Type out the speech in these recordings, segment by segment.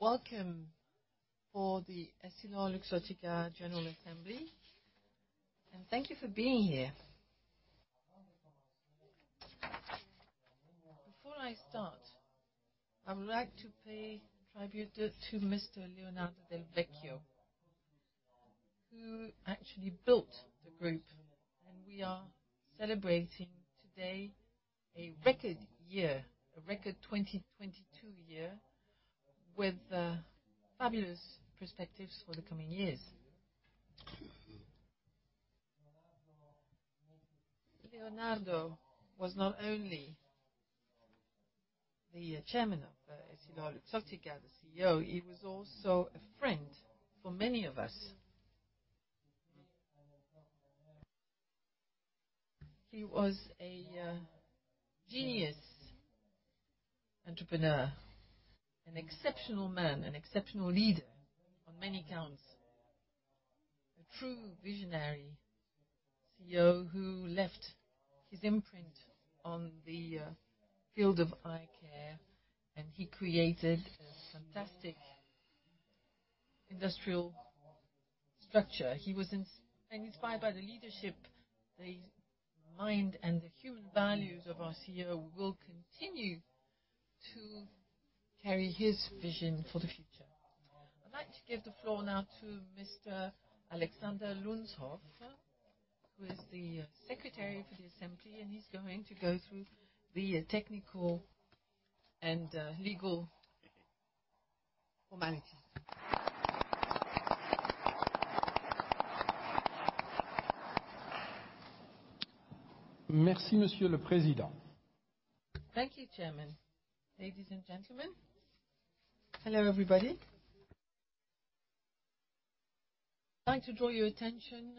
Welcome for the EssilorLuxottica General Assembly, thank you for being here. Before I start, I would like to pay tribute to Mr. Leonardo Del Vecchio, who actually built the group. We are celebrating today a record year, a record 2022 year, with fabulous perspectives for the coming years. Leonardo was not only the Chairman of EssilorLuxottica, the CEO, he was also a friend for many of us. He was a genius entrepreneur, an exceptional man, an exceptional leader on many counts. A true visionary CEO who left his imprint on the field of eye care, he created a fantastic industrial structure. Inspired by the leadership, the mind, and the human values of our CEO, we will continue to carry his vision for the future. I'd like to give the floor now to Mr. Alexander Lunshof, who is the Secretary for the Assembly. He's going to go through the technical and legal formalities. Merci, Monsieur le Président. Thank you, Chairman. Ladies and gentlemen. Hello, everybody. I'd like to draw your attention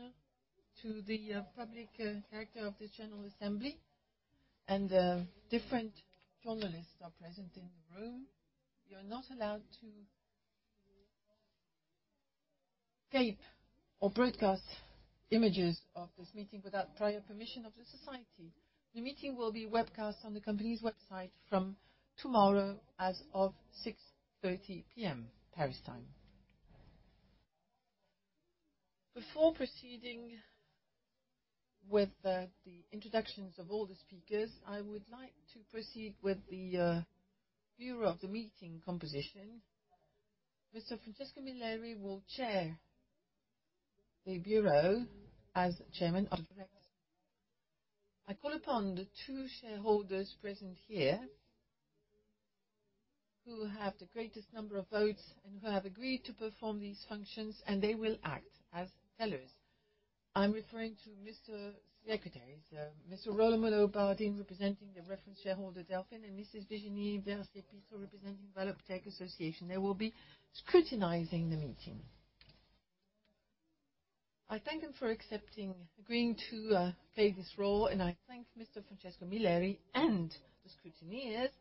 to the public character of the General Assembly, and different journalists are present in the room. You're not allowed to tape or broadcast images of this meeting without prior permission of the society. The meeting will be webcast on the company's website from tomorrow as of 6:30 P.M. Paris time. Before proceeding with the introductions of all the speakers, I would like to proceed with the Bureau of the meeting composition. Mr. Francesco Milleri will chair the Bureau as Chairman of Directors. I call upon the two shareholders present here who have the greatest number of votes and who have agreed to perform these functions, and they will act as tellers. I'm referring to Mr. Secretary, so Mr. Romolo Bardin, representing the reference shareholder, Delfin, and Mrs. Virginie Mercier Pitre, representing Valoptec Association. They will be scrutinizing the meeting. I thank them for agreeing to play this role, and I thank Mr. Francesco Milleri and the scrutineers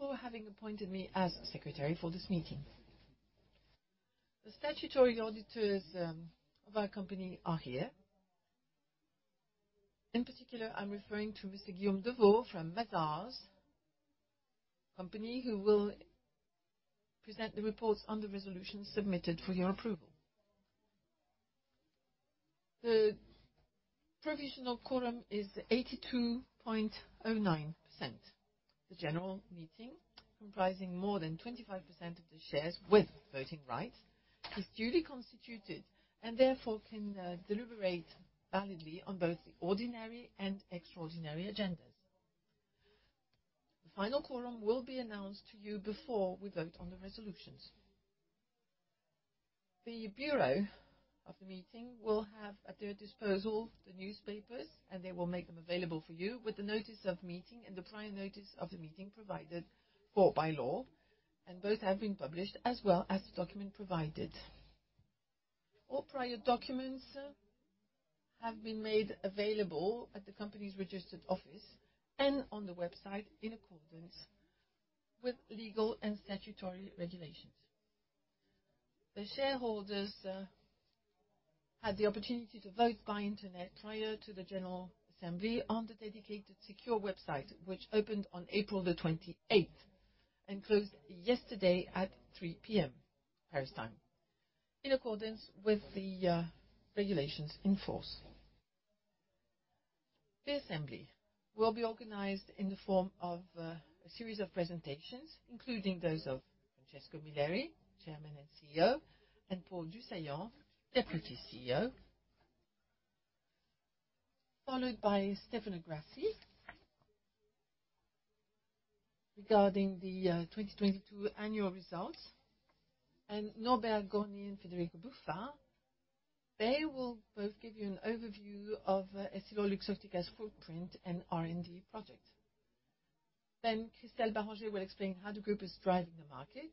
for having appointed me as Secretary for this meeting. The Statutory Auditors of our company are here. In particular, I'm referring to Mr. Guillaume Devaux from Mazars who will present the reports on the resolution submitted for your approval. The provisional quorum is 82.09%. The general meeting, comprising more than 25% of the shares with voting rights, is duly constituted and therefore can deliberate validly on both the ordinary and extraordinary agendas. The final quorum will be announced to you before we vote on the resolutions. The Bureau of the Meeting will have at their disposal the newspapers. They will make them available for you with the notice of meeting and the prior notice of the meeting provided for by law. Both have been published, as well as the document provided. All prior documents have been made available at the company's registered office and on the website in accordance with legal and statutory regulations. The shareholders had the opportunity to vote by Internet prior to the General Assembly on the dedicated secure website, which opened on April 28th and closed yesterday at 3:00 P.M. Paris time, in accordance with the regulations in force. The assembly will be organized in the form of a series of presentations, including those of Francesco Milleri, Chairman and CEO, and Paul du Saillant, Deputy CEO. Followed by Stefano Grassi regarding the 2022 annual results, and Norbert Gorny and Federico Buffa. They will both give you an overview of EssilorLuxottica's footprint and R&D project. Chrystel Barranger will explain how the group is driving the market,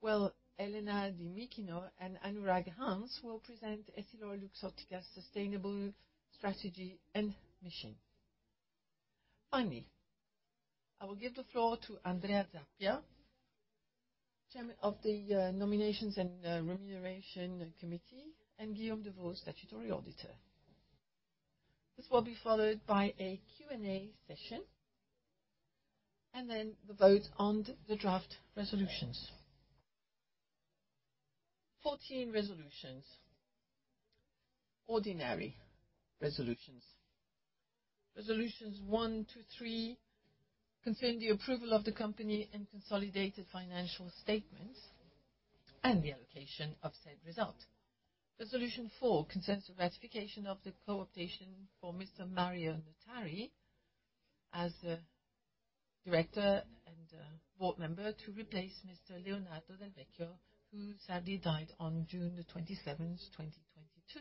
while Elena Dimichino and Anurag Hans will present EssilorLuxottica's sustainable strategy and mission. I will give the floor to Andrea Zappia, Chairman of the Nominations and Remuneration Committee, and Guillaume Devaux, Statutory Auditor. This will be followed by a Q&A session, and then the vote on the draft resolutions. 14 resolutions. Ordinary resolutions. Resolutions one to three concern the approval of the company in consolidated financial statements and the allocation of said result. Resolution four concerns the ratification of the co-optation for Mr. Mario Notari as a director and board member to replace Mr. Leonardo Del Vecchio, who sadly died on June 27, 2022.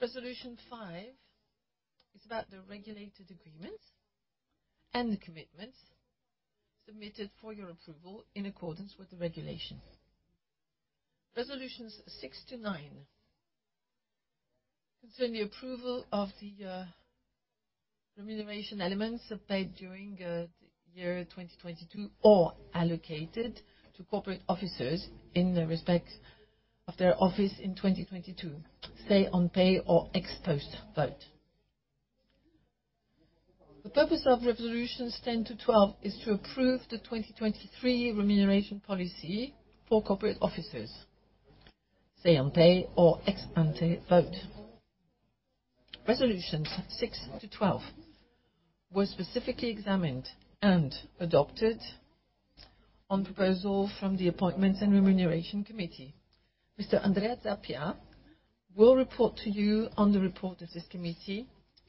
Resolution five is about the regulated agreements and the commitments submitted for your approval in accordance with the regulations. Resolutions six-nine concern the approval of the remuneration elements applied during the year 2022 or allocated to corporate officers in the respect of their office in 2022, say on pay or ex-post vote. The purpose of resolutions 10 to 12 is to approve the 2023 remuneration policy for corporate officers. Say on pay or ex-ante vote. Resolutions six-12 were specifically examined and adopted on proposal from the Appointments and Remuneration Committee. Mr. Andrea Zappia will report to you on the report of this committee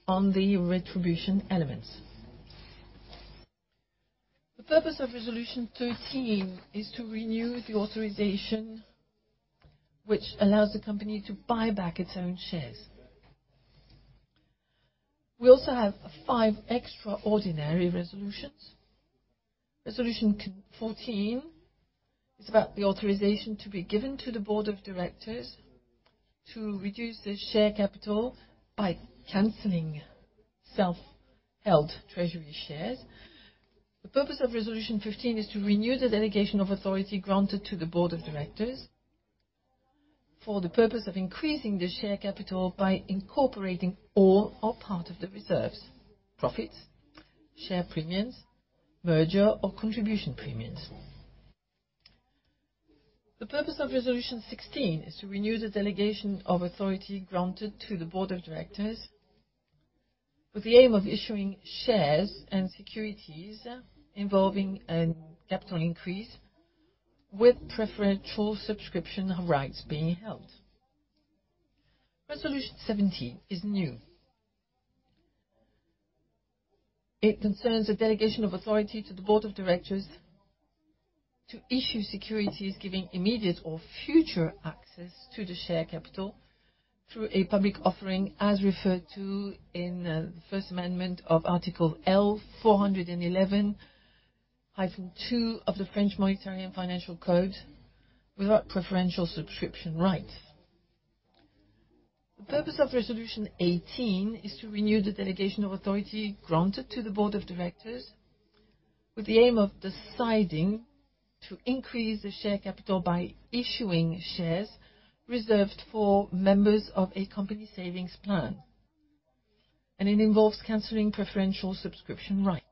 on the retribution elements. The purpose of resolution 13 is to renew the authorization which allows the company to buy back its own shares. We also have 5 extraordinary resolutions. Resolution 14 is about the authorization to be given to the Board of Directors to reduce the share capital by canceling self-held treasury shares. The purpose of Resolution 15 is to renew the delegation of authority granted to the Board of Directors for the purpose of increasing the share capital by incorporating all or part of the reserves: profits, share premiums, merger or contribution premiums. The purpose of Resolution 16 is to renew the delegation of authority granted to the Board of Directors with the aim of issuing shares and securities involving a capital increase with preferential subscription of rights being held. Resolution 17 is new. It concerns the delegation of authority to the Board of Directors to issue securities giving immediate or future access to the share capital through a public offering as referred to in the first amendment of Article L. 411-2 of the French Monetary and Financial Code without preferential subscription rights. The purpose of Resolution 18 is to renew the delegation of authority granted to the Board of Directors with the aim of deciding to increase the share capital by issuing shares reserved for members of a company savings plan. It involves canceling preferential subscription rights.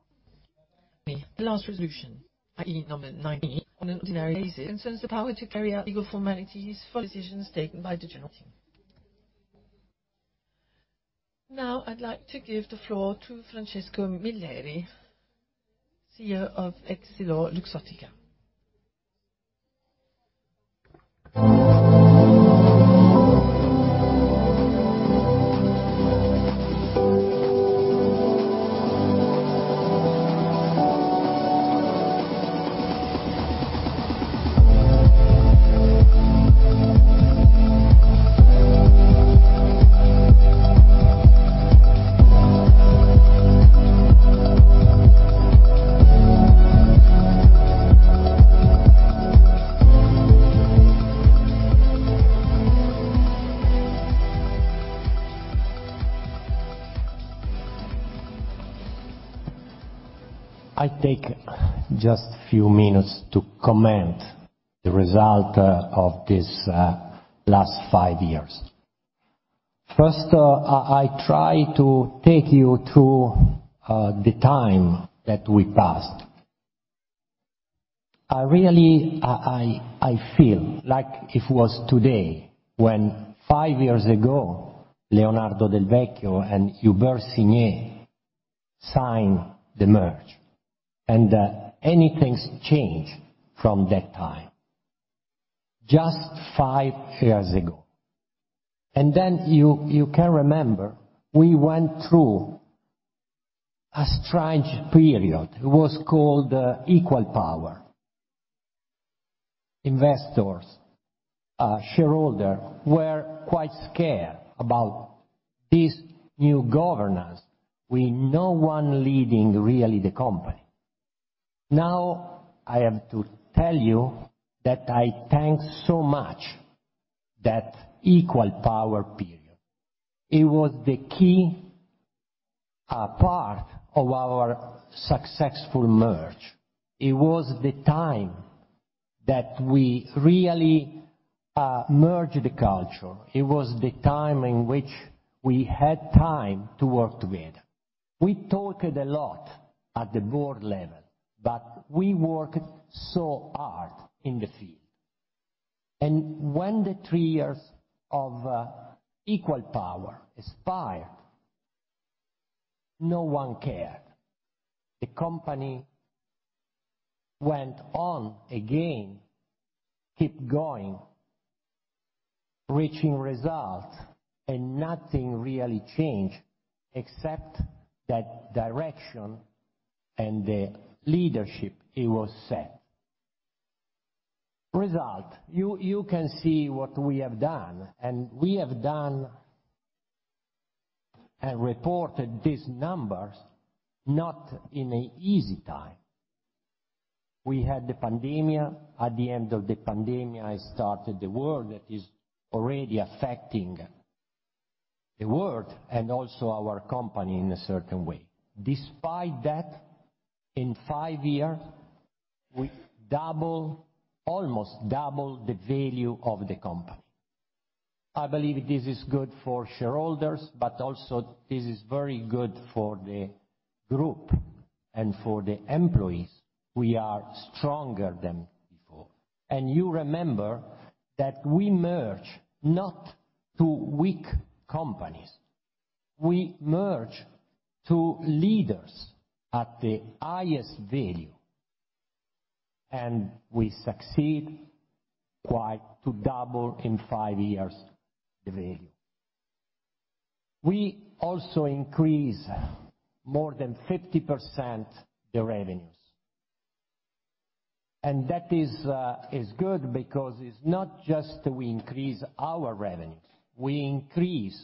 The last resolution, i.e., number 19 on an ordinary basis, concerns the power to carry out legal formalities for decisions taken by the general team. Now I'd like to give the floor to Francesco Milleri, CEO of EssilorLuxottica. I take just a few minutes to comment the result of this last five years. First, I try to take you through the time that we passed. I feel like it was today when five years ago, Leonardo Del Vecchio and Hubert Sagnières signed the merge, anything's changed from that time, just five years ago. You can remember we went through a strange period. It was called equal power. Investors, shareholder were quite scared about this new governance, with no one leading really the company. I have to tell you that I thank so much that equal power period. It was the key part of our successful merge. It was the time that we really merged the culture. It was the time in which we had time to work together. We talked a lot at the board level, we worked so hard in the field. When the three years of equal power expired, no one cared. The company went on again, keep going, reaching results, nothing really changed except that direction and the leadership it was set. Result, you can see what we have done, and we have done and reported these numbers not in an easy time. We had the pandemic. At the end of the pandemic, it started the world that is already affecting the world and also our company in a certain way. Despite that, in five years, we almost double the value of the company. I believe this is good for shareholders, but also this is very good for the group and for the employees. We are stronger than before. You remember that we merge not two weak companies. We merge two leaders at the highest value. We succeed quite to double in five years the value. We also increase more than 50% the revenues. That is good because it's not just we increase our revenues, we increase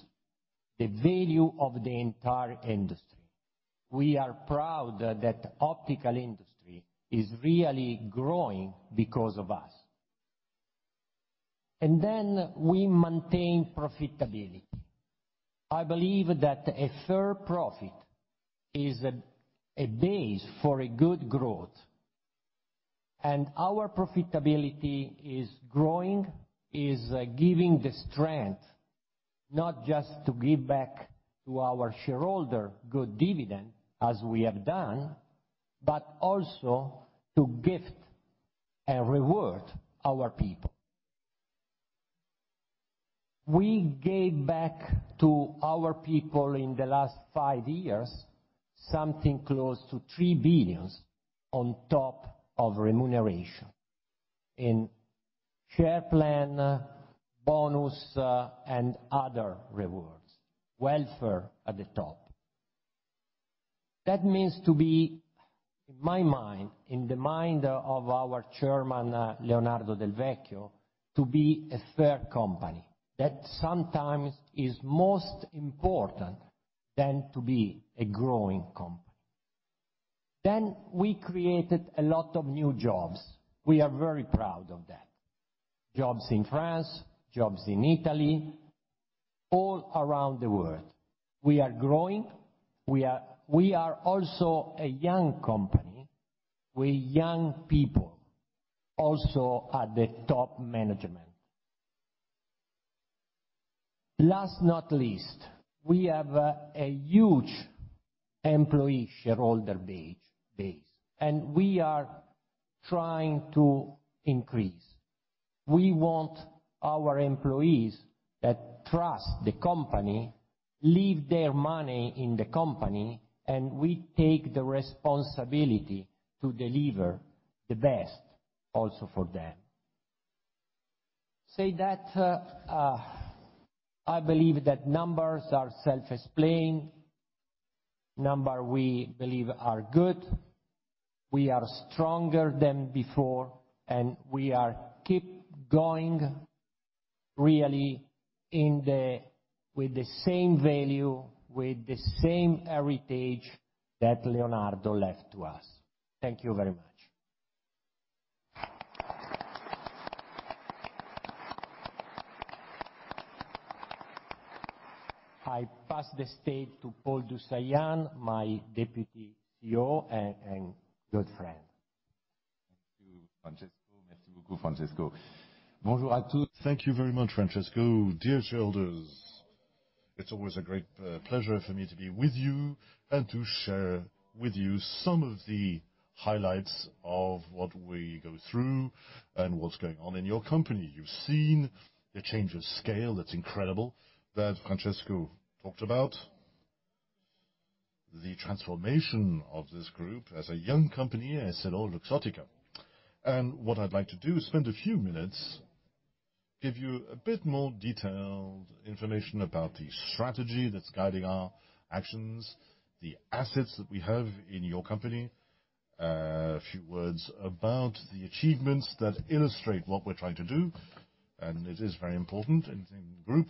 the value of the entire industry. We are proud that optical industry is really growing because of us. We maintain profitability. I believe that a fair profit is a base for a good growth, and our profitability is growing, is giving the strength, not just to give back to our shareholder good dividend, as we have done, but also to gift and reward our people. We gave back to our people in the last five years, something close to 3 billion on top of remuneration in share plan, bonus, and other rewards, welfare at the top. That means to be, in my mind, in the mind of our chairman, Leonardo Del Vecchio, to be a fair company. That sometimes is most important than to be a growing company. We created a lot of new jobs. We are very proud of that. Jobs in France, jobs in Italy, all around the world. We are growing. We are also a young company with young people, also at the top management. Last not least, we have a huge employee shareholder base, and we are trying to increase. We want our employees that trust the company, leave their money in the company, and we take the responsibility to deliver the best also for them. Say that, I believe that numbers are self-explaining. Number we believe are good. We are stronger than before, and we are keep going really in the with the same value, with the same heritage that Leonardo left to us. Thank you very much. I pass the stage to Paul du Saillant, my deputy CEO and good friend. Thank you, Francesco. Merci beaucoup, Francesco. Thank you very much, Francesco. Dear shareholders, it's always a great pleasure for me to be with you and to share with you some of the highlights of what we go through and what's going on in your company. You've seen the change of scale, that's incredible, that Francesco talked about. The transformation of this group as a young company, EssilorLuxottica. What I'd like to do is spend a few minutes, give you a bit more detailed information about the strategy that's guiding our actions, the assets that we have in your company, a few words about the achievements that illustrate what we're trying to do, and it is very important in the group,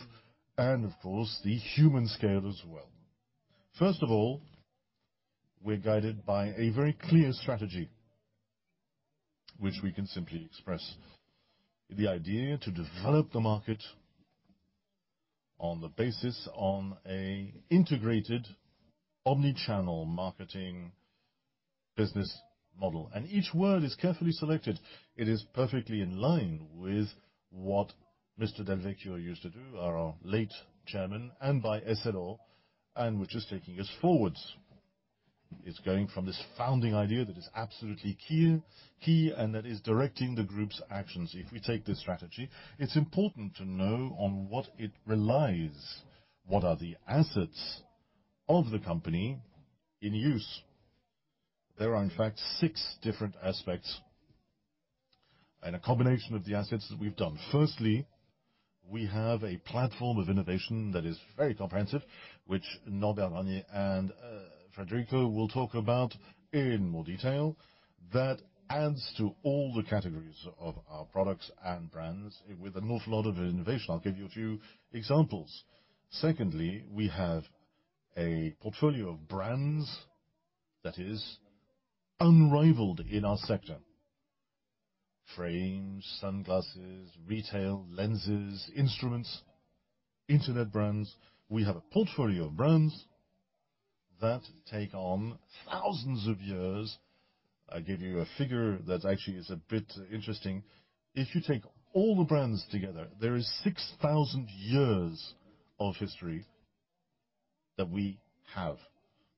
and of course, the human scale as well. First of all, we're guided by a very clear strategy. Which we can simply express the idea to develop the market on the basis on a integrated omni-channel marketing business model. Each word is carefully selected. It is perfectly in line with what Mr. Del Vecchio used to do, our late chairman, and by Essilor, and which is taking us forwards. It's going from this founding idea that is absolutely key, and that is directing the group's actions. If we take this strategy, it's important to know on what it relies, what are the assets of the company in use. There are, in fact, six different aspects in a combination of the assets that we've done. Firstly, we have a platform of innovation that is very comprehensive, which Norbert Gorny and Federico will talk about in more detail. That adds to all the categories of our products and brands with an awful lot of innovation. I'll give you a few examples. Secondly, we have a portfolio of brands that is unrivaled in our sector: frames, sunglasses, retail, lenses, instruments, Internet brands. We have a portfolio of brands that take on thousands of years. I'll give you a figure that actually is a bit interesting. If you take all the brands together, there is 6,000 years of history that we have.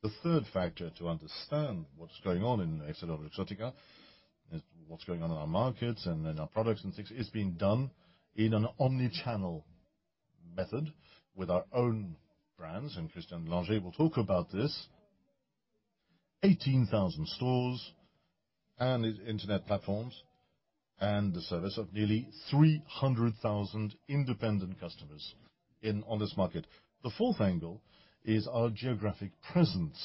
The third factor to understand what's going on in EssilorLuxottica is what's going on in our markets and in our products and things is being done in an omni-channel method with our own brands, and Christian Liger will talk about this. 18,000 stores and internet platforms and the service of nearly 300,000 independent customers on this market. The fourth angle is our geographic presence.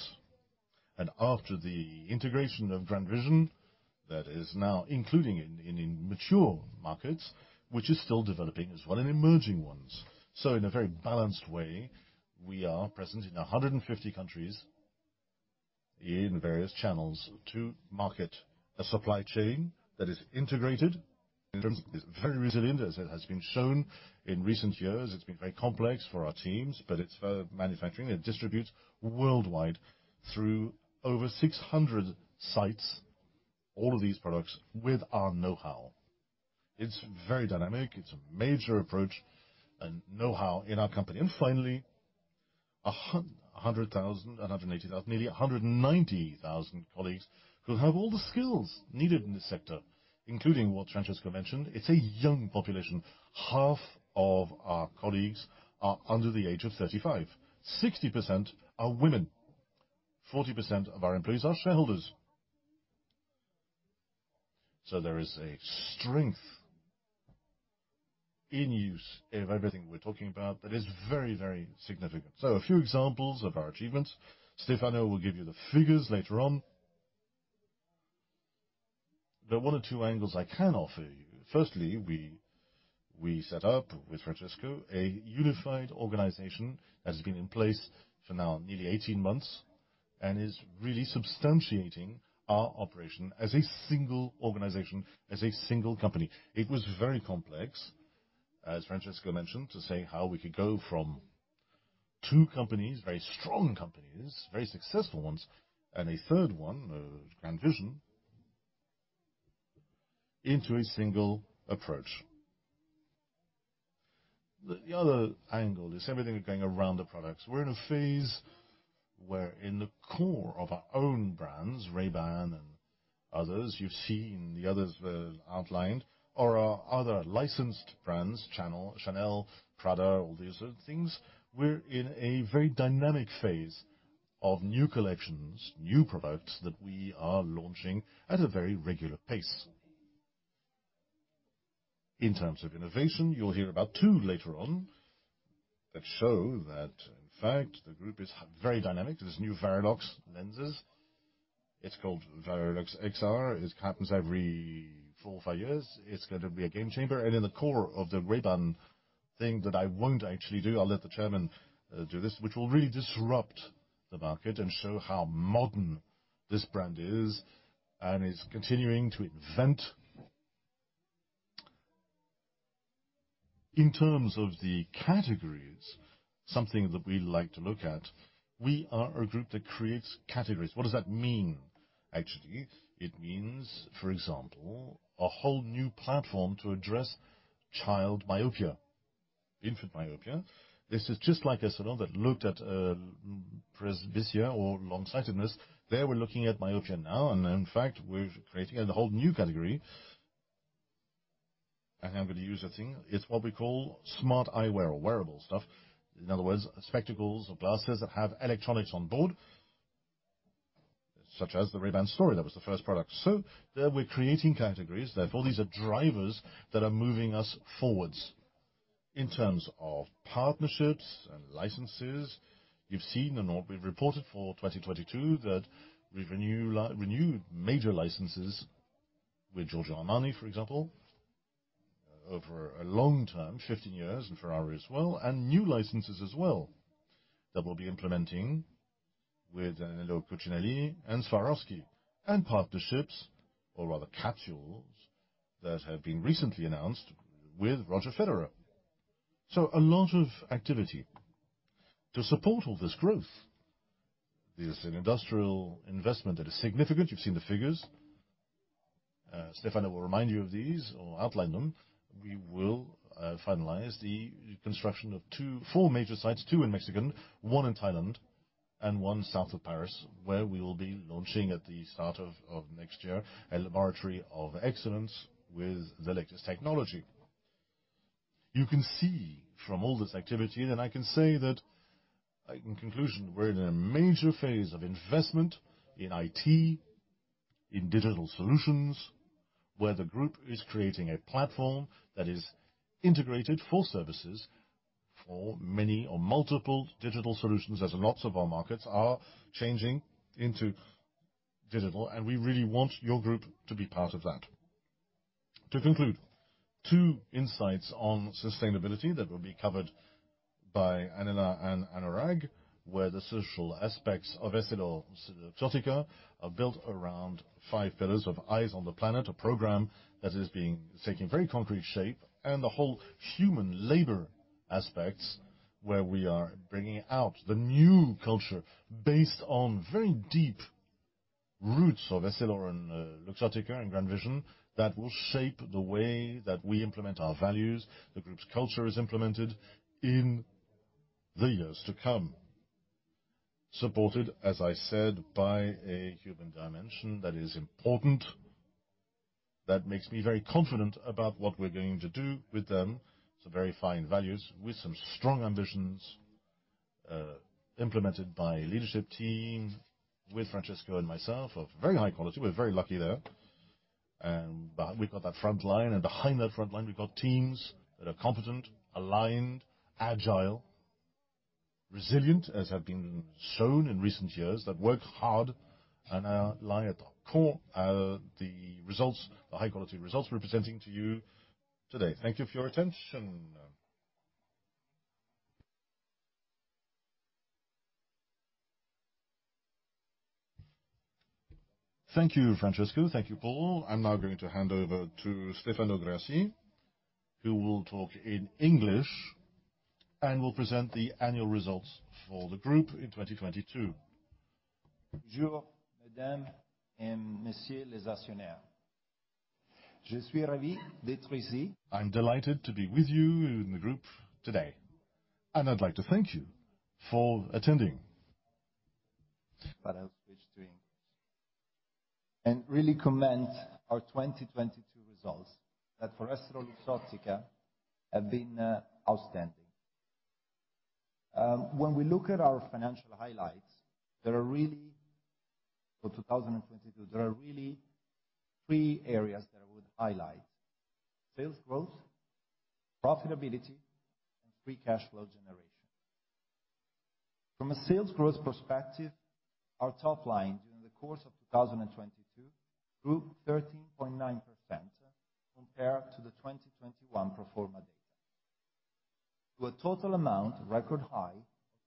After the integration of GrandVision, that is now including in mature markets, which is still developing as well in emerging ones. In a very balanced way, we are present in 150 countries in various channels to market a supply chain that is integrated. In terms, it's very resilient, as it has been shown in recent years. It's been very complex for our teams, but it's manufacturing. It distributes worldwide through over 600 sites, all of these products with our know-how. It's very dynamic. It's a major approach and know-how in our company. Finally, 100,000, 180,000, nearly 190,000 colleagues who have all the skills needed in this sector, including what Francesco mentioned. It's a young population. Half of our colleagues are under the age of 35. 60% are women. 40% of our employees are shareholders. There is a strength in use of everything we're talking about that is very, very significant. A few examples of our achievements. Stefano will give you the figures later on. There are one or two angles I can offer you. Firstly, we set up with Francesco, a unified organization has been in place for now nearly 18 months and is really substantiating our operation as a single organization, as a single company. It was very complex, as Francesco mentioned, to say how we could go from two companies, very strong companies, very successful ones, and a third one, GrandVision, into a single approach. The other angle is everything going around the products. We're in a phase where in the core of our own brands, Ray-Ban and others you've seen, the others were outlined, or our other licensed brands, Chanel, Prada, all these other things. We're in a very dynamic phase of new collections, new products that we are launching at a very regular pace. In terms of innovation, you'll hear about two later on that show that in fact, the group is very dynamic. There's new Varilux lenses. It's called Varilux XR. It happens every four or five years. It's going to be a game changer. In the core of the Ray-Ban thing that I won't actually do, I'll let the Chairman do this, which will really disrupt the market and show how modern this brand is and is continuing to invent. In terms of the categories, something that we like to look at, we are a group that creates categories. What does that mean? Actually, it means, for example, a whole new platform to address child myopia, infant myopia. This is just like Essilor that looked at presbyopia or longsightedness. There, we're looking at myopia now, and in fact, we're creating a whole new category. I'm gonna use a thing. It's what we call smart eyewear or wearable stuff. In other words, spectacles or glasses that have electronics on board, such as the Ray-Ban Stories. That was the first product. There we're creating categories. Therefore, these are drivers that are moving us forwards. In terms of partnerships and licenses, you've seen and what we've reported for 2022 that we renewed major licenses with Giorgio Armani, for example. Over a long term, 15 years in Ferrari as well, and new licenses as well, that we'll be implementing with Brunello Cucinelli and Swarovski, and partnerships or rather capsules, that have been recently announced with Roger Federer. A lot of activity. To support all this growth, there's an industrial investment that is significant. You've seen the figures. Stefano will remind you of these or outline them. We will finalize the construction of four major sites, two in Mexico, one in Thailand, and one south of Paris, where we will be launching at the start of next year, a laboratory of excellence with the latest technology. You can see from all this activity, I can say that, in conclusion, we're in a major phase of investment in IT, in digital solutions, where the group is creating a platform that is integrated for services for many or multiple digital solutions, as lots of our markets are changing into digital, and we really want your group to be part of that. To conclude, two insights on sustainability that will be covered by Elena and Anurag, where the social aspects of EssilorLuxottica are built around five pillars of Eyes on the Planet, a program that is taking very concrete shape, and the whole human labor aspects where we are bringing out the new culture based on very deep roots of Essilor and Luxottica and GrandVision that will shape the way that we implement our values. The group's culture is implemented in the years to come. Supported, as I said, by a human dimension that is important. That makes me very confident about what we're going to do with them. Some very fine values with some strong ambitions, implemented by leadership team with Francesco and myself of very high quality. We're very lucky there. We've got that front line, and behind that front line, we've got teams that are competent, aligned, agile, resilient, as have been shown in recent years, that work hard and lie at the core of the results, the high-quality results we're presenting to you today. Thank you for your attention. Thank you, Francesco. Thank you, Paul. I'm now going to hand over to Stefano Grassi, who will talk in English and will present the annual results for the group in 2022. I'm delighted to be with you in the group today, and I'd like to thank you for attending. I'll switch to English. Really commend our 2022 results that for EssilorLuxottica have been outstanding. When we look at our financial highlights, there are really three areas that I would highlight: sales growth, profitability, and free cash flow generation. From a sales growth perspective, our top line during the course of 2022 grew 13.9% compared to the 2021 pro forma data to a total amount, record high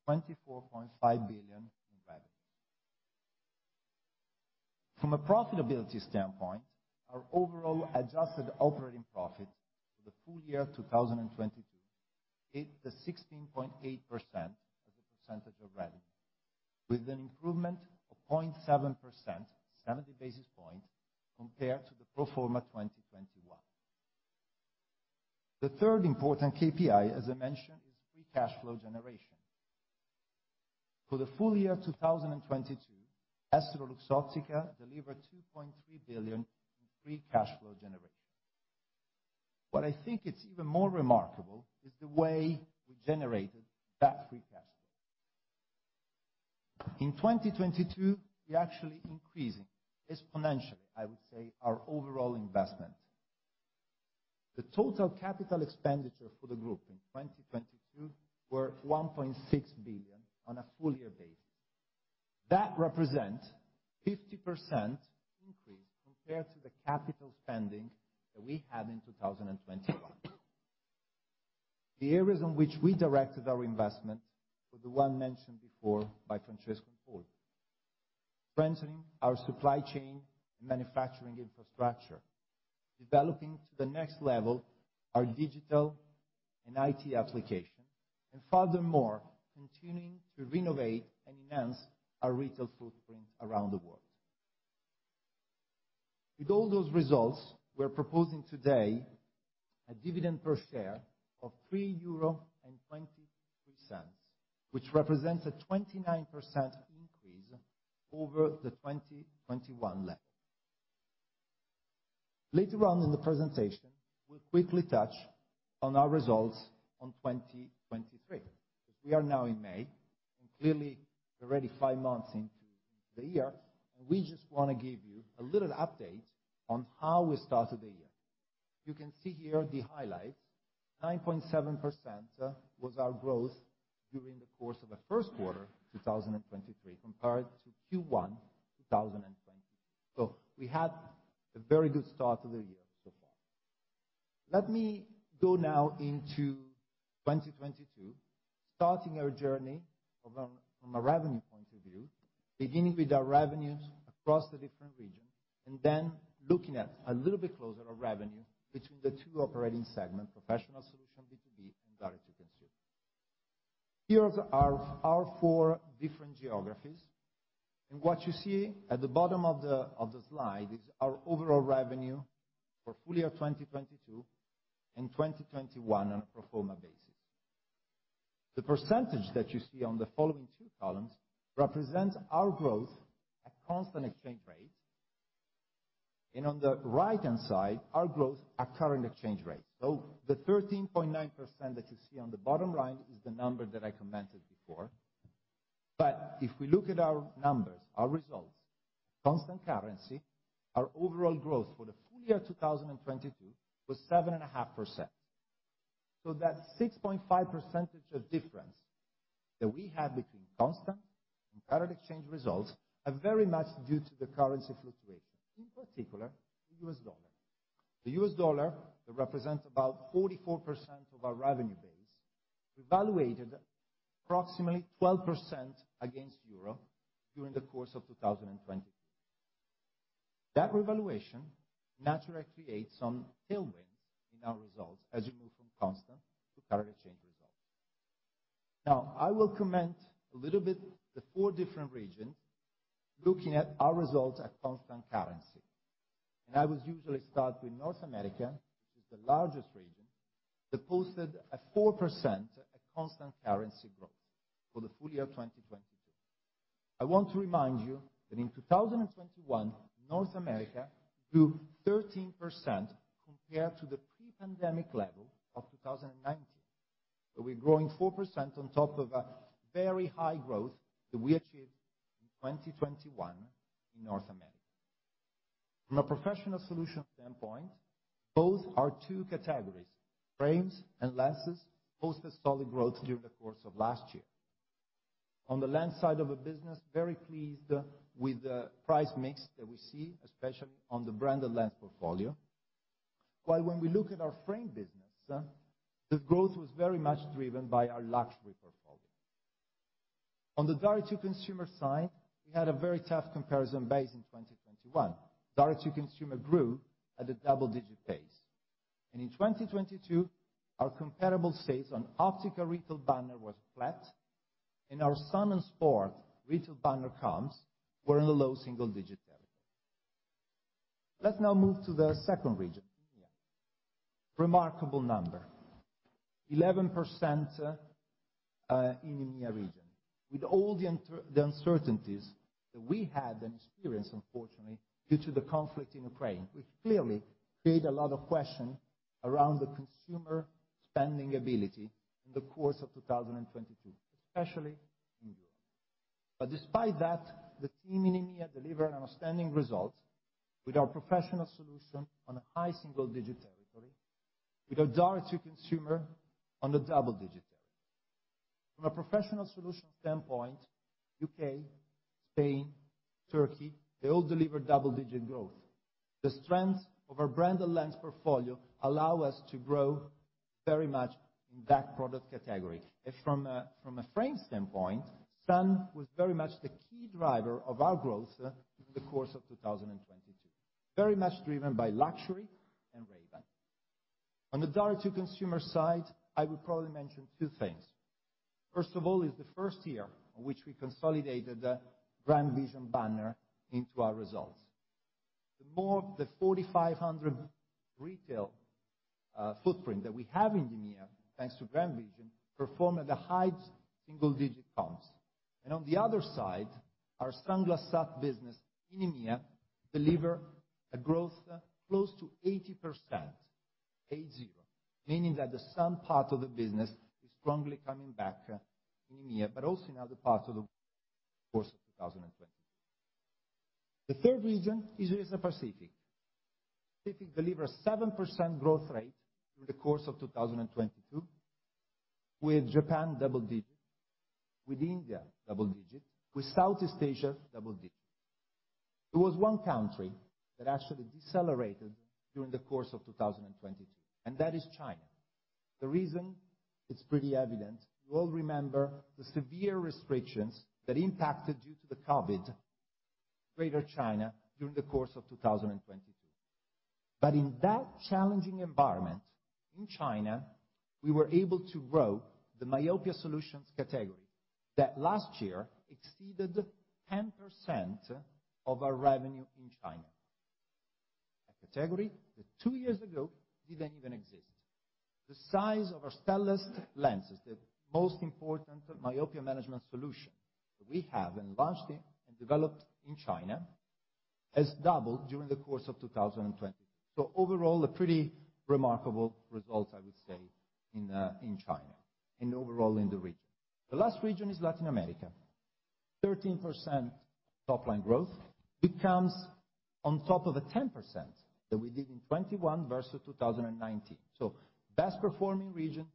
of 24.5 billion in revenue. From a profitability standpoint, our overall adjusted operating profit for the full year 2022 hit the 16.8% as a percentage of revenue, with an improvement of 0.7%, 70 basis points, compared to the pro forma 2021. The third important KPI, as I mentioned, is free cash flow generation. For the full year 2022, EssilorLuxottica delivered 2.3 billion in free cash flow generation. What I think it's even more remarkable is the way we generated that free cash flow. In 2022, we actually increasing exponentially, I would say, our overall investment. The total capital expenditure for the group in 2022 were 1.6 billion on a full year basis. That represent 50% increase compared to the capital spending that we had in 2021. The areas in which we directed our investment were the one mentioned before by Francesco and Paul. Strengthening our supply chain and manufacturing infrastructure, developing to the next level our digital and IT application, and furthermore, continuing to renovate and enhance our retail footprint around the world. With all those results, we're proposing today a dividend per share of 3.23 euro, which represents a 29% increase over the 2021 level. Later on in the presentation, we'll quickly touch on our results on 2023. We are now in May, clearly we're already five months into the year, and we just wanna give you a little update on how we started the year. You can see here the highlights. 9.7% was our growth during the course of the first quarter 2023 compared to Q1 2022. We had a very good start of the year so far. Let me go now into 2022, starting our journey from a revenue point of view, beginning with our revenues across the different regions and then looking at a little bit closer our revenue between the two operating segments, Professional Solutions B2B and Direct to Consumer. Here are four different geographies, and what you see at the bottom of the slide is our overall revenue for full year 2022 and 2021 on a pro forma basis. The percentage that you see on the following two columns represents our growth at constant exchange rates, and on the right-hand side, our growth at current exchange rates. The 13.9% that you see on the bottom line is the number that I commented before. If we look at our numbers, our results, constant currency, our overall growth for the full year 2022 was 7.5%. That 6.5% of difference that we have between constant and current exchange results are very much due to the currency fluctuation, in particular, the U.S. dollar. The U.S. dollar, that represents about 44% of our revenue base, revaluated approximately 12% against euro during the course of 2022. That revaluation naturally creates some tailwinds in our results as you move from constant to current exchange results. I will comment a little bit the four different regions looking at our results at constant currency. I would usually start with North America, which is the largest region, that posted a 4% at constant currency growth for the full year of 2022. I want to remind you that in 2021, North America grew 13% compared to the pre-pandemic level of 2019. We're growing 4% on top of a very high growth that we achieved in 2021 in North America. From a Professional Solutions standpoint, both our two categories, frames and lenses, posted solid growth during the course of last year. On the lens side of the business, very pleased with the price mix that we see, especially on the branded lens portfolio. While when we look at our frame business, the growth was very much driven by our luxury portfolio. On the Direct to Consumer side, we had a very tough comparison base in 2021. Direct to Consumer grew at a double-digit pace. In 2022, our comparable sales on optical retail banner was flat, and our sun and sport retail banner comps were in the low single digits. Let's now move to the second region, EMEA. Remarkable number. 11% in EMEA region. With all the uncertainties that we had and experienced, unfortunately, due to the conflict in Ukraine, which clearly created a lot of question around the consumer spending ability in the course of 2022, especially in Europe. Despite that, the team in EMEA delivered an outstanding result with our Professional Solutions on a high single digit territory, with our Direct to Consumer on the double digit territory. From a Professional Solutions standpoint, U.K., Spain, Turkey, they all delivered double-digit growth. The strength of our branded lens portfolio allow us to grow very much in that product category. From a frame standpoint, sun was very much the key driver of our growth through the course of 2022. Very much driven by luxury and Raven. On the Direct to Consumer side, I would probably mention two things. First of all, it's the first year in which we consolidated the GrandVision banner into our results. The 4,500 retail footprint that we have in EMEA, thanks to GrandVision, perform at a high single digit comps. On the other side, our sunglass business in EMEA deliver a growth close to 80%, eight-zero, meaning that the sun part of the business is strongly coming back in EMEA, but also in other parts of the course of 2022. The third region is Asia Pacific. Pacific deliver a 7% growth rate through the course of 2022, with Japan double digits, with India double digits, with Southeast Asia double digits. There was one country that actually decelerated during the course of 2022, and that is China. The reason is pretty evident. You all remember the severe restrictions that impacted, due to the COVID, Greater China during the course of 2022. In that challenging environment in China, we were able to grow the myopia solutions category that last year exceeded 10% of our revenue in China. A category that two years ago didn't even exist. The size of our Stellest lenses, the most important myopia management solution we have and launched and developed in China, has doubled during the course of 2022. Overall, a pretty remarkable result, I would say, in China and overall in the region. The last region is Latin America. 13% top line growth becomes on top of the 10% that we did in 2021 versus 2019. Best performing region,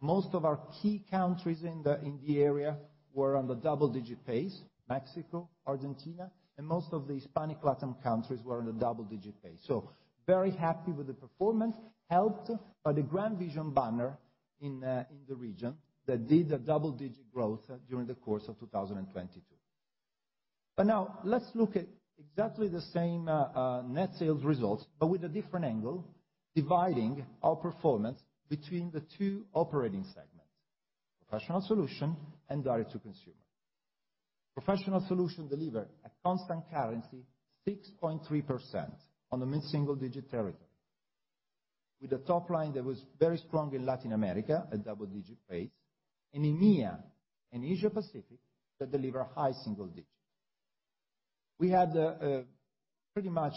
most of our key countries in the area were on the double-digit pace, Mexico, Argentina, and most of the Hispanic Latin countries were in the double-digit pace. Very happy with the performance, helped by the GrandVision banner in the region that did a double-digit growth during the course of 2022. Now let's look at exactly the same net sales results, but with a different angle, dividing our performance between the two operating segments, Professional Solution and Direct to Consumer. Professional Solutions delivered a constant currency, 6.3% on the mid-single-digit territory with a top line that was very strong in Latin America, a double-digit pace, and EMEA and Asia Pacific that deliver high single digits. We had a pretty much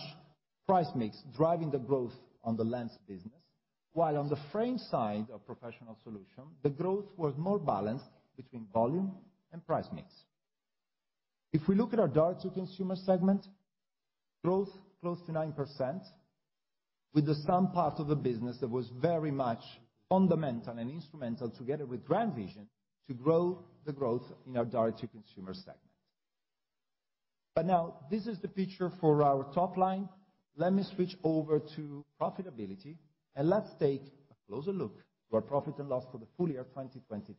price mix driving the growth on the lens business. While on the frame side of Professional Solutions, the growth was more balanced between volume and price mix. If we look at our Direct to Consumer segment, growth close to 9% with some parts of the business that was very much fundamental and instrumental together with GrandVision to grow the growth in our Direct to Consumer segment. Now this is the picture for our top line. Let me switch over to profitability and let's take a closer look to our profit and loss for the full year 2022.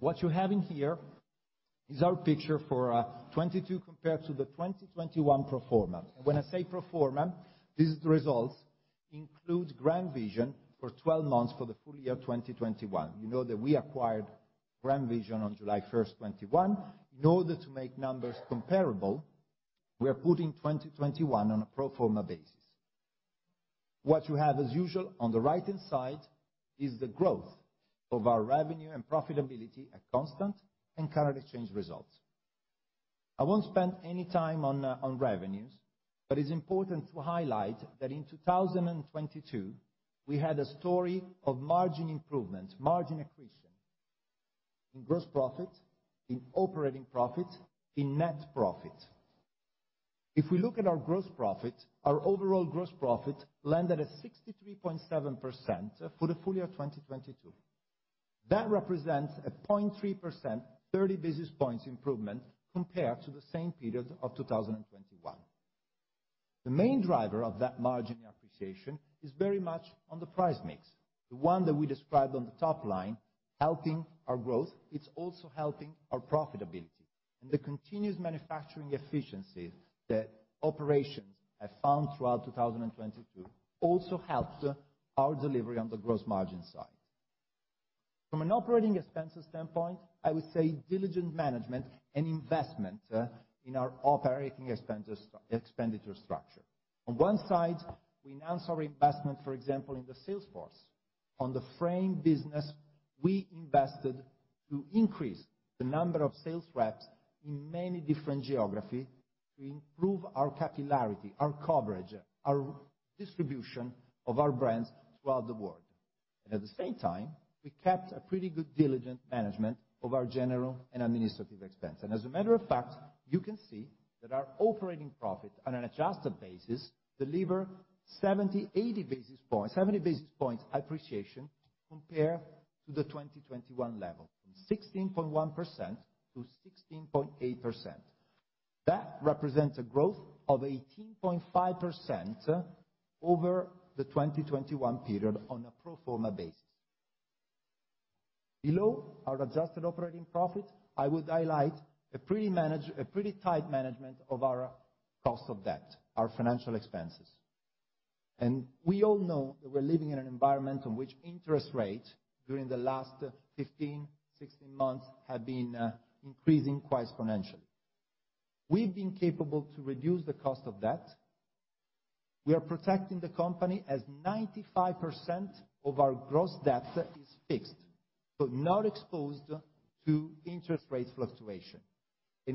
What you have in here is our picture for 2022 compared to the 2021 pro forma. When I say pro forma, these results include GrandVision for 12 months for the full year 2021. You know that we acquired GrandVision on July 1st, 2021. In order to make numbers comparable, we are putting 2021 on a pro forma basis. What you have as usual on the right-hand side is the growth of our revenue and profitability at constant and current exchange results. I won't spend any time on revenues, but it's important to highlight that in 2022, we had a story of margin improvement, margin accretion in gross profit, in operating profit, in net profit. If we look at our gross profit, our overall gross profit landed at 63.7% for the full year 2022. That represents a 0.3%, 30 basis points improvement compared to the same period of 2021. The main driver of that margin appreciation is very much on the price mix. The one that we described on the top line, helping our growth. It's also helping our profitability. The continuous manufacturing efficiencies that operations have found throughout 2022 also helps our delivery on the gross margin side. From an OpEx standpoint, I would say diligent management and investment in our OpEx, expenditure structure. On one side, we announced our investment, for example, in the sales force. On the frame business, we invested to increase the number of sales reps in many different geographies to improve our capillarity, our coverage, our distribution of our brands throughout the world. At the same time, we kept a pretty good diligent management of our general and administrative expense. As a matter of fact, you can see that our operating profit on an adjusted basis deliver 70 basis points appreciation compared to the 2021 level, from 16.1%-16.8%. That represents a growth of 18.5% over the 2021 period on a pro forma basis. Below our adjusted operating profit, I would highlight a pretty tight management of our cost of debt, our financial expenses. We all know that we're living in an environment in which interest rates during the last 15, 16 months have been increasing quite exponentially. We've been capable to reduce the cost of debt. We are protecting the company as 95% of our gross debt is fixed, so not exposed to interest rate fluctuation.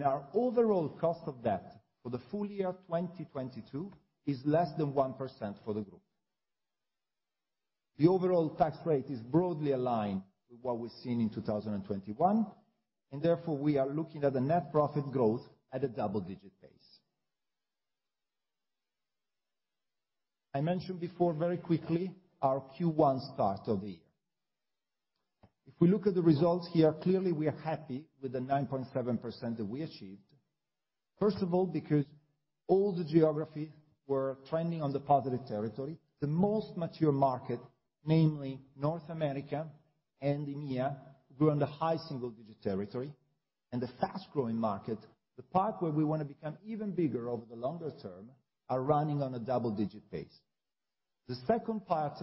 Our overall cost of debt for the full year 2022 is less than 1% for the group. The overall tax rate is broadly aligned with what we've seen in 2021. Therefore, we are looking at a net profit growth at a double-digit pace. I mentioned before very quickly our Q1 start of the year. If we look at the results here, clearly we are happy with the 9.7% that we achieved. First of all, because all the geographies were trending on the positive territory. The most mature market, namely North America and EMEA, grew on the high single-digit territory. The fast-growing market, the part where we wanna become even bigger over the longer term, are running on a double-digit pace. The second part,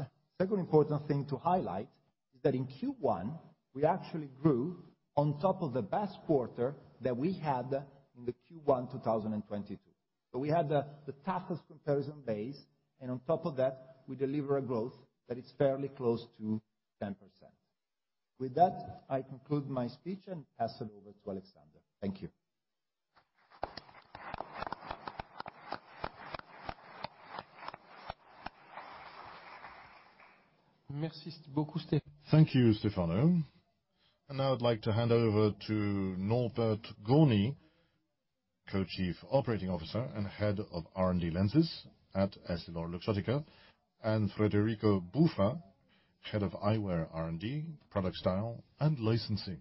second important thing to highlight is that in Q1, we actually grew on top of the best quarter that we had in the Q1 2022. We had the toughest comparison base, and on top of that, we deliver a growth that is fairly close to 10%. With that, I conclude my speech and pass it over to Alexander. Thank you. Thank you, Stefano. Now I'd like to hand over to Norbert Gorny, Co-Chief Operating Officer and Head of R&D lenses at EssilorLuxottica, and Federico Buffa, Head of Eyewear R&D, Product Style, and Licensing.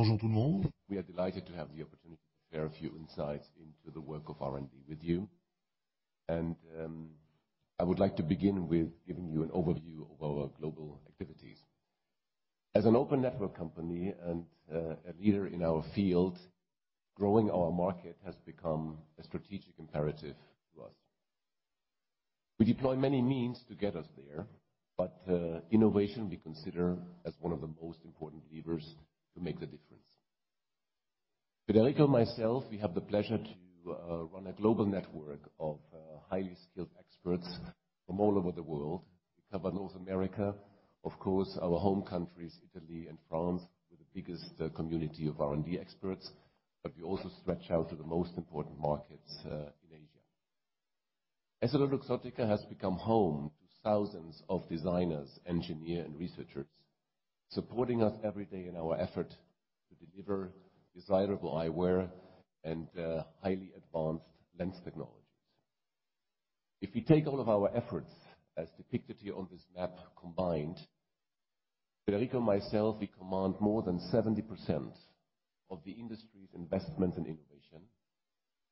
Bonjour tout le monde. We are delighted to have the opportunity to share a few insights into the work of R&D with you. I would like to begin with giving you an overview of our global activities. As an open network company and a leader in our field, growing our market has become a strategic imperative to us. We deploy many means to get us there, but innovation we consider as one of the most important levers to make the difference. Federico and myself, we have the pleasure to run a global network of highly skilled experts from all over the world. We cover North America, of course, our home countries, Italy and France, we're the biggest community of R&D experts, but we also stretch out to the most important markets in Asia. EssilorLuxottica has become home to thousands of designers, engineers, and researchers supporting us every day in our effort to deliver desirable eyewear and highly advanced lens technologies. If we take all of our efforts as depicted here on this map combined, Federico and myself, we command more than 70% of the industry's investment in innovation,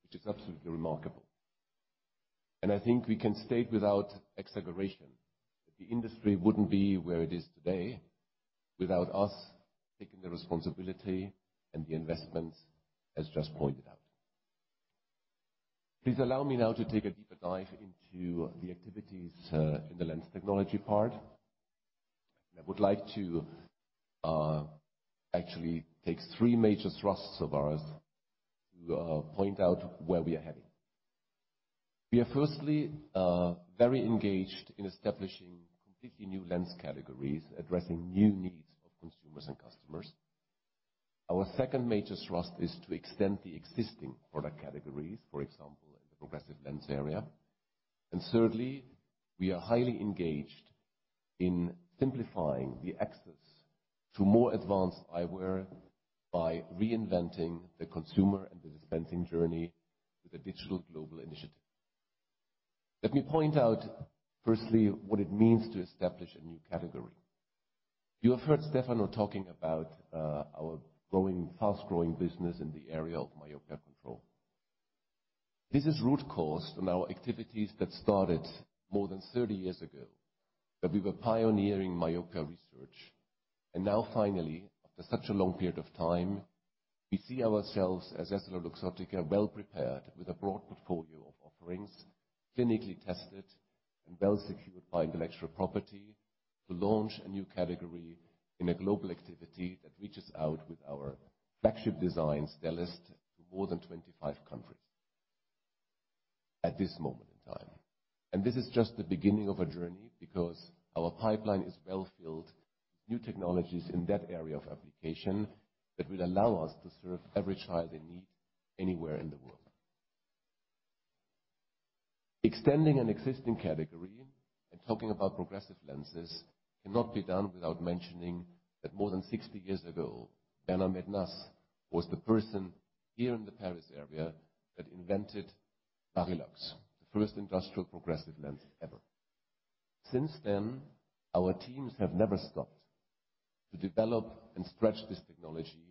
which is absolutely remarkable. I think we can state without exaggeration, the industry wouldn't be where it is today without us taking the responsibility and the investments as just pointed out. Please allow me now to take a deeper dive into the activities in the lens technology part. I would like to actually take three major thrusts of ours to point out where we are heading. We are firstly very engaged in establishing completely new lens categories, addressing new needs of consumers and customers. Our second major thrust is to extend the existing product categories, for example, in the progressive lens area. Thirdly, we are highly engaged in simplifying the access to more advanced eyewear by reinventing the consumer and the dispensing journey with a digital global initiative. Let me point out firstly what it means to establish a new category. You have heard Stefano talking about our fast-growing business in the area of myopia control. This is root-caused on our activities that started more than 30 years ago, that we were pioneering myopia research. Now finally, after such a long period of time, we see ourselves as EssilorLuxottica, well-prepared with a broad portfolio of offerings, clinically tested and well-secured by intellectual property to launch a new category in a global activity that reaches out with our flagship design, Stellest, to more than 25 countries at this moment in time. This is just the beginning of a journey because our pipeline is well-filled with new technologies in that area of application that will allow us to serve every child in need anywhere in the world. Extending an existing category and talking about progressive lenses cannot be done without mentioning that more than 60 years ago, Bernard Maitenaz was the person here in the Paris area that invented Varilux, the first industrial progressive lens ever. Since then, our teams have never stopped to develop and stretch this technology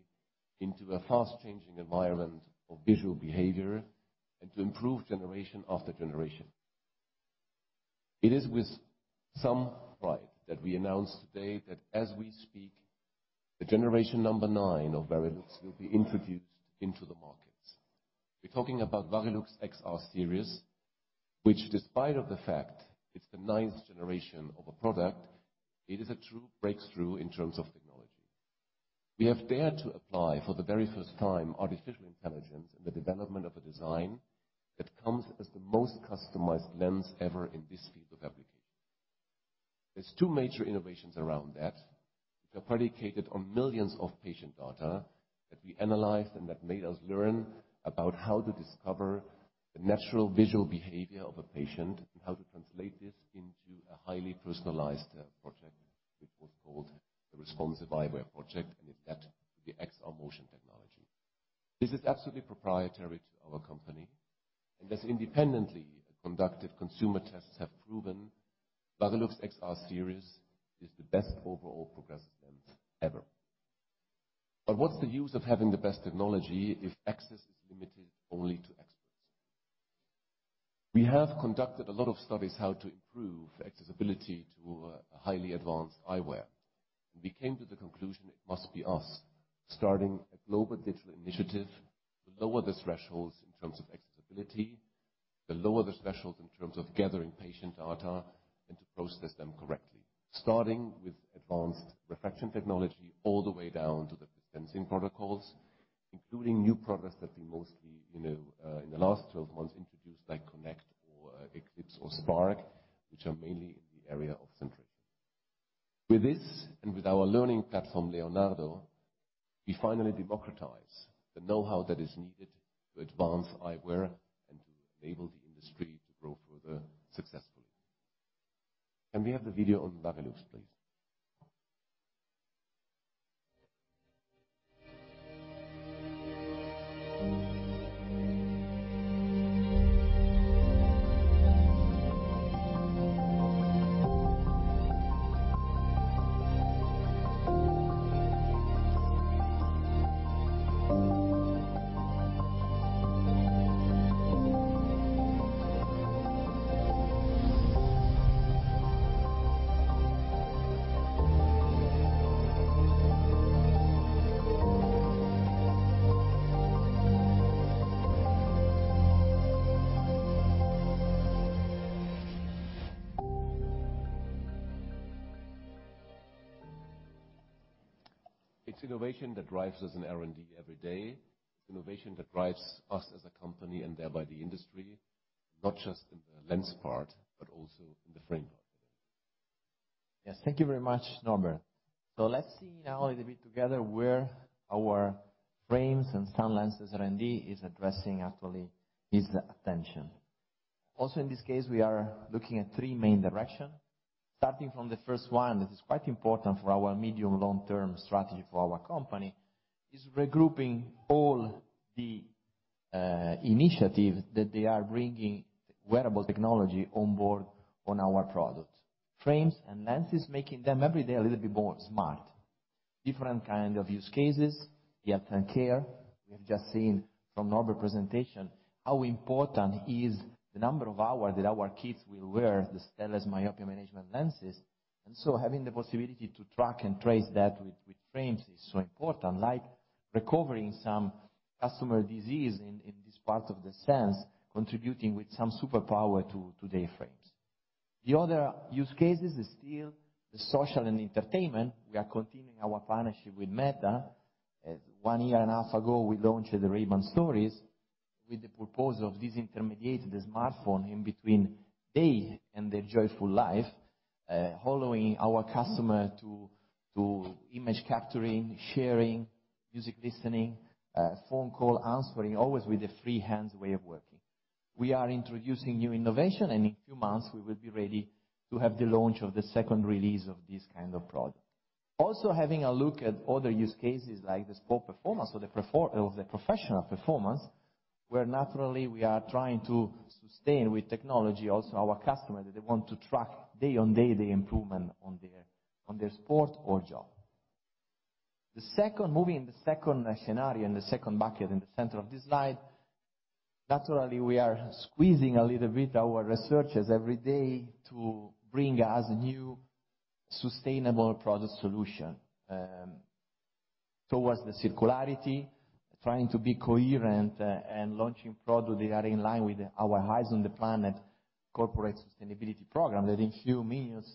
into a fast-changing environment of visual behavior and to improve generation after generation. It is with some pride that we announce today that as we speak, the generation number nine of Varilux will be introduced into the markets. We're talking about Varilux XR Series, which despite of the fact it's the ninth generation of a product, it is a true breakthrough in terms of technology. We have dared to apply for the very first time, artificial intelligence in the development of a design that comes as the most customized lens ever in this field of application. There's two major innovations around that, which are predicated on millions of patient data that we analyzed and that made us learn about how to discover the natural visual behavior of a patient and how to translate this into a highly personalized project, which was called the Responsive Eyewear Project, and is that the XR motion technology. This is absolutely proprietary to our company, and as independently conducted consumer tests have proven, Varilux XR Series is the best overall progressive lens ever. What's the use of having the best technology if access is limited only to experts? We have conducted a lot of studies how to improve accessibility to a highly advanced eyewear. We came to the conclusion it must be us, starting a global digital initiative to lower the thresholds in terms of accessibility, to lower the thresholds in terms of gathering patient data, and to process them correctly. Starting with advanced refraction technology all the way down to the dispensing protocols, including new products that we mostly, you know, in the last 12 months introduced, like Connect or Eclipse or Spark, which are mainly in the area of centration. With this and with our learning platform, Leonardo, we finally democratize the know-how that is needed to advance eyewear and to enable the industry to grow further successfully. Can we have the video on Varilux, please? It's innovation that drives us in R&D every day, innovation that drives us as a company and thereby the industry, not just in the lens part, but also in the frame part. Yes. Thank you very much, Norbert. Let's see now a little bit together where our frames and sun lenses R&D is addressing actually is the attention. Also, in this case, we are looking at three main direction. Starting from the first one, that is quite important for our medium long-term strategy for our company, is regrouping all the initiative that they are bringing wearable technology on board on our product. Frames and lenses, making them every day a little bit more smart. Different kind of use cases, the attend care. We have just seen from Norbert presentation how important is the number of hours that our kids will wear the Stellest myopia management lenses. Having the possibility to track and trace that with frames is so important, like recovering some customer disease in this part of the sense, contributing with some superpower to their frames. The other use cases is still the social and entertainment. We are continuing our partnership with Meta. One year and a half ago, we launched the Ray-Ban Stories with the purpose of disintermediate the smartphone in between they and their joyful life, allowing our customer to image capturing, sharing, music listening, phone call answering, always with the free hands way of working. We are introducing new innovation, and in few months we will be ready to have the launch of the second release of this kind of product. Having a look at other use cases like the sport performance or the professional performance, where naturally we are trying to sustain with technology also our customer that they want to track day on day the improvement on their sport or job. The second, moving in the second scenario, in the second bucket in the center of this slide, naturally, we are squeezing a little bit our researchers every day to bring us new sustainable product solution towards the circularity, trying to be coherent and launching product that are in line with our Eyes on the Planet corporate sustainability program that in a few minutes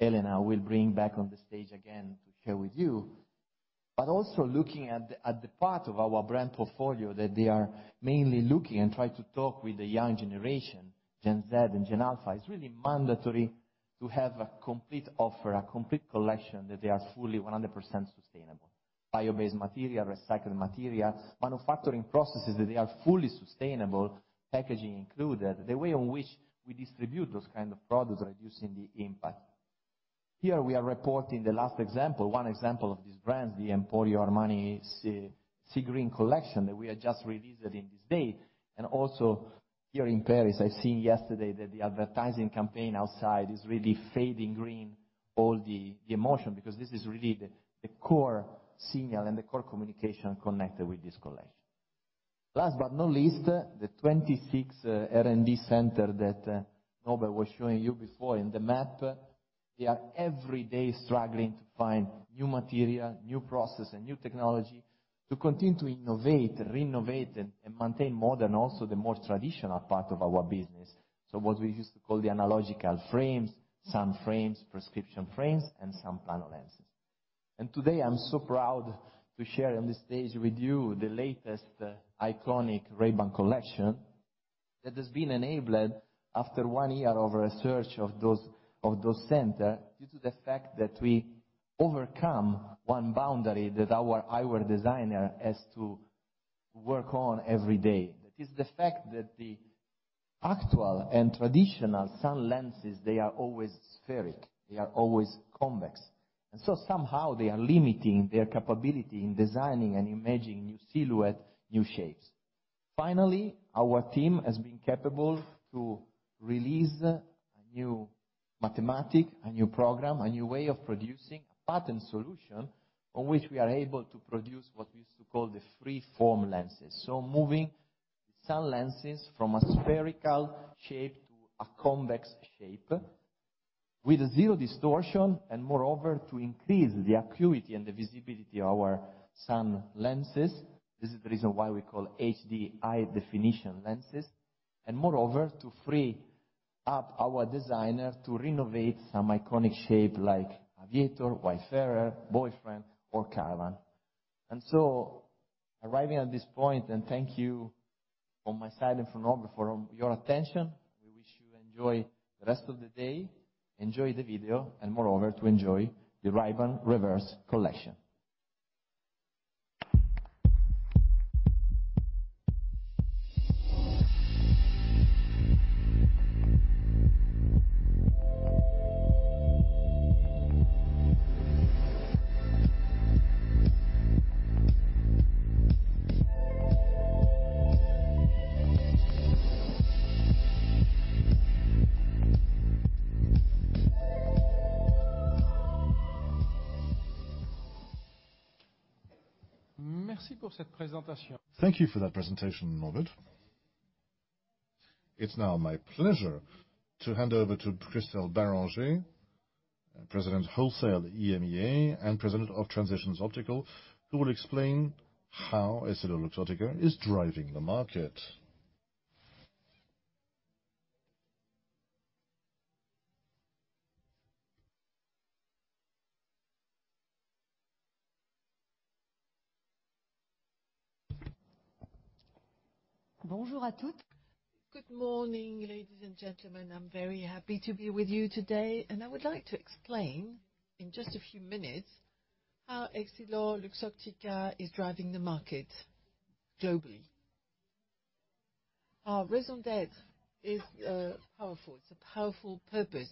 Elena will bring back on the stage again to share with you. Also looking at the part of our brand portfolio that they are mainly looking and try to talk with the young generation, Gen Z and Gen Alpha. It's really mandatory to have a complete offer, a complete collection that they are fully 100% sustainable. Bio-based material, recycled material, manufacturing processes that they are fully sustainable, packaging included. The way in which we distribute those kind of products, reducing the impact. Here we are reporting the last example, one example of these brands, the Emporio Armani Sea Green Collection that we have just released it in this date. Also here in Paris, I've seen yesterday that the advertising campaign outside is really fading green, all the emotion, because this is really the core signal and the core communication connected with this collection. Last but not least, the 26 R&D center that Norbert was showing you before in the map. They are every day struggling to find new material, new process and new technology to continue to innovate, renovate and maintain modern, also the more traditional part of our business. What we used to call the analogical frames, sun frames, prescription frames, and sun plano lenses. Today, I'm so proud to share on this stage with you the latest iconic Ray-Ban collection that has been enabled after one year of research of those center, due to the fact that we overcome one boundary that our eyewear designer has to work on every day. That is the fact that the actual and traditional sun lenses, they are always spheric, they are always convex. Somehow they are limiting their capability in designing and imagining new silhouette, new shapes. Finally, our team has been capable to release a new mathematic, a new program, a new way of producing a pattern solution on which we are able to produce what we used to call the free-form lenses. Moving some lenses from a spherical shape to a convex shape with zero distortion, and moreover, to increase the acuity and the visibility of our sun lenses. This is the reason why we call HD high definition lenses. Moreover, to free up our designer to renovate some iconic shape like Aviator, Wayfarer, Boyfriend, or Caravan. Arriving at this point, thank you on my side and for now for your attention. We wish you enjoy the rest of the day, enjoy the video, and moreover to enjoy the Ray-Ban Reverse Collection. Thank you for that presentation, Norbert. It's now my pleasure to hand over to Chrystel Barranger, President Wholesale EMEA and President of Transitions Optical, who will explain how EssilorLuxottica is driving the market. Good morning, ladies and gentlemen. I'm very happy to be with you today. I would like to explain in just a few minutes how EssilorLuxottica is driving the market globally. Our raison d'être is powerful. It's a powerful purpose,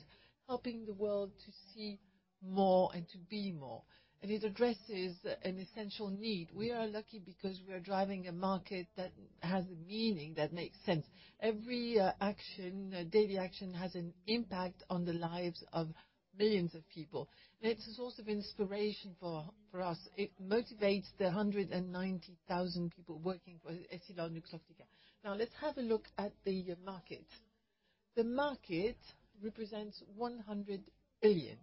helping the world to see more and to be more. It addresses an essential need. We are lucky because we are driving a market that has a meaning that makes sense. Every action, daily action has an impact on the lives of millions of people. That's a source of inspiration for us. It motivates the 190,000 people working for EssilorLuxottica. Now, let's have a look at the market. The market represents 100 billion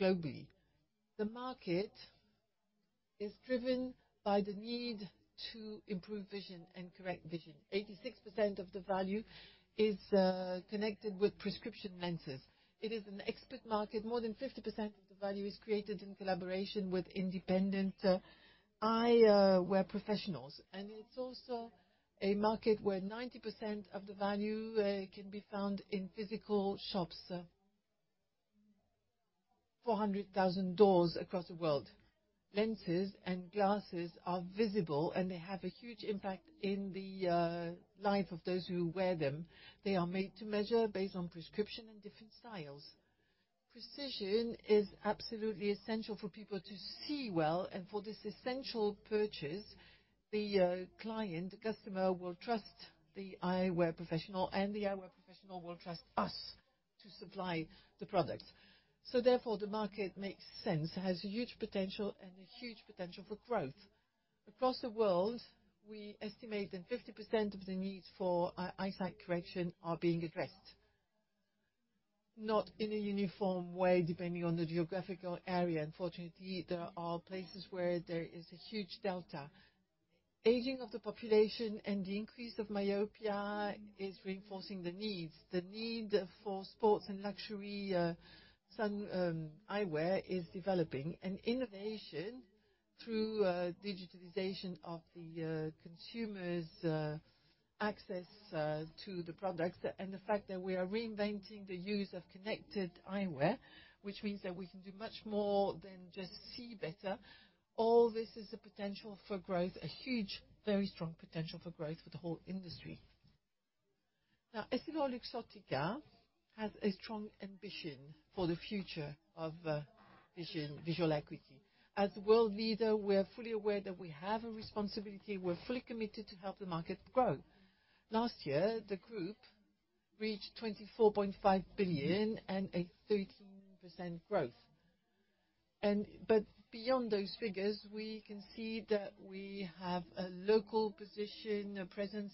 globally. The market is driven by the need to improve vision and correct vision. 86% of the value is connected with prescription lenses. It is an expert market. More than 50% of the value is created in collaboration with independent eyewear professionals, it's also a market where 90% of the value can be found in physical shops. 400,000 doors across the world. Lenses and glasses are visible, they have a huge impact in the life of those who wear them. They are made to measure based on prescription and different styles. Precision is absolutely essential for people to see well for this essential purchase, the client, the customer, will trust the eyewear professional, the eyewear professional will trust us to supply the products. Therefore, the market makes sense. It has huge potential and a huge potential for growth. Across the world, we estimate that 50% of the needs for e-eyesight correction are being addressed, not in a uniform way, depending on the geographical area. Unfortunately, there are places where there is a huge delta. Aging of the population and the increase of mypia is reinforcing the needs. The need for sports and luxury, sun, eyewear is developing. Innovation through digitalization of the consumer's access to the products and the fact that we are reinventing the use of connected eyewear, which means that we can do much more than just see better. All this is a potential for growth, a huge, very strong potential for growth for the whole industry. EssilorLuxottica has a strong ambition for the future of vision, visual equity. As world leader, we are fully aware that we have a responsibility. We're fully committed to help the market grow. Last year, the group reached 24.5 billion and a 13% growth. Beyond those figures, we can see that we have a local position, a presence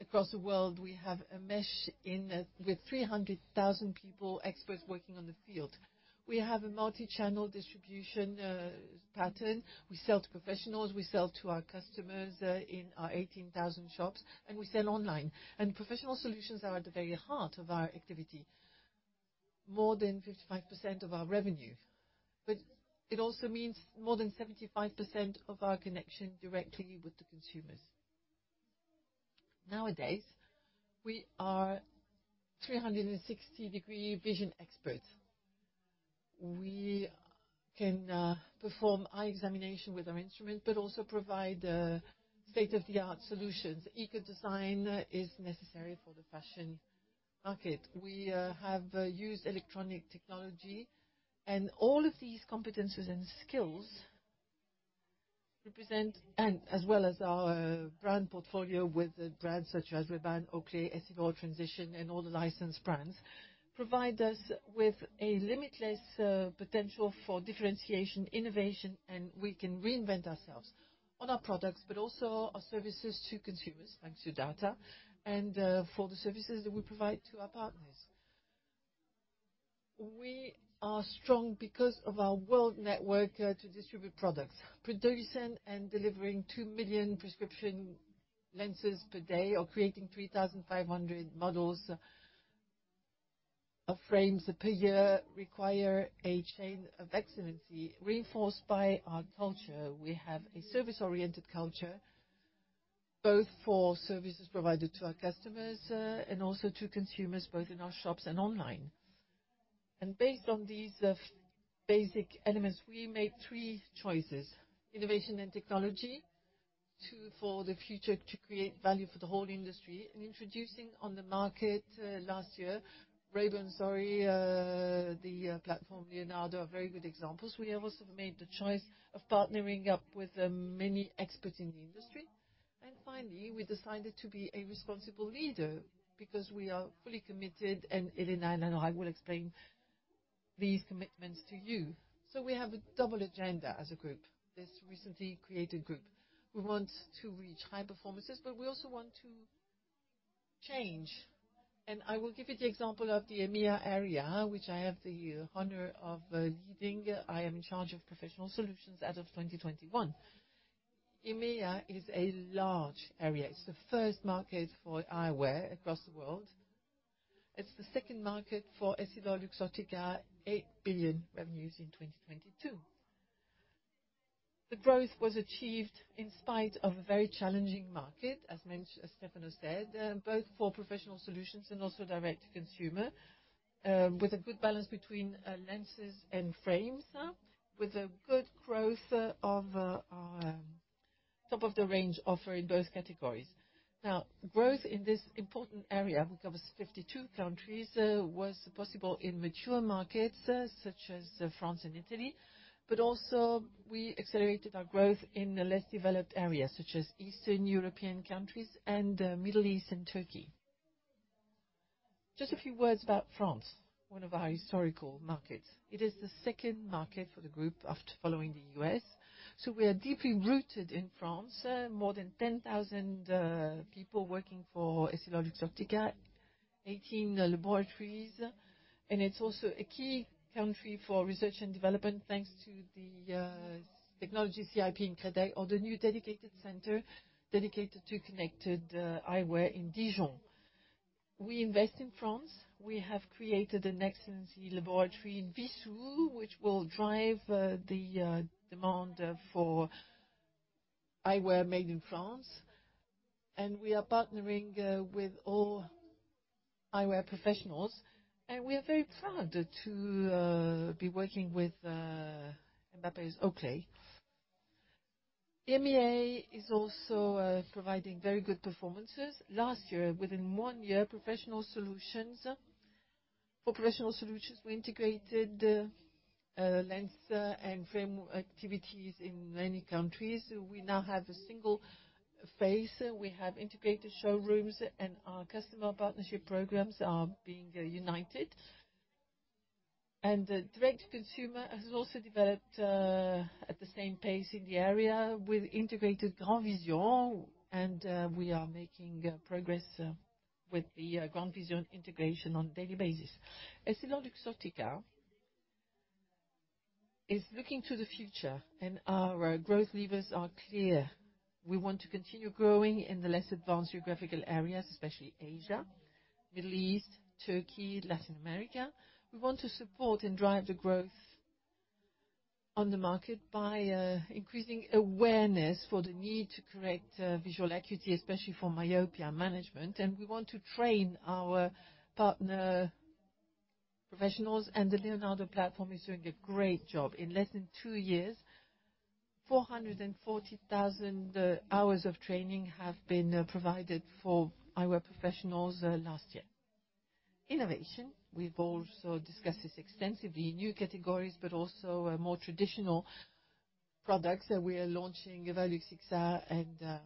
across the world. We have a mesh in with 300,000 people, experts working on the field. We have a multi-channel distribution pattern. We sell to professionals, we sell to our customers in our 18,000 shops, and we sell online. Professional solutions are at the very heart of our activity, more than 55% of our revenue. It also means more than 75% of our connection directly with the consumers. Nowadays, we are 360-degree vision experts. We can perform eye examination with our instrument, but also provide state-of-the-art solutions. Eco design is necessary for the fashion market. We have used electronic technology and all of these competencies and skills represent. As well as our brand portfolio with the brands such as Ray-Ban, Oakley, Essilor, Transitions, and all the licensed brands, provide us with a limitless potential for differentiation, innovation, and we can reinvent ourselves on our products, but also our services to consumers, thanks to data, and for the services that we provide to our partners. We are strong because of our world network to distribute products. Producing and delivering 2 million prescription lenses per day, or creating 3,500 models of frames per year require a chain of excellence reinforced by our culture. We have a service-oriented culture, both for services provided to our customers and also to consumers, both in our shops and online. Based on these basic elements, we made three choices: innovation and technology, two, for the future to create value for the whole industry, and introducing on the market last year, Ray-Ban Stories, the platform Leonardo, are very good examples. We have also made the choice of partnering up with many experts in the industry. Finally, we decided to be a responsible leader because we are fully committed, and Helena and I will explain these commitments to you. We have a double agenda as a group, this recently created group. We want to reach high performances, but we also want to change. I will give you the example of the EMEA area, which I have the honor of leading. I am in charge of Professional Solutions as of 2021. EMEA is a large area. It's the first market for eyewear across the world. It's the second market for EssilorLuxottica, 8 billion revenues in 2022. The growth was achieved in spite of a very challenging market, as Stefano said, both for Professional Solutions and also Direct to Consumer, with a good balance between lenses and frames, with a good growth of our top-of-the-range offer in both categories. Growth in this important area, which covers 52 countries, was possible in mature markets, such as France and Italy, but also we accelerated our growth in the less developed areas, such as Eastern European countries and Middle East and Turkey. Just a few words about France, one of our historical markets. It is the second market for the group after following the U.S.. We are deeply rooted in France. More than 10,000 people working for EssilorLuxottica, 18 laboratories. It's also a key country for research and development, thanks to the technology CIP in Créteil or the new dedicated center dedicated to connected eyewear in Dijon. We invest in France. We have created an excellency laboratory in Wissous, which will drive the demand for eyewear made in France. We are partnering with all eyewear professionals, and we are very proud to be working with Mbappé's Oakley. EMEA is also providing very good performances. Last year, within one year, for Professional Solutions, we integrated lens and frame activities in many countries. We now have a single face. We have integrated showrooms, and our customer partnership programs are being united. Direct to Consumer has also developed at the same pace in the area with integrated GrandVision, we are making progress with the GrandVision integration on daily basis. EssilorLuxottica is looking to the future, our growth levers are clear. We want to continue growing in the less advanced geographical areas, especially Asia, Middle East, Turkey, Latin America. We want to support and drive the growth on the market by increasing awareness for the need to correct visual acuity, especially for myopia management. We want to train our partner professionals, the Leonardo platform is doing a great job. In less than two years, 440,000 hours of training have been provided for eyewear professionals last year. Innovation, we've also discussed this extensively, new categories, but also more traditional products. We are launching Varilux XR series and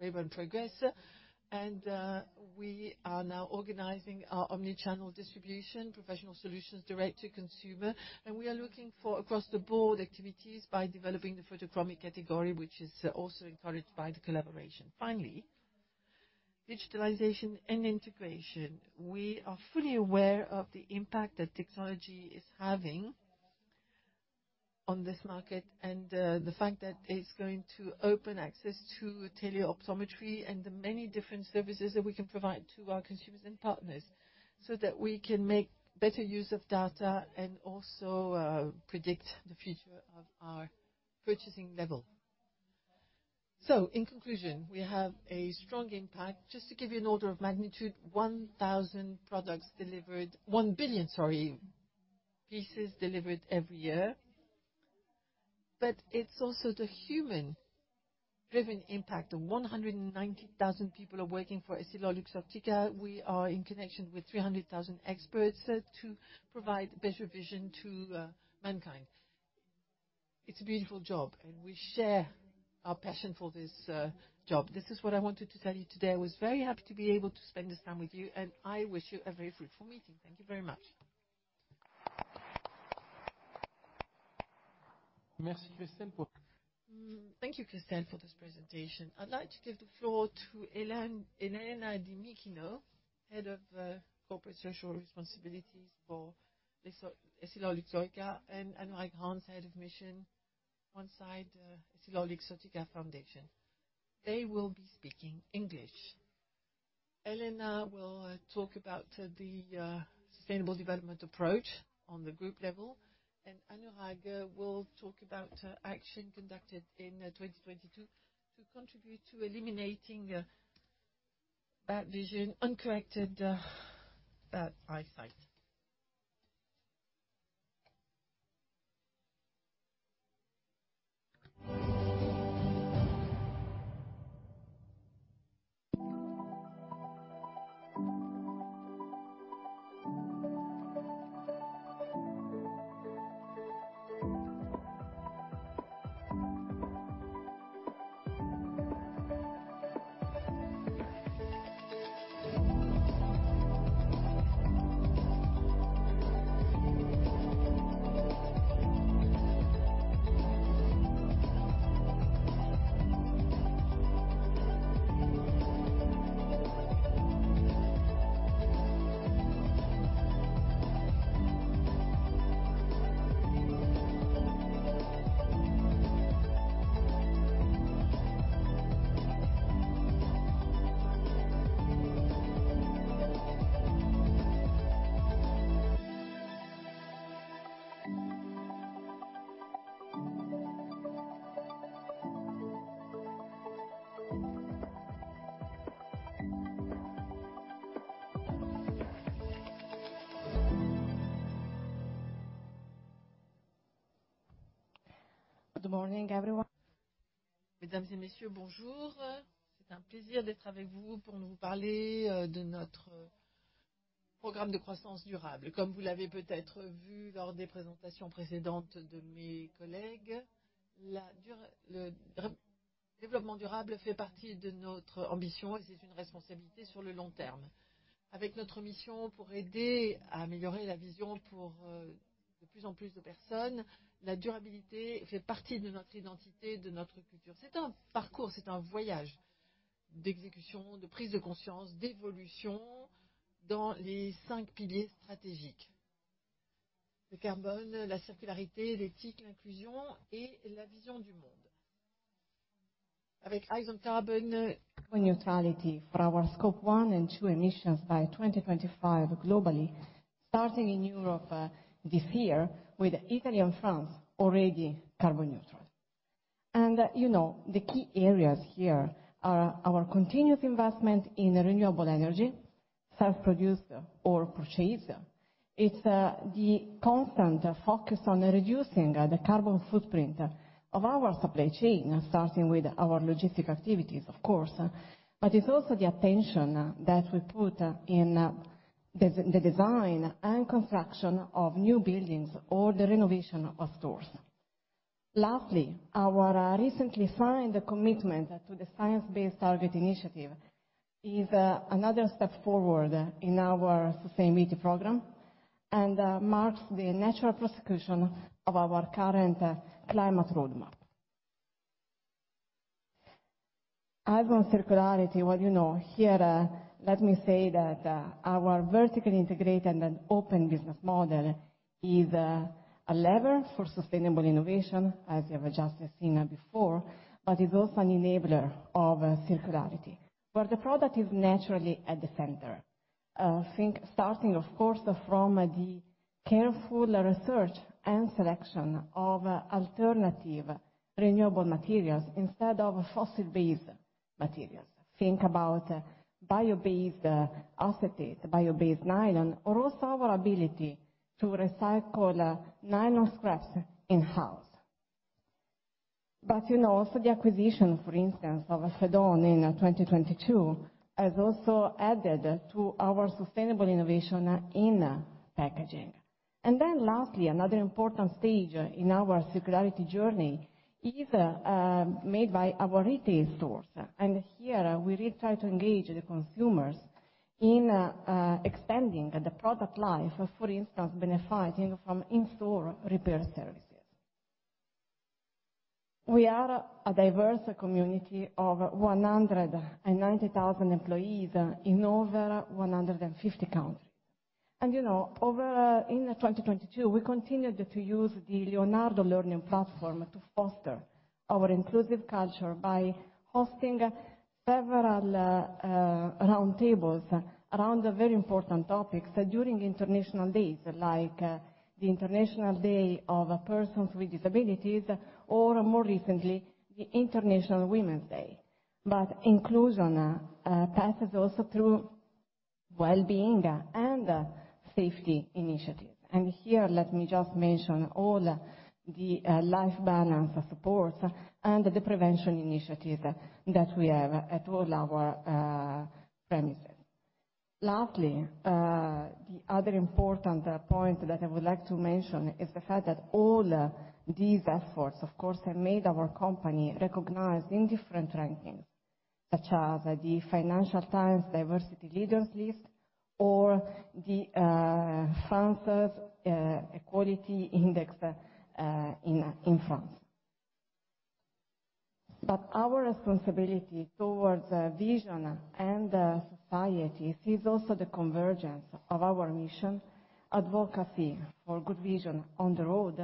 Ray-Ban Authentic. We are now organizing our omni-channel distribution, Professional Solutions Direct to Consumer. We are looking for across-the-board activities by developing the photochromic category, which is also encouraged by the collaboration. Finally, digitalization and integration. We are fully aware of the impact that technology is having on this market and the fact that it's going to open access to teleoptometry and the many different services that we can provide to our consumers and partners so that we can make better use of data and also predict the future of our purchasing level. In conclusion, we have a strong impact. Just to give you an order of magnitude, 1 billion, sorry, pieces delivered every year. It's also the humanDriven impact of 190,000 people are working for EssilorLuxottica. We are in connection with 300,000 experts to provide better vision to mankind. It's a beautiful job, and we share our passion for this job. This is what I wanted to tell you today. I was very happy to be able to spend this time with you, and I wish you a very fruitful meeting. Thank you very much. Merci, Chrystel. Thank you, Christine, for this presentation. I'd like to give the floor to Elena Dimichino, Head of Corporate Social Responsibilities for EssilorLuxottica, and Anurag Hans, Head of Mission, OneSight EssilorLuxottica Foundation. They will be speaking English. Elena will talk about the sustainable development approach on the group level. Anurag Hans will talk about action conducted in 2022 to contribute to eliminating bad vision, uncorrected bad eyesight. Good morning, everyone. Mesdames et Messieurs, bonjour. C'est un plaisir d'être avec vous pour vous parler, de notre programme de croissance durable. Comme vous l'avez peut-être vu lors des présentations précédentes de mes collègues, le développement durable fait partie de notre ambition, et c'est une responsabilité sur le long terme. Avec notre mission pour aider à améliorer la vision pour, de plus en plus de personnes, la durabilité fait partie de notre identité, de notre culture. C'est un parcours, c'est un voyage d'exécution, de prise de conscience, d'évolution dans les cinq piliers stratégiques: le carbone, la circularité, l'éthique, l'inclusion et la vision du monde. Avec Eyes on Carbon Neutrality for our scope one and two emissions by 2025 globally, starting in Europe, this year with Italy and France already carbon neutral. You know, the key areas here are our continuous investment in renewable energy, self-produced or purchased. It's the constant focus on reducing the carbon footprint of our supply chain, starting with our logistic activities, of course. It's also the attention that we put in the design and construction of new buildings or the renovation of stores. Lastly, our recently signed commitment to the Science Based Targets initiative is another step forward in our sustainability program and marks the natural prosecution of our current climate roadmap. Eyes on circularity. You know, here, let me say that our vertically integrated and open business model is a lever for sustainable innovation, as you have just seen before, but is also an enabler of circularity. The product is naturally at the center. Think starting, of course, from the careful research and selection of alternative renewable materials instead of fossil-based materials. Think about bio-based acetate, bio-based nylon, or also our ability to recycle nylon scraps in-house. You know, also the acquisition, for instance, of Fedon in 2022 has also added to our sustainable innovation in packaging. Lastly, another important stage in our circularity journey is made by our retail stores. Here we really try to engage the consumers in expanding the product life, for instance, benefiting from in-store repair services. We are a diverse community of 190,000 employees in over 150 countries. You know, over in 2022, we continued to use the Leonardo learning platform to foster our inclusive culture by hosting several roundtables around very important topics during international days, like the International Day of Persons with Disabilities or more recently, the International Women's Day. Inclusion passes also through well-being and safety initiatives. Here, let me just mention all the life balance support and the prevention initiative that we have at all our premises. Lastly, the other important point that I would like to mention is the fact that all these efforts, of course, have made our company recognized in different rankings, such as the Financial Times Diversity Leaders list or the France's Equality Index in France. Our responsibility towards vision and society sees also the convergence of our mission, advocacy for good vision on the road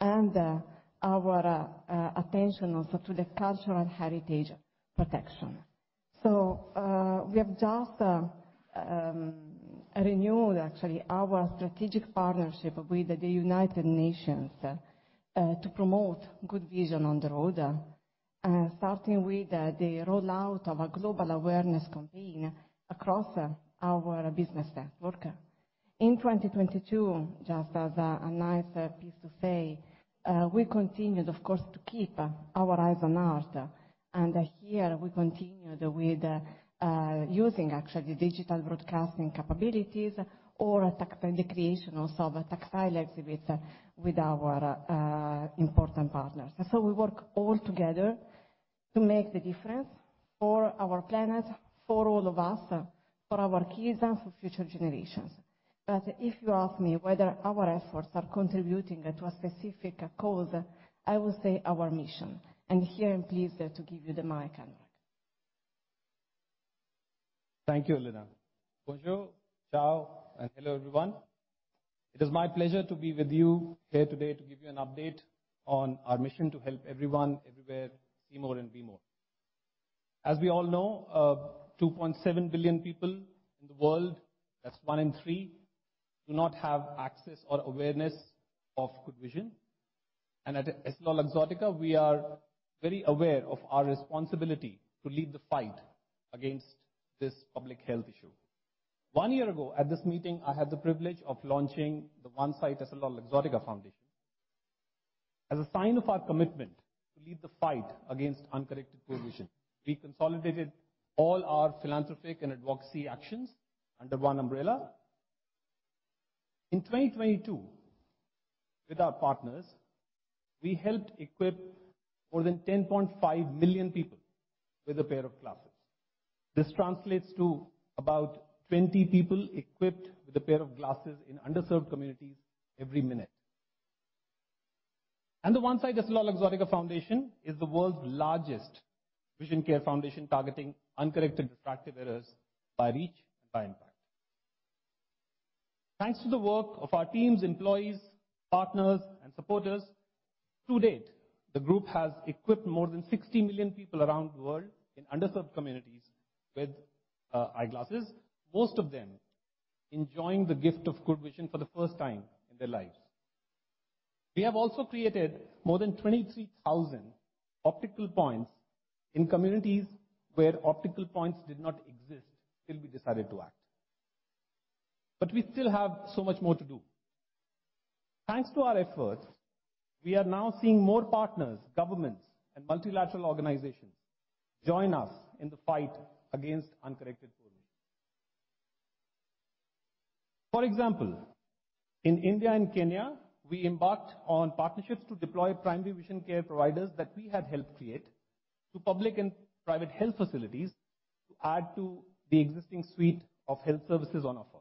and our attention also to the cultural heritage protection. We have just renewed actually our strategic partnership with the United Nations to promote good vision on the road, starting with the rollout of a global awareness campaign across our business network. In 2022, just as a nice piece to say, we continued, of course, to keep our eyes on art. Here we continued with using actually digital broadcasting capabilities or the creation also of a textile exhibit with our important partners. We work all together to make the difference for our planet, for all of us, for our kids, and for future generations. If you ask me whether our efforts are contributing to a specific cause, I will say our mission. Here I'm pleased to give you the mic, Anurag. Thank you, Elena. Bonjour, ciao, hello, everyone. It is my pleasure to be with you here today to give you an update on our mission to help everyone everywhere see more and be more. As we all know, 2.7 billion people in the world, that's one in three, do not have access or awareness of good vision. At EssilorLuxottica, we are very aware of our responsibility to lead the fight against this public health issue. one year ago, at this meeting, I had the privilege of launching the OneSight EssilorLuxottica Foundation. As a sign of our commitment to lead the fight against uncorrected poor vision, we consolidated all our philanthropic and advocacy actions under one umbrella. In 2022, with our partners, we helped equip more than 10.5 million people with a pair of glasses. This translates to about 20 people equipped with a pair of glasses in underserved communities every minute. The OneSight EssilorLuxottica Foundation is the world's largest vision care foundation targeting uncorrected refractive errors by reach and by impact. Thanks to the work of our teams, employees, partners, and supporters, to date, the group has equipped more than 60 million people around the world in underserved communities with eyeglasses, most of them enjoying the gift of good vision for the first time in their lives. We have also created more than 23,000 optical points in communities where optical points did not exist 'til we decided to act. We still have so much more to do. Thanks to our efforts, we are now seeing more partners, governments, and multilateral organizations join us in the fight against uncorrected poor vision. For example, in India and Kenya, we embarked on partnerships to deploy primary vision care providers that we had helped create to public and private health facilities to add to the existing suite of health services on offer.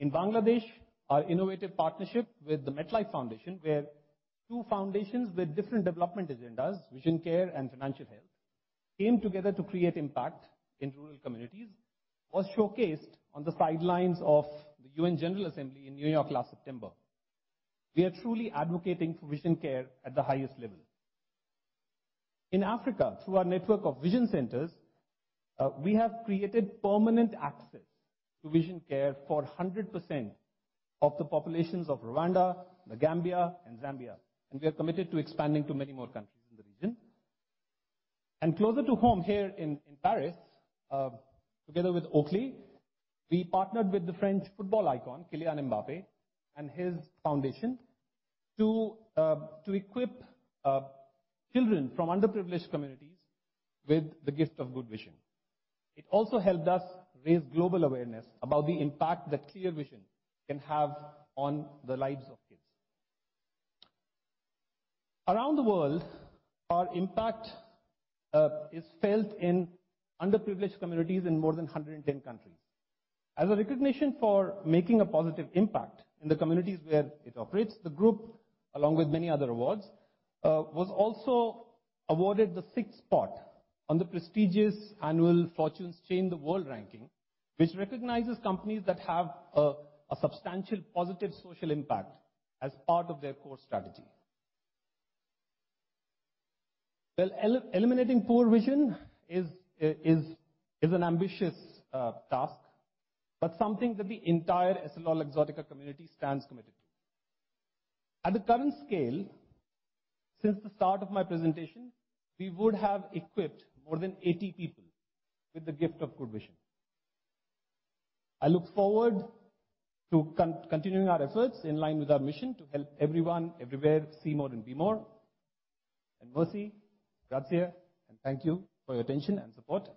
In Bangladesh, our innovative partnership with the MetLife Foundation, where two foundations with different development agendas, vision care and financial health, came together to create impact in rural communities, was showcased on the sidelines of the UN General Assembly in New York last September. We are truly advocating for vision care at the highest level. In Africa, through our network of vision centers, we have created permanent access to vision care for 100% of the populations of Rwanda, The Gambia, and Zambia, and we are committed to expanding to many more countries in the region. Closer th home here in Paris, together with Oakley, we partnered with the French football icon, Kylian Mbappé, and his foundation to equip children from underprivileged communities with the gift of good vision. It also helped us raise global awareness about the impact that clear vision can have on the lives of kids. Around the world, our impact is felt in underprivileged communities in more than 110 countries. As a recognition for making a positive impact in the communities where it operates, the group, along with many other awards, was also awarded the sixth spot on the prestigious annual Fortune's Change the World ranking, which recognizes companies that have a substantial positive social impact as part of their core strategy. Well, eliminating poor vision is an ambitious task, but something that the entire EssilorLuxottica community stands committed to. At the current scale, since the start of my presentation, we would have equipped more than 80 people with the gift of good vision. I look forward to continuing our efforts in line with our mission to help everyone everywhere see more and be more. Mercy, gracias, and thank you for your attention and support.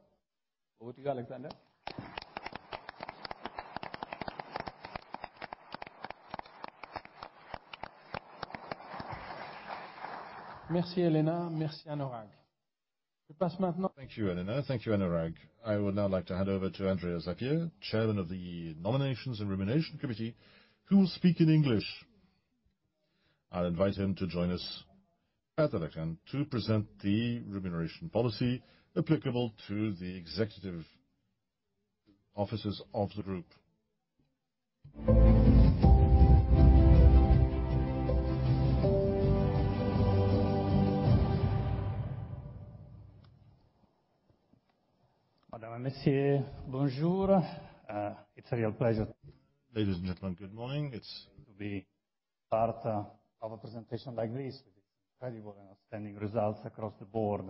Over to you, Alexander. Merci, Helena. Merci, Anurag. Thank you, Helena. Thank you, Anurag. I would now like to hand over to Andrea Zappia, Chairman of the Nominations and Remuneration Committee, who will speak in English. I'll invite him to join us at the lectern to present the remuneration policy applicable to the executive offices of the group. It's a real pleasure. Ladies and gentlemen, good morning. It's to be part of a presentation like this with these incredible and outstanding results across the board.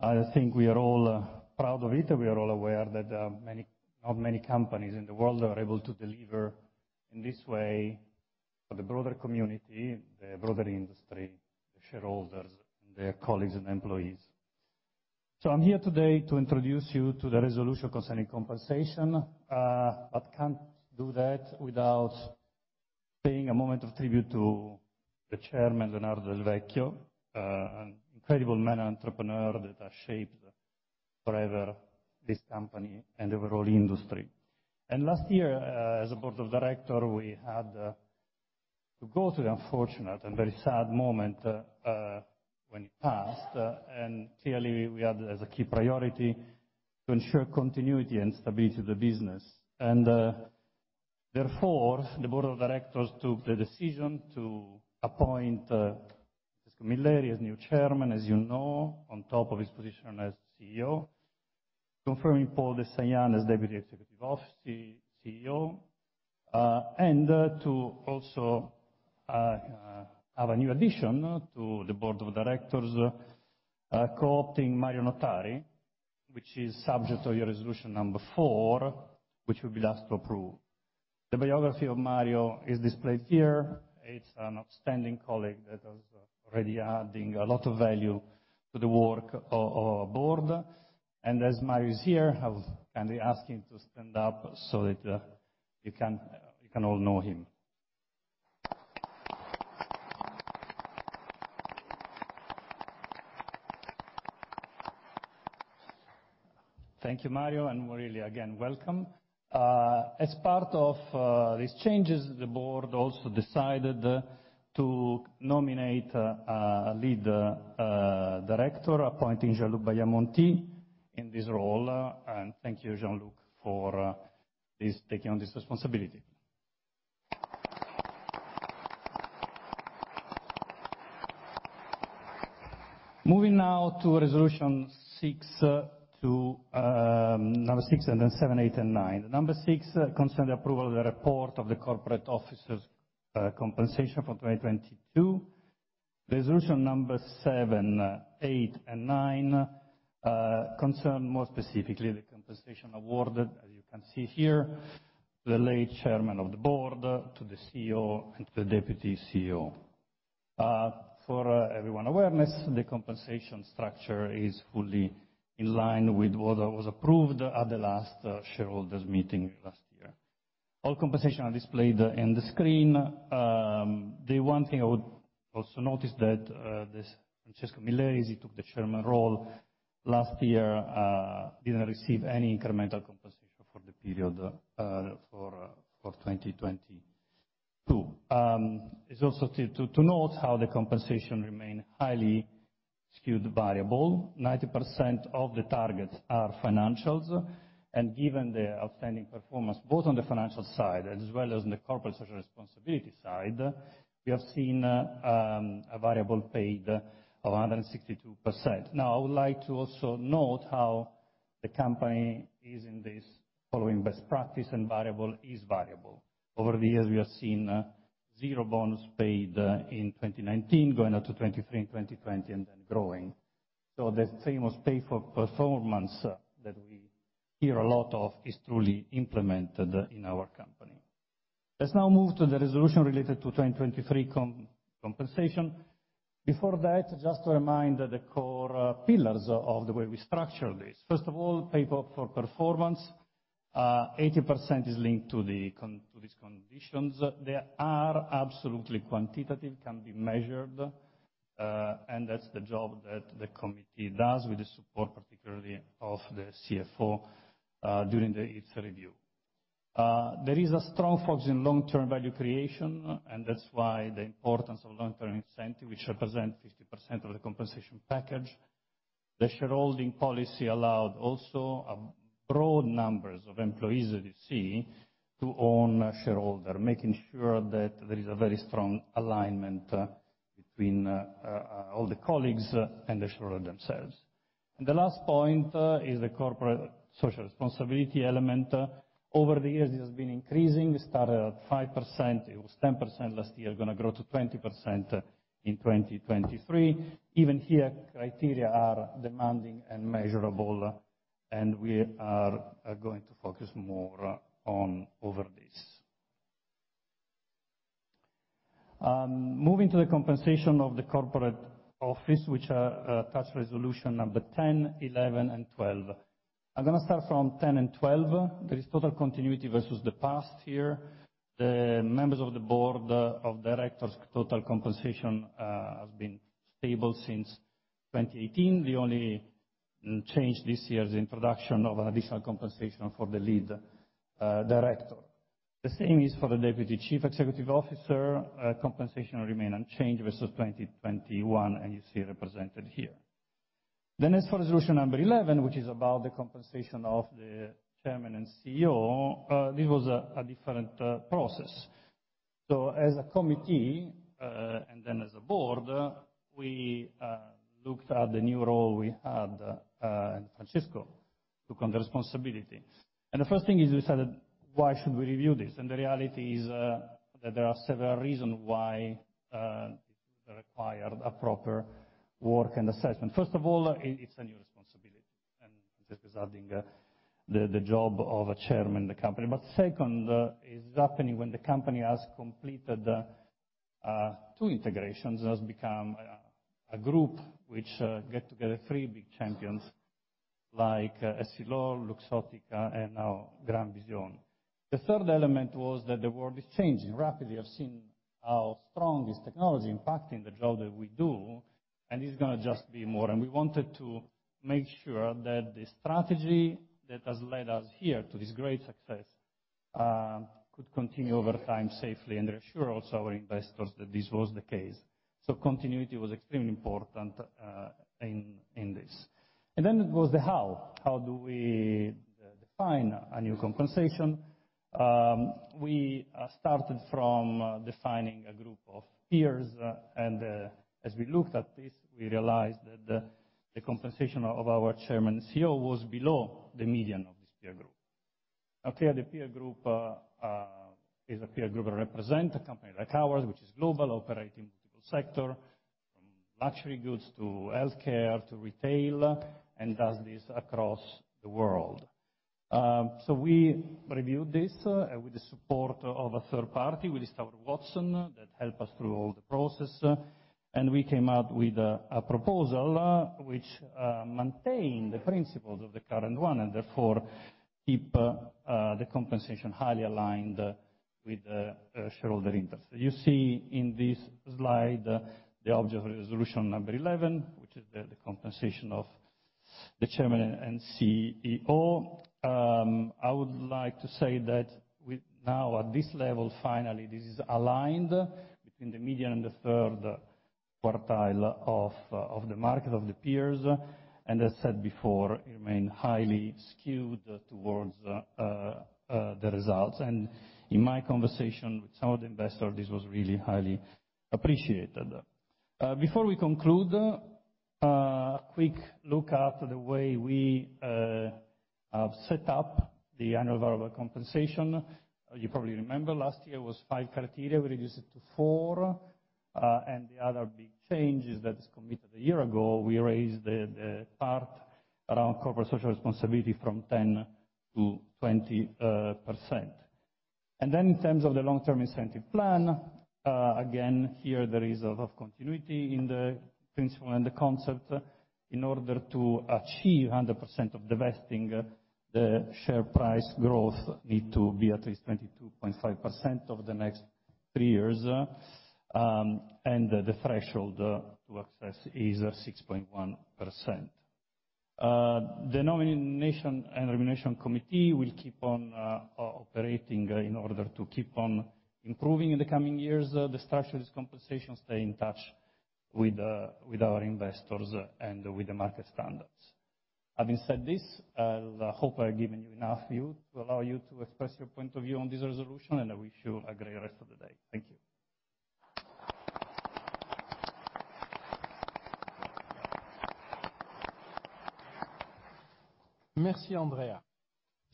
I think we are all proud of it. We are all aware that not many companies in the world are able to deliver in this way for the broader community, the broader industry, the shareholders, and their colleagues and employees. I'm here today to introduce you to the resolution concerning compensation, but can't do that without paying a moment of tribute to the chairman, Leonardo Del Vecchio, an incredible man, entrepreneur that has shaped forever this company and the overall industry. Last year, as a board of director, we had to go through the unfortunate and very sad moment when he passed. Clearly, we had as a key priority to ensure continuity and stability of the business. Therefore, the board of directors took the decision to appoint Francesco Milleri as new chairman, as you know, on top of his position as CEO, confirming Paul du Saillant as Deputy Executive CEO, and to also have a new addition to the board of directors, co-opting Mario Notari, which is subject to your resolution number four, which will be last to approve. The biography of Mario is displayed here. He's an outstanding colleague that is already adding a lot of value to the work of our board. As Mario is here, I'll kindly ask him to stand up so that you can all know him. Thank you, Mario, and really again, welcome. As part of these changes, the board also decided to nominate a Lead Director, appointing Jean-Luc Biamonti in this role. Thank you, Jean-Luc, for taking on this responsibility. Moving now to Number 6 and then seven, eight and nine. Number six concern the approval of the report of the corporate officer's compensation for 2022. Resolution seven, eight and nine concern more specifically the compensation awarded, as you can see here, the late Chairman of the Board, to the CEO and to the Deputy CEO. For everyone awareness, the compensation structure is fully in line with what was approved at the last shareholders meeting last year. All compensation are displayed in the screen. The one thing I would also notice that this Francesco Milleri, as he took the chairman role last year, didn't receive any incremental compensation for the period for 2022. It's also to note how the compensation remain highly skewed variable. 90% of the targets are financials. Given the outstanding performance both on the financial side as well as in the corporate social responsibility side, we have seen a variable paid of 162%. Now, I would like to also note how the company is in this following best practice and variable is variable. Over the years, we have seen zero bonds paid in 2019 going up to 23 in 2020 and then growing. The famous pay for performance that we hear a lot of is truly implemented in our company. Let's now move to the resolution related to 2023 compensation. Before that, just to remind the core pillars of the way we structure this. First of all, pay for performance. 80% is linked to these conditions. They are absolutely quantitative, can be measured, and that's the job that the committee does with the support, particularly of the CFO, during its review. There is a strong focus in long-term value creation, and that's why the importance of long-term incentive, which represent 50% of the compensation package. The shareholding policy allowed also a broad numbers of employees that you see to own shareholder, making sure that there is a very strong alignment between all the colleagues and the shareholder themselves. The last point is the corporate social responsibility element. Over the years, it has been increasing. It started at 5%, it was 10% last year, gonna grow to 20% in 2023. Even here, criteria are demanding and measurable, and we are going to focus more on over this. Moving to the compensation of the corporate office, which are touch resolution number 10, 11, and 12. I'm gonna start from 10 and 12. There is total continuity versus the past year. The members of the board of directors' total compensation has been stable since 2018. The only change this year is the introduction of additional compensation for the lead director. The same is for the Deputy Chief Executive Officer. Compensation will remain unchanged versus 2021, and you see represented here. As for resolution number 11, which is about the compensation of the Chairman and CEO, this was a different process. As a committee, as a board, we looked at the new role we had, Francesco took on the responsibility. The first thing is we said, "Why should we review this?" The reality is that there are several reasons why it required a proper work and assessment. First of all, it's a new responsibility, and this is adding the job of a chairman of the company. Second is happening when the company has completed two integrations, has become a group which get together three big champions like Essilor, Luxottica, and now GrandVision. The third element was that the world is changing rapidly. I've seen how strong this technology impacting the job that we do, and it's gonna just be more. We wanted to make sure that the strategy that has led us here to this great success could continue over time safely and reassure also our investors that this was the case. Continuity was extremely important in this. Then it was the how do we define a new compensation? We started from defining a group of peers, and as we looked at this, we realized that the compensation of our Chairman and CEO was below the median of this peer group. Clearly, the peer group is a peer group that represent a company like ours, which is global, operating multiple sector, from luxury goods to healthcare to retail, and does this across the world. We reviewed this with the support of a third party with Stuart Watson that helped us through all the process, and we came up with a proposal which maintained the principles of the current one and therefore keep the compensation highly aligned with shareholder interest. You see in this slide the object of resolution number 11, which is the compensation of the chairman and CEO. I would like to say that with now at this level, finally, this is aligned between the median and the third quartile of the market, of the peers. As said before, it remain highly skewed towards the results. In my conversation with some of the investors, this was really highly appreciated. Before we conclude, quick look at the way we have set up the annual variable compensation. You probably remember last year was five criteria. We reduced it to four. The other big change is that is committed a year ago, we raised the part around corporate social responsibility from 10%-20%. In terms of the long-term incentive plan, again, here there is a lot of continuity in the principle and the concept. In order to achieve 100% of the vesting, the share price growth need to be at least 22.5% over the next three years. The threshold to access is 6.1%. The Nomination and Compensation Committee will keep on operating in order to keep on improving in the coming years, the structure of this compensation, stay in touch with our investors and with the market standards. Having said this, I hope I've given you enough view to allow you to express your point of view on this resolution. I wish you a great rest of the day. Thank you. Merci, Andrea.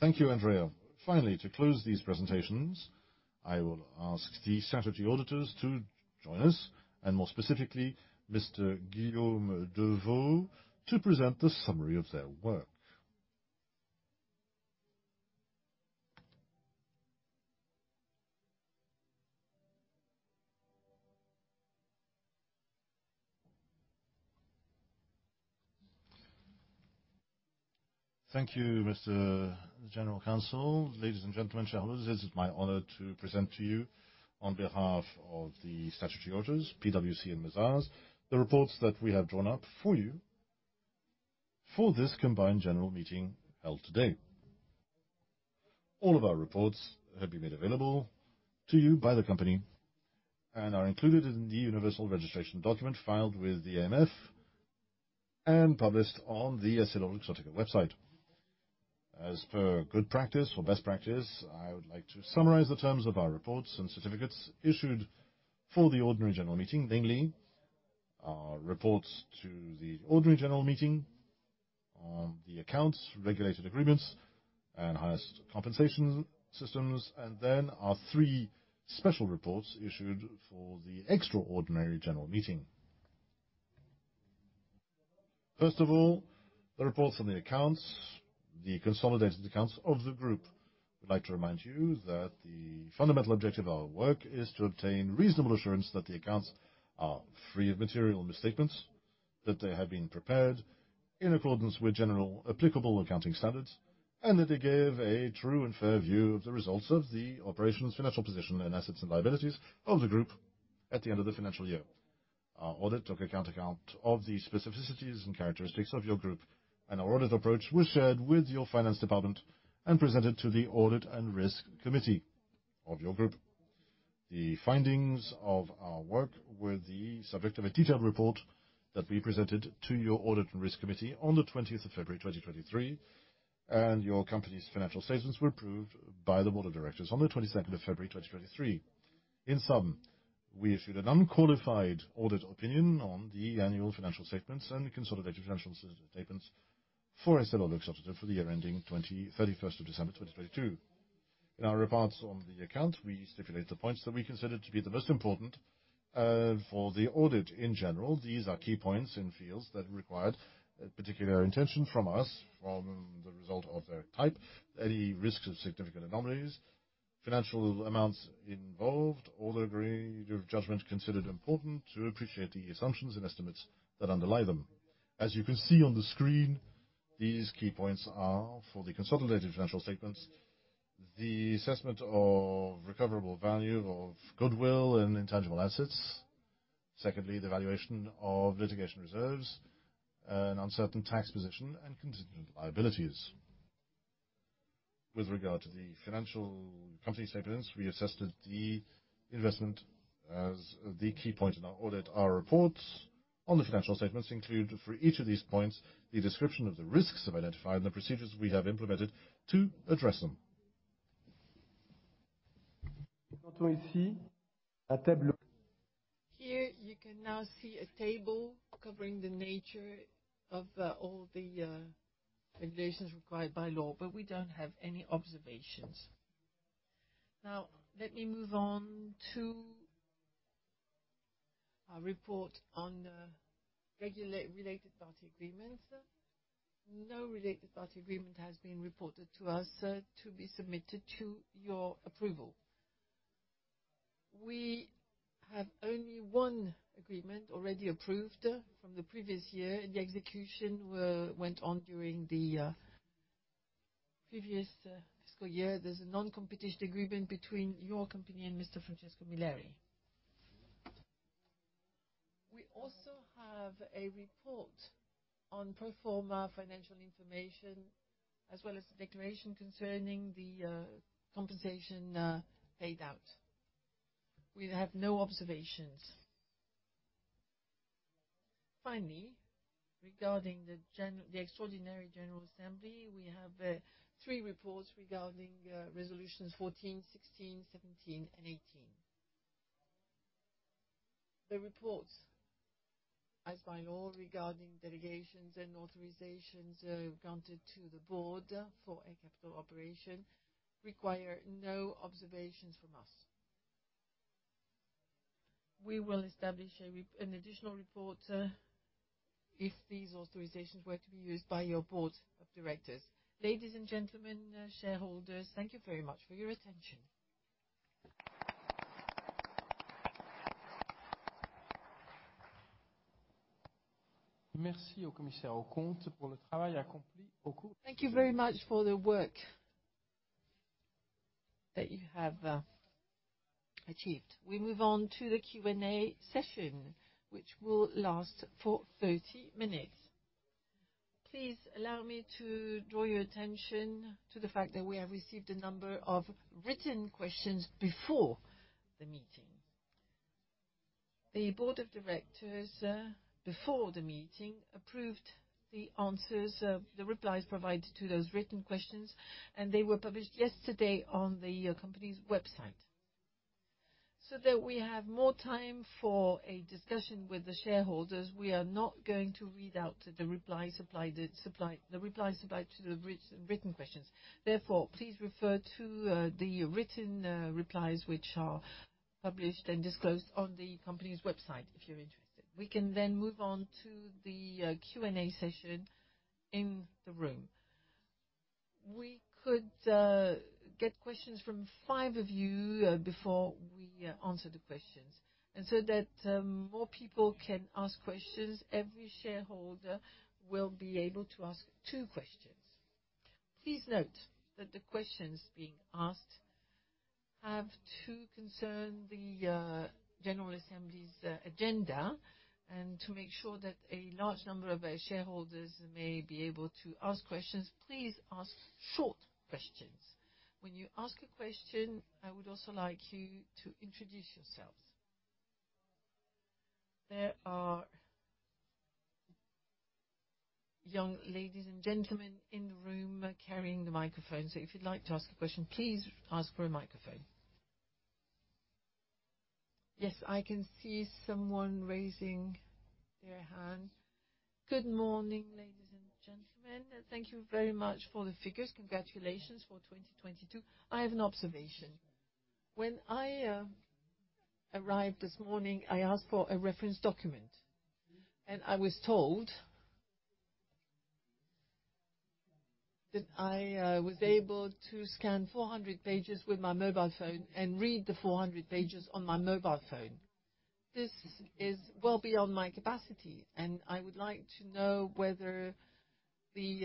Thank you, Andrea. Finally, to close these presentations, I will ask the statutory auditors to join us, and more specifically, Mr. Guillaume Devaux to present the summary of their work. Thank you, Mr. General Counsel. Ladies and gentlemen, shareholders, it is my honor to present to you on behalf of the statutory auditors, PwC and Mazars, the reports that we have drawn up for you for this combined general meeting held today. All of our reports have been made available to you by the company and are included in the universal registration document filed with the AMF. Published on the EssilorLuxottica S.A. website. As per good practice or best practice, I would like to summarize the terms of our reports and certificates issued for the ordinary general meeting. Namely, our reports to the ordinary general meeting on the accounts, regulated agreements and highest compensation systems, our three special reports issued for the extraordinary general meeting. First of all, the reports on the accounts, the consolidated accounts of the group. I'd like to remind you that the fundamental objective of our work is to obtain reasonable assurance that the accounts are free of material misstatements, that they have been prepared in accordance with general applicable accounting standards, and that they give a true and fair view of the results of the operation's financial position and assets and liabilities of the group at the end of the financial year. Our audit took account of the specificities and characteristics of your group. Our audit approach was shared with your finance department and presented to the Audit and Risk Committee of your group. The findings of our work were the subject of a detailed report that we presented to your Audit and Risk Committee on February 20, 2023. Your company's financial statements were approved by the board of directors on February 22, 2023. In sum, we issued an unqualified audit opinion on the annual financial statements and the consolidated financial statements for EssilorLuxottica S.A. for the year ending December 31, 2022. In our reports on the account, we stipulate the points that we consider to be the most important for the audit in general. These are key points in fields that required particular attention from us from the result of their type, any risks of significant anomalies, financial amounts involved, or degree of judgment considered important to appreciate the assumptions and estimates that underlie them. As you can see on the screen, these key points are for the consolidated financial statements, the assessment of recoverable value of goodwill and intangible assets. Secondly, the valuation of litigation reserves, an uncertain tax position and contingent liabilities. With regard to the financial company statements, we assessed the investment as the key point in our audit. Our reports on the financial statements include, for each of these points, a description of the risks we've identified and the procedures we have implemented to address them. Here you can now see a table covering the nature of all the regulations required by law. We don't have any observations. Let me move on to our report on related party agreements. No related party agreement has been reported to us to be submitted to your approval. We have only one agreement already approved from the previous year, and the execution went on during the previous fiscal year. There's a non-competition agreement between your company and Mr. Francesco Milleri. We also have a report on pro forma financial information, as well as the declaration concerning the compensation paid out. We have no observations. Regarding the extraordinary General Assembly, we have three reports regarding resolutions 14, 16, 17, and 18. The reports, as by law regarding delegations and authorizations granted to the board for a capital operation, require no observations from us. We will establish an additional report if these authorizations were to be used by your board of directors. Ladies and gentlemen, shareholders, thank you very much for your attention. Thank you very much for the work that you have achieved. We move on to the Q&A session, which will last for 30 minutes. Please allow me to draw your attention to the fact that we have received a number of written questions before the meeting. The board of directors, before the meeting approved the answers of the replies provided to those written questions, they were published yesterday on the company's website. That we have more time for a discussion with the shareholders, we are not going to read out the replies supplied to the written questions. Therefore, please refer to the written replies which are published and disclosed on the company's website if you're interested. We can move on to the Q&A session in the room. We could get questions from five of you before we answer the questions. So that more people can ask questions, every shareholder will be able to ask two questions. Please note that the questions being asked have to concern the general assembly's agenda. To make sure that a large number of our shareholders may be able to ask questions, please ask short questions. When you ask a question, I would also like you to introduce yourselves. There are young ladies and gentlemen in the room carrying the microphone. If you'd like to ask a question, please ask for a microphone. Yes, I can see someone raising their hand. Good morning, ladies and gentlemen, thank you very much for the figures. Congratulations for 2022. I have an observation. When I arrived this morning, I asked for a reference document, and I was told that I was able to scan 400 pages with my mobile phone and read the 400 pages on my mobile phone. This is well beyond my capacity, and I would like to know whether the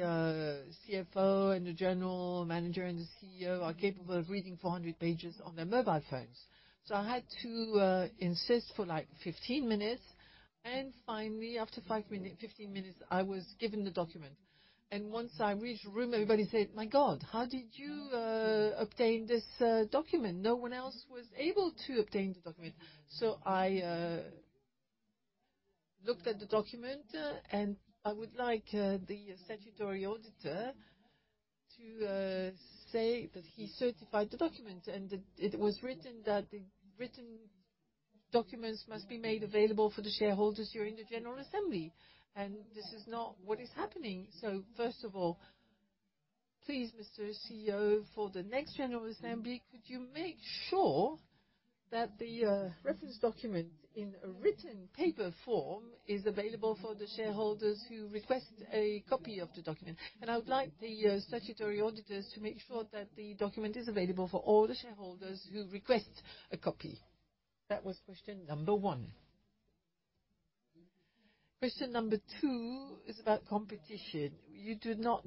CFO and the general manager and the CEO are capable of reading 400 pages on their mobile phones. I had to insist for, like, 15 minutes. Finally, after 15 minutes, I was given the document. Once I reached room, everybody said, "My God, how did you obtain this document? No one else was able to obtain the document." I looked at the document, and I would like the statutory auditor to say that he certified the document and that it was written that the written documents must be made available for the shareholders who are in the general assembly. This is not what is happening. First of all, please, Mr. CEO, for the next general assembly, could you make sure that the reference document in a written paper form is available for the shareholders who request a copy of the document? I would like the statutory auditors to make sure that the document is available for all the shareholders who request a copy. That was question number one. Question number two is about competition. You do not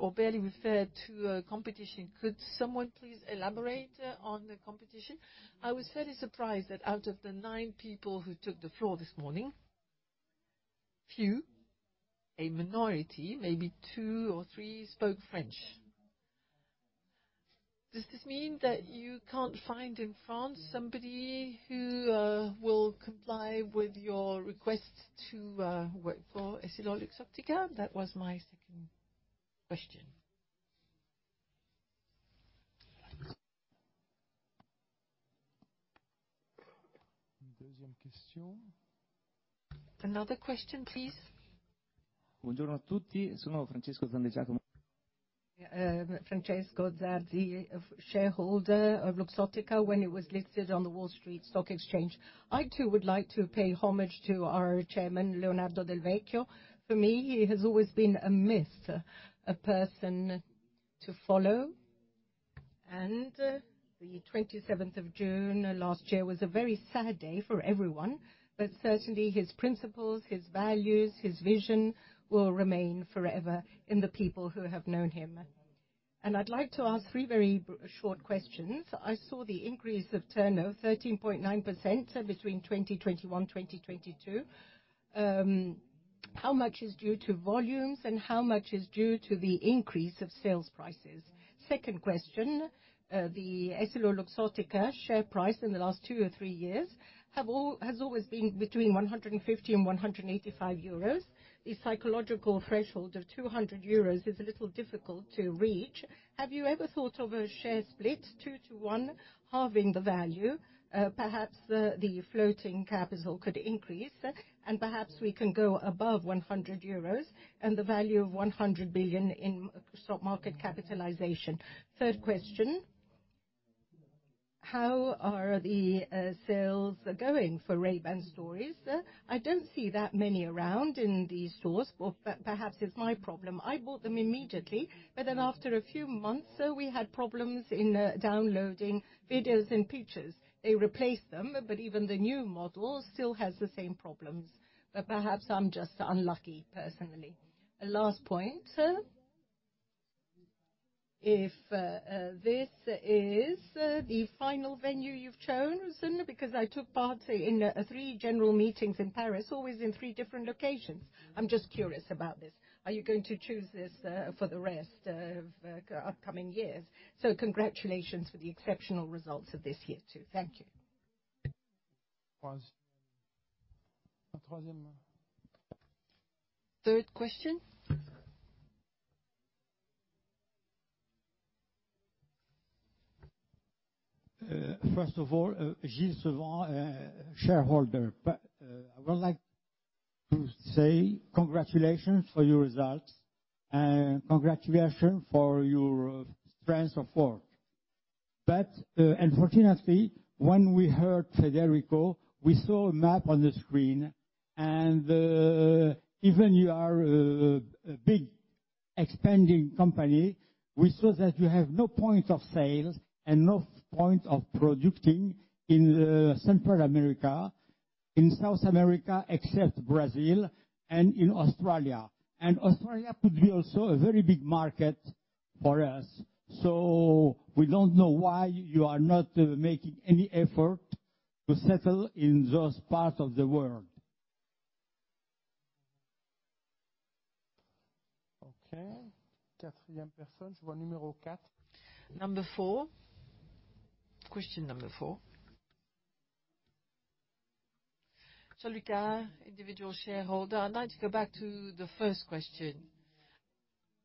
or barely refer to competition. Could someone please elaborate on the competition? I was fairly surprised that out of the nine people who took the floor this morning, few, a minority, maybe two or three, spoke French. Does this mean that you can't find in France somebody who will comply with your request to work for EssilorLuxottica? That was my second question. Another question, please. Francesco Zardi, shareholder of Luxottica when it was listed on the New York Stock Exchange. I, too, would like to pay homage to our chairman, Leonardo Del Vecchio. For me, he has always been a myth, a person to follow. The 27th of June last year was a very sad day for everyone. Certainly his principles, his values, his vision will remain forever in the people who have known him. I'd like to ask three very short questions. I saw the increase of turnover, 13.9% between 2021, 2022. How much is due to volumes, and how much is due to the increase of sales prices? Second question, the EssilorLuxottica share price in the last two or three years has always been between 150 EUR and 185 euros. The psychological threshold of 200 euros is a little difficult to reach. Have you ever thought of a share split, two to one, halving the value? Perhaps the floating capital could increase, and perhaps we can go above 100 euros and the value of 100 billion in stock market capitalization. Third question, how are the sales going for Ray-Ban Stories? I don't see that many around in these stores. Perhaps it's my problem. I bought them immediately, but then after a few months, we had problems in downloading videos and pictures. They replaced them, but even the new model still has the same problems. Perhaps I'm just unlucky personally. Last point, if this is the final venue you've chosen, because I took part in three general meetings in Paris, always in three different locations. I'm just curious about this. Are you going to choose this for the rest of upcoming years? Congratulations for the exceptional results of this year, too. Thank you. Third question. First of all, Gilles Savant, shareholder. I would like to say congratulations for your results and congratulations for your strength of work. Unfortunately, when we heard Federico, we saw a map on the screen, even you are a big expanding company, we saw that you have no point of sale and no point of producing in Central America, in South America, except Brazil, and in Australia. Australia could be also a very big market for us. We don't know why you are not making any effort to settle in those parts of the world. Okay. Fourth person. Je vois numéro quatre. Number four. Question number four. Solica, individual shareholder. I'd like to go back to the first question.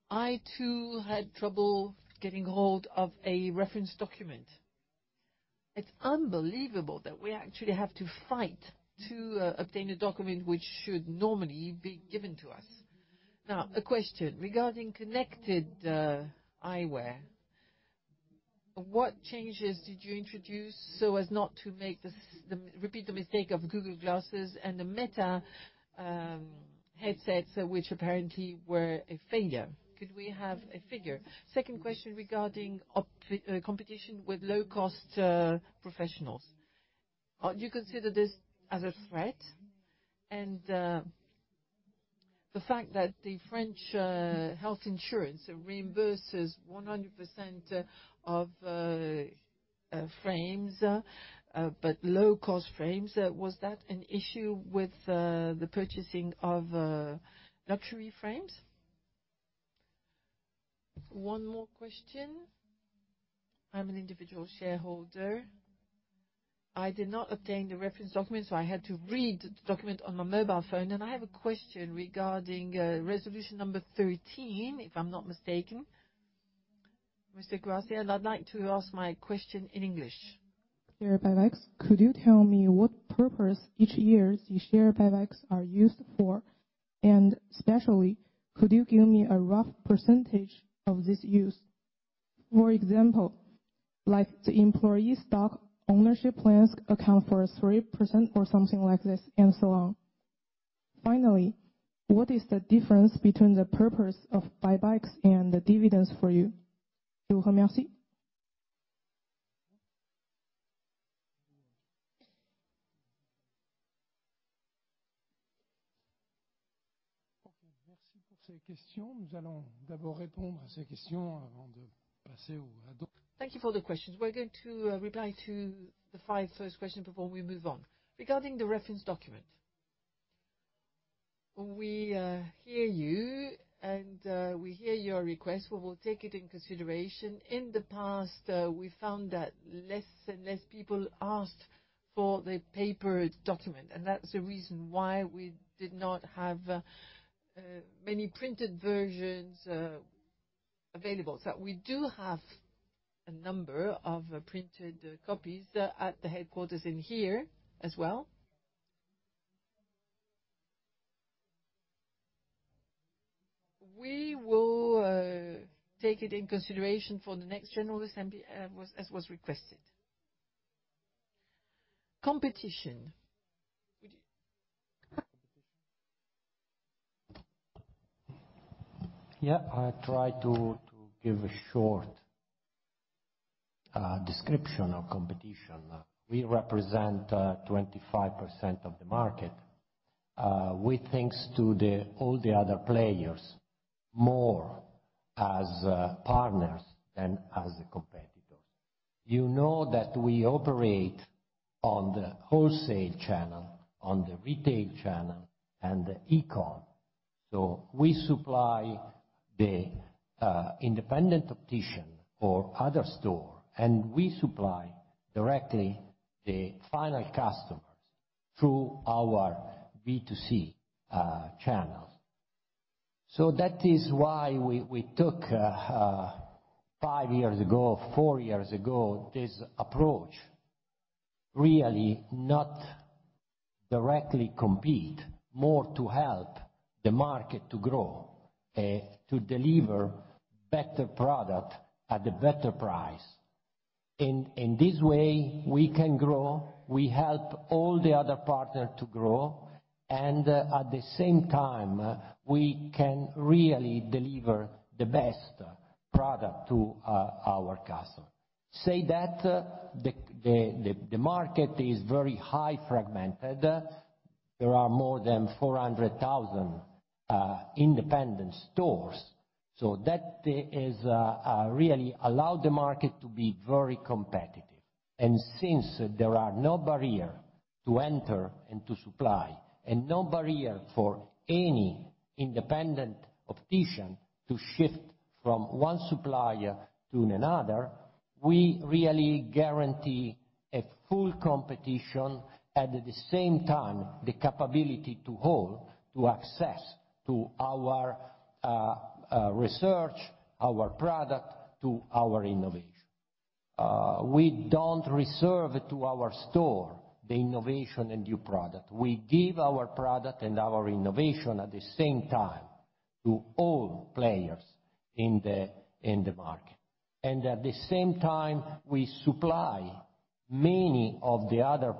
I too had trouble getting hold of a reference document. It's unbelievable that we actually have to fight to obtain a document which should normally be given to us. A question regarding connected eyewear. What changes did you introduce so as not to repeat the mistake of Google Glass and the Meta headsets, which apparently were a failure? Could we have a figure? Second question regarding competition with low-cost professionals. Do you consider this as a threat? The fact that the French health insurance reimburses 100% of frames, but low-cost frames, was that an issue with the purchasing of luxury frames? One more question. I'm an individual shareholder. I did not obtain the reference document. I had to read the document on my mobile phone. I have a question regarding resolution number 13, if I'm not mistaken. Mr. Grassi, I'd like to ask my question in English. Share buybacks. Could you tell me what purpose each year's share buybacks are used for? Especially could you give me a rough percentage of this use? For example, like the employee stock ownership plans account for 3% or something like this, and so on. Finally, what is the difference between the purpose of buybacks and the dividends for you? Thank you for the questions. We're going to reply to the five first questions before we move on. Regarding the reference document, we hear you, and we hear your request. We will take it in consideration. In the past, we found that less and less people asked for the paper document, and that's the reason why we did not have many printed versions available. We do have a number of printed copies at the headquarters in here as well. We will take it in consideration for the next general assembly as was request. Competition. Yeah, I try to give a short description of competition. We represent 25% of the market with thanks to the all the other players, more as partners than as competitors. You know that we operate on the wholesale channel, on the retail channel, and the e-com. We supply the independent optician or other store, and we supply directly the final customers through our B2C channels. That is why we took five years ago, four years ago, this approach, really not directly compete, more to help the market to grow, to deliver better product at a better price. In this way, we can grow, we help all the other partners to grow, and at the same time, we can really deliver the best product to our customer. Say that the market is very high fragmented. There are more than 400,000 independent stores. That is really allow the market to be very competitive. Since there are no barrier to enter and to supply and no barrier for any independent optician to shift from one supplier to another, we really guarantee a full competition, at the same time, the capability to all to access to our research, our product, to our innovation. We don't reserve to our store the innovation and new product. We give our product and our innovation at the same time to all players in the market. At the same time, we supply many of the other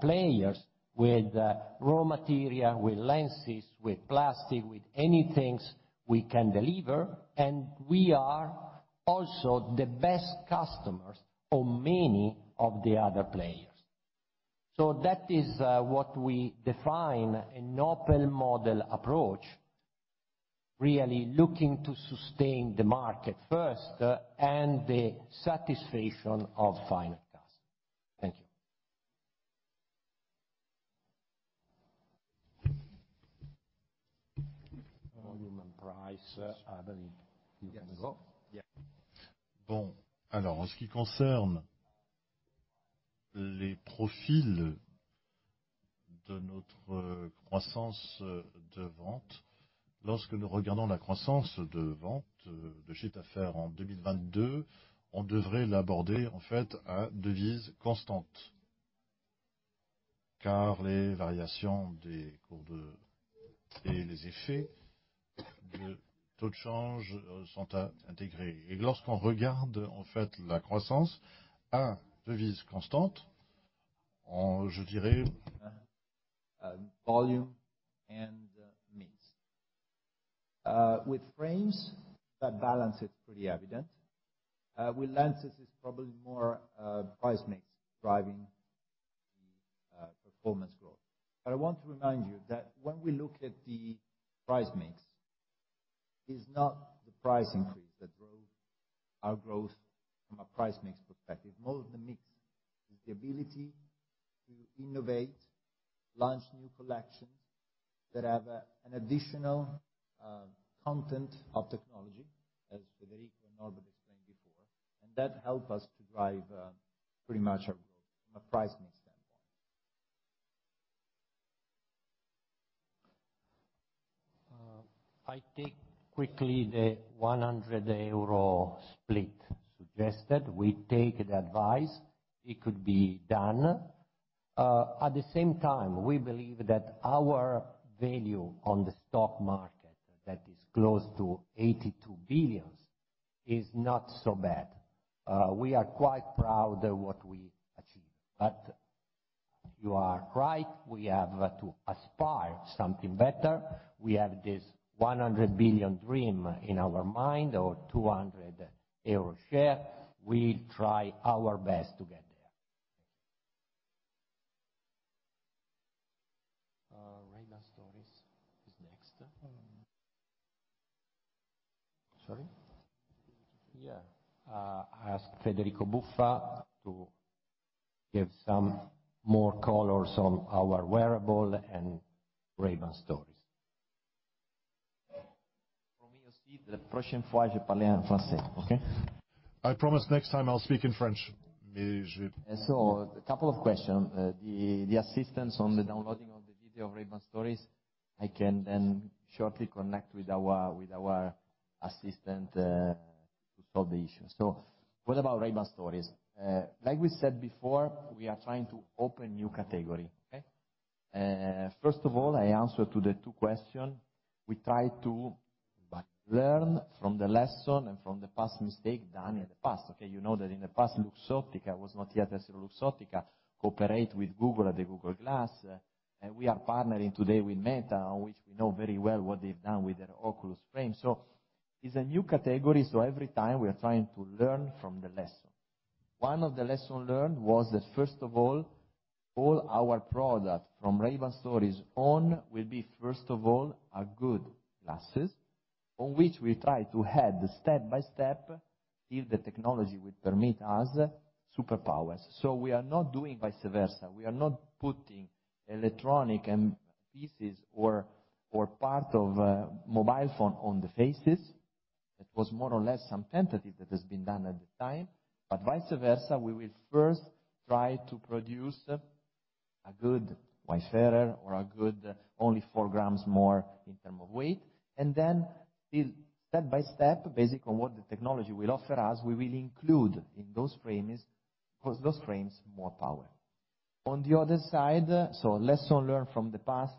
players with raw material, with lenses, with plastic, with any things we can deliver. We are also the best customers for many of the other players. That is what we define an open model approach, really looking to sustain the market first and the satisfaction of final customer. Thank you. Volume and price, I believe you can go. Yes. Bon. Alors, en ce qui concerne les profils de notre croissance de vente, lorsque nous regardons la croissance de vente de chiffre d'affaires en 2022, on devrait l'aborder en fait à devise constante, car les variations des cours de et les effets de taux de change sont à intégrer. Lorsqu'on regarde en fait la croissance à devise constante, on, je dirais. Volume and mix. With frames, that balance is pretty evident. With lenses, it's probably more price mix driving the performance growth. I want to remind you that when we look at the price mix, it's not the price increase that drove our growth from a price mix perspective. Most of the mix is the ability to innovate, launch new collections that have an additional content of technology, as Federico and Norbert explained before, and that help us to drive pretty much our growth from a price mix standpoint. I take quickly the 100 euro split suggested. We take the advice. It could be done. At the same time, we believe that our value on the stock market that is close to 82 billion is not so bad. We are quite proud of what we achieved. You are right, we have to aspire something better. We have this 100 billion dream in our mind or 200 euro share. We try our best to get there. Thank you. Ray-Ban Stories is next. Sorry? Yeah. Ask Federico Buffa to give some more colors on our wearable and Ray-Ban Stories. I promise next time I'll speak in French. A couple of questions. The assistance on the downloading of the video of Ray-Ban Stories, I can then shortly connect with our assistant to solve the issue. What about Ray-Ban Stories? like we said before, we are trying to open new category, okay. first of all, I answer to the two question. We try to learn from the lesson and from the past mistake done in the past, okay. You know that in the past, Luxottica was not yet EssilorLuxottica, cooperate with Google at the Google Glass. We are partnering today with Meta, which we know very well what they've done with their Oculus frame. It's a new category, so every time we are trying to learn from the lesson. One of the lesson learned was that first of all our product from Ray-Ban Stories on will be, first of all, a good glasses on which we try to add step by step, if the technology would permit us, superpowers. We are not doing vice versa. We are not putting electronic pieces or part of a mobile phone on the faces. That was more or less some tentative that has been done at the time. Vice versa, we will first try to produce a good Wayfarer or a good only four grams more in term of weight. Build step by step, based on what the technology will offer us, we will include in those frames, those frames more power. On the other side, lesson learned from the past,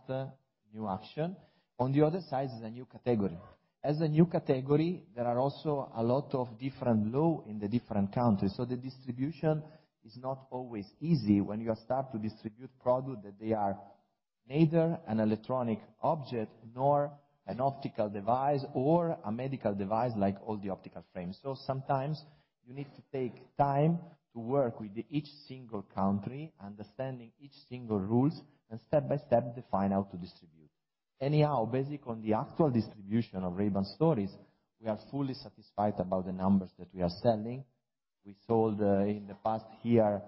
new action. On the other side is a new category. As a new category, there are also a lot of different law in the different countries. The distribution is not always easy when you start to distribute product that they are neither an electronic object nor an optical device or a medical device like all the optical frames. Sometimes you need to take time to work with each single country, understanding each single rules, and step by step define how to distribute. Anyhow, based on the actual distribution of Ray-Ban Stories, we are fully satisfied about the numbers that we are selling. We sold in the past year,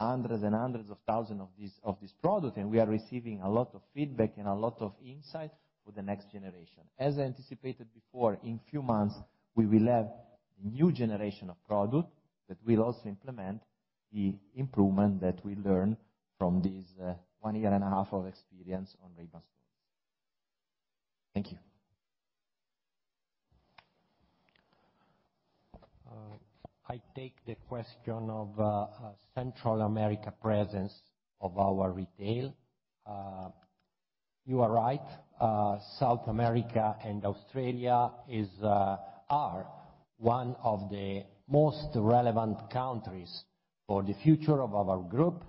hundreds and hundreds of thousands of this product, and we are receiving a lot of feedback and a lot of insight for the next generation. As anticipated before, in few months, we will have the new generation of product that will also implement the improvement that we learn from this, one year and a half of experience on Ray-Ban Stories. Thank you. I take the question of Central America presence of our retail. You are right. South America and Australia are one of the most relevant countries for the future of our group.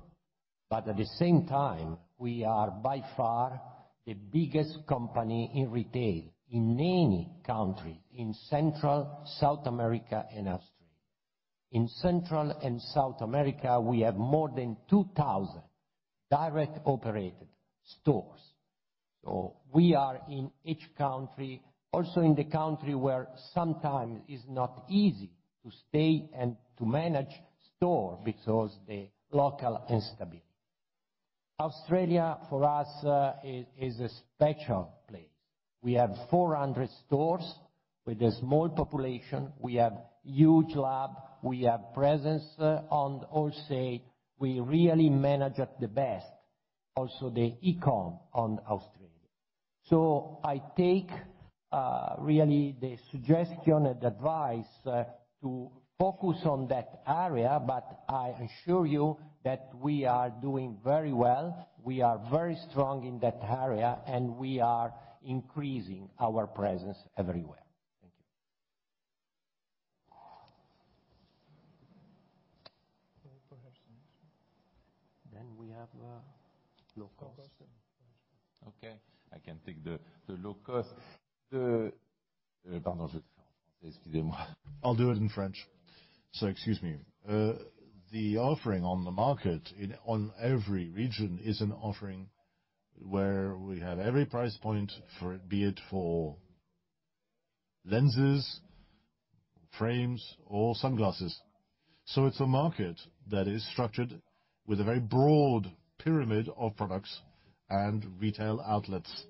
At the same time, we are by far the biggest company in retail in any country in Central, South America and Australia. In Central and South America, we have more than 2,000 direct operated stores. We are in each country, also in the country where sometimes is not easy to stay and to manage store because the local instability. Australia, for us, is a special place. We have 400 stores with a small population. We have huge lab, we have presence on also we really manage at the best also the e-com on Australia. I take really the suggestion and advice to focus on that area, but I assure you that we are doing very well. We are very strong in that area, and we are increasing our presence everywhere. Thank you. We have low cost. Okay. I can take the low cost. I'll do it in French, so excuse me. The offering on the market on every region is an offering where we have every price point for it, be it for lenses, frames or sunglasses. It's a market that is structured with a very broad pyramid of products and retail outlets.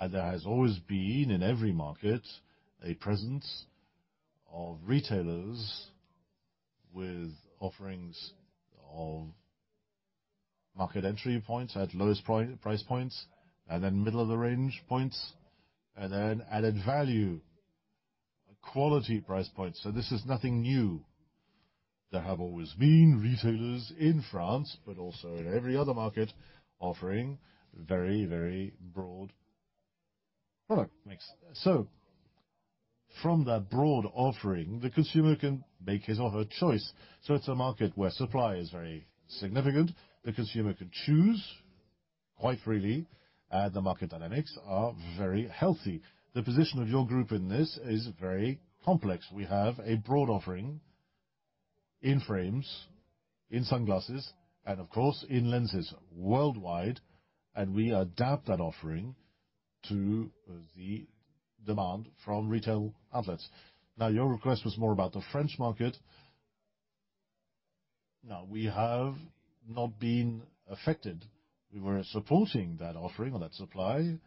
There has always been, in every market, a presence of retailers with offerings of market entry points at lowest price points, and then middle of the range points, and then added value and quality price points. This is nothing new. There have always been retailers in France, but also in every other market offering very broad product mix. From that broad offering, the consumer can make his or her choice. It's a market where supply is very significant. The consumer can choose quite freely. The market dynamics are very healthy. The position of your group in this is very complex. We have a broad offering in frames, in sunglasses, and of course in lenses worldwide. We adapt that offering to the demand from retail outlets. Your request was more about the French market. We have not been affected. We were supporting that offering or that supply.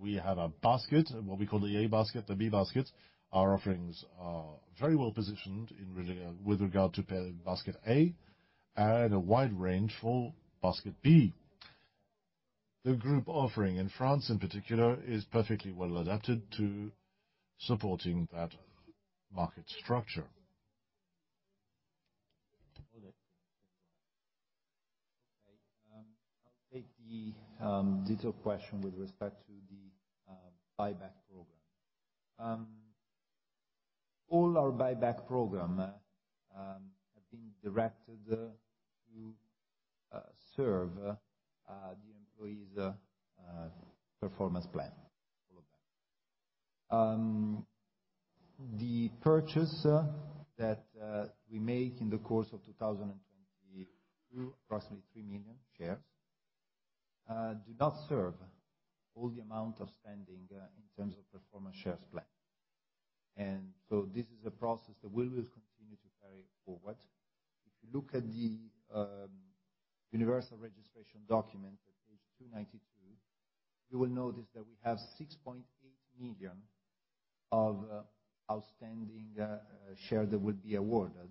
We have a basket, what we call the A basket, the B basket. Our offerings are very well positioned with regard to basket A and a wide range for basket B. The group offering in France in particular is perfectly well adapted to supporting that market structure. Okay. I'll take the detailed question with respect to the buyback program. All our buyback program have been directed to serve the employees' performance plan. All of that. The purchase that we make in the course of 2022, approximately 3 million shares, do not serve all the amount of spending in terms of performance shares plan. This is a process that we will continue to carry forward. If you look at the universal registration document at page 292, you will notice that we have 6.8 million of outstanding share that will be awarded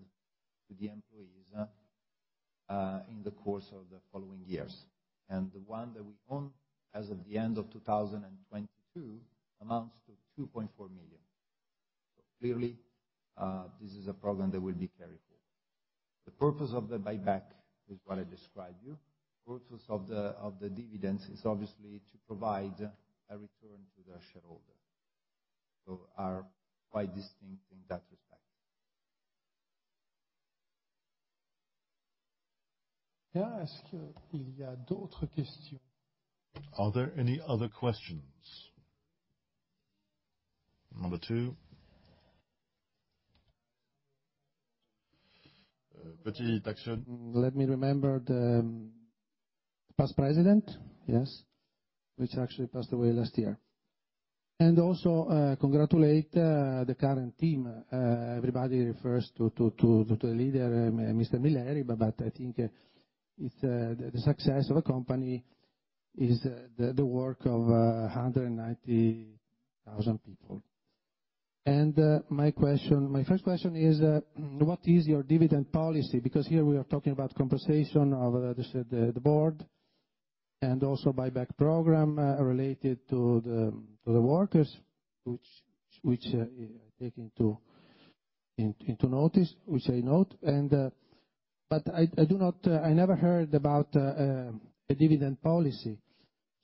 to the employees in the course of the following years. The one that we own as of the end of 2022 amounts to 2.4 million. Clearly, this is a program that will be carried forward. The purpose of the buyback is what I described you. Purpose of the dividends is obviously to provide a return to the shareholder, are quite distinct in that respect. Are there any other questions? Number two. Petit Actionnaire. Let me remember the past president, yes, which actually passed away last year, and also congratulate the current team. Everybody refers to the leader, Mr. Milleri, but I think it's the success of a company is the work of 190,000 people. My question, my first question is what is your dividend policy? Here we are talking about compensation of the board and also buyback program related to the workers, which I take into notice, which I note and but I do not I never heard about a dividend policy.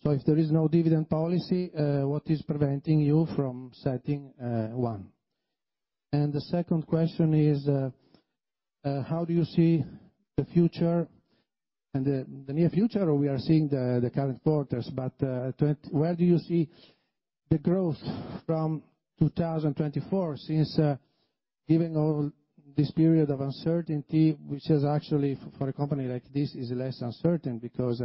If there is no dividend policy, what is preventing you from setting one? The second question is, how do you see the future and the near future, we are seeing the current quarters, but where do you see the growth from 2024 since? Given all this period of uncertainty, which is actually, for a company like this, is less uncertain because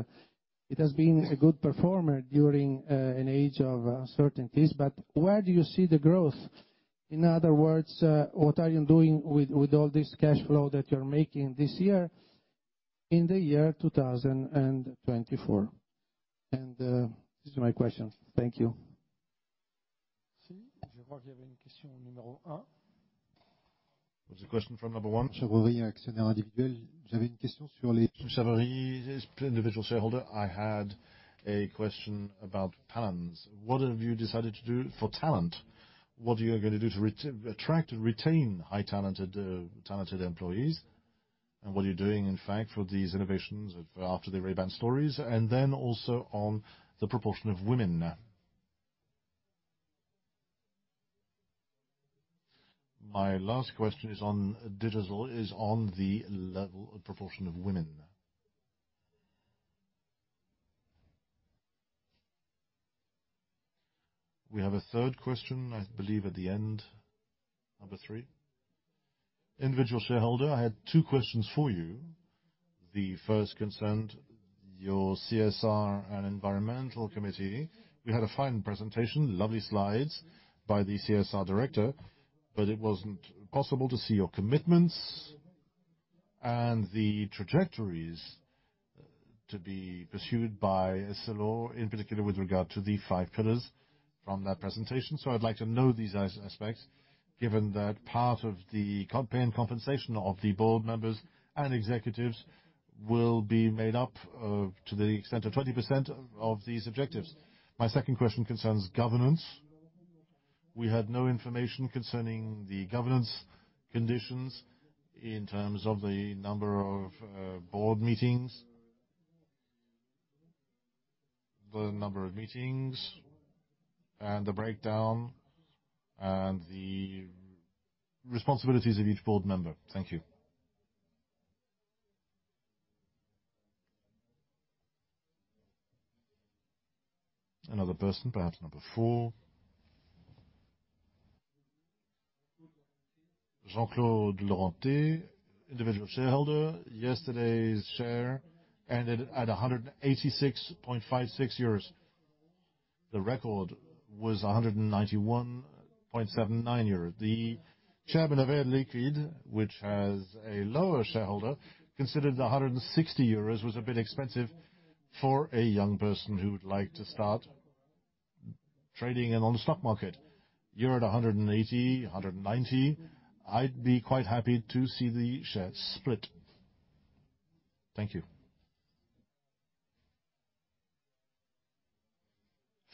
it has been a good performer during, an age of uncertainties, but where do you see the growth? In other words, what are you doing with all this cash flow that you're making this year in 2024? This is my question. Thank you. There's a question from number one. Individual shareholder. I had a question about talents. What have you decided to do for talent? What are you gonna do to attract and retain high talented employees? What are you doing, in fact, for these innovations after the Ray-Ban Stories, and then also on the proportion of women? My last question is on digital, is on the level of proportion of women. We have a third question, I believe, at the end. Number three. Individual shareholder. I had two questions for you. The first concerned your CSR and environmental committee. We had a fine presentation, lovely slides by the CSR director, but it wasn't possible to see your commitments and the trajectories to be pursued by Essilor, in particular with regard to the five pillars from that presentation. I'd like to know these aspects, given that part of the pay and compensation of the board members and executives will be made up of to the extent of 20% of these objectives. My second question concerns governance. We had no information concerning the governance conditions in terms of the number of board meetings. The number of meetings and the breakdown and the responsibilities of each board member. Thank you. Another person, perhaps number four. Jean-Claude Laurenté, individual shareholder. Yesterday's share ended at 186.56 euros. The record was 191.79 euros. The share been a very liquid, which has a lower shareholder, considered 160 euros was a bit expensive for a young person who would like to start trading in on the stock market. You're at 180, 190. I'd be quite happy to see the share split. Thank you.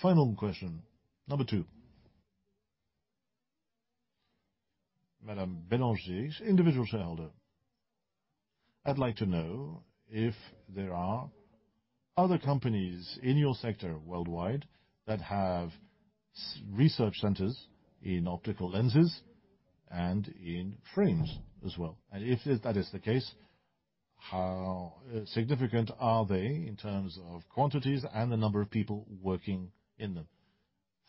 Final question. Number two. Madame Bélanger, individual shareholder. I'd like to know if there are other companies in your sector worldwide that have research centers in optical lenses and in frames as well. If that is the case, how significant are they in terms of quantities and the number of people working in them?